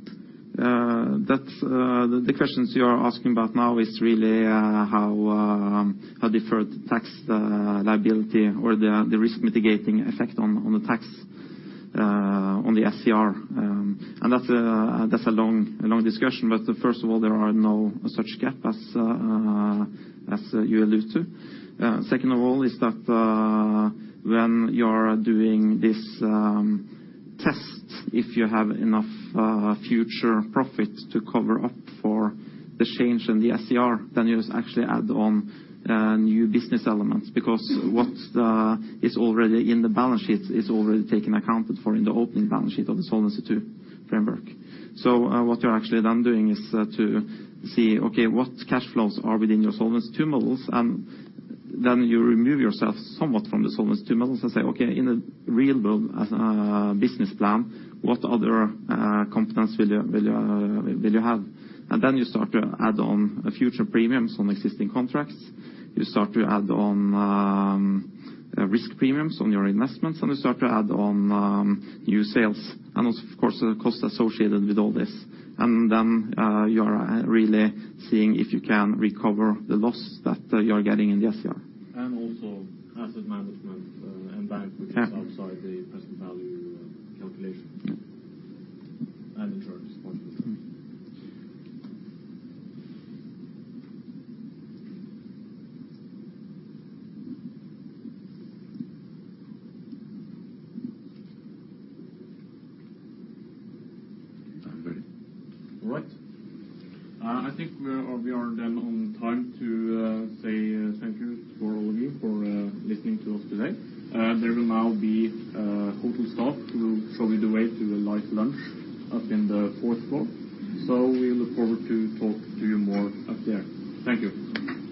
That's the questions you are asking about now is really how a deferred tax liability or the risk mitigating effect on the tax on the SCR. And that's a long discussion, but first of all, there are no such gap as you allude to. Second of all, is that when you're doing this test, if you have enough future profits to cover up for the change in the SCR, then you actually add on new business elements. Because what is already in the balance sheet is already taken accounted for in the opening balance sheet of the Solvency II framework. So, what you're actually then doing is to see, okay, what cash flows are within your Solvency II models, and then you remove yourself somewhat from the Solvency II models and say, "Okay, in the real world, as a business plan, what other competence will you have?" And then you start to add on the future premiums on existing contracts. You start to add on risk premiums on your investments, and you start to add on new sales, and of course, the cost associated with all this. And then you are really seeing if you can recover the loss that you are getting in the SCR. And also asset management, and bank- Yeah which is outside the present value calculation and in terms of it. I'm ready. All right. I think we are, we are then on time to say thank you to all of you for listening to us today. There will now be hotel staff who will show you the way to a light lunch up in the fourth floor. So we look forward to talk to you more up there. Thank you.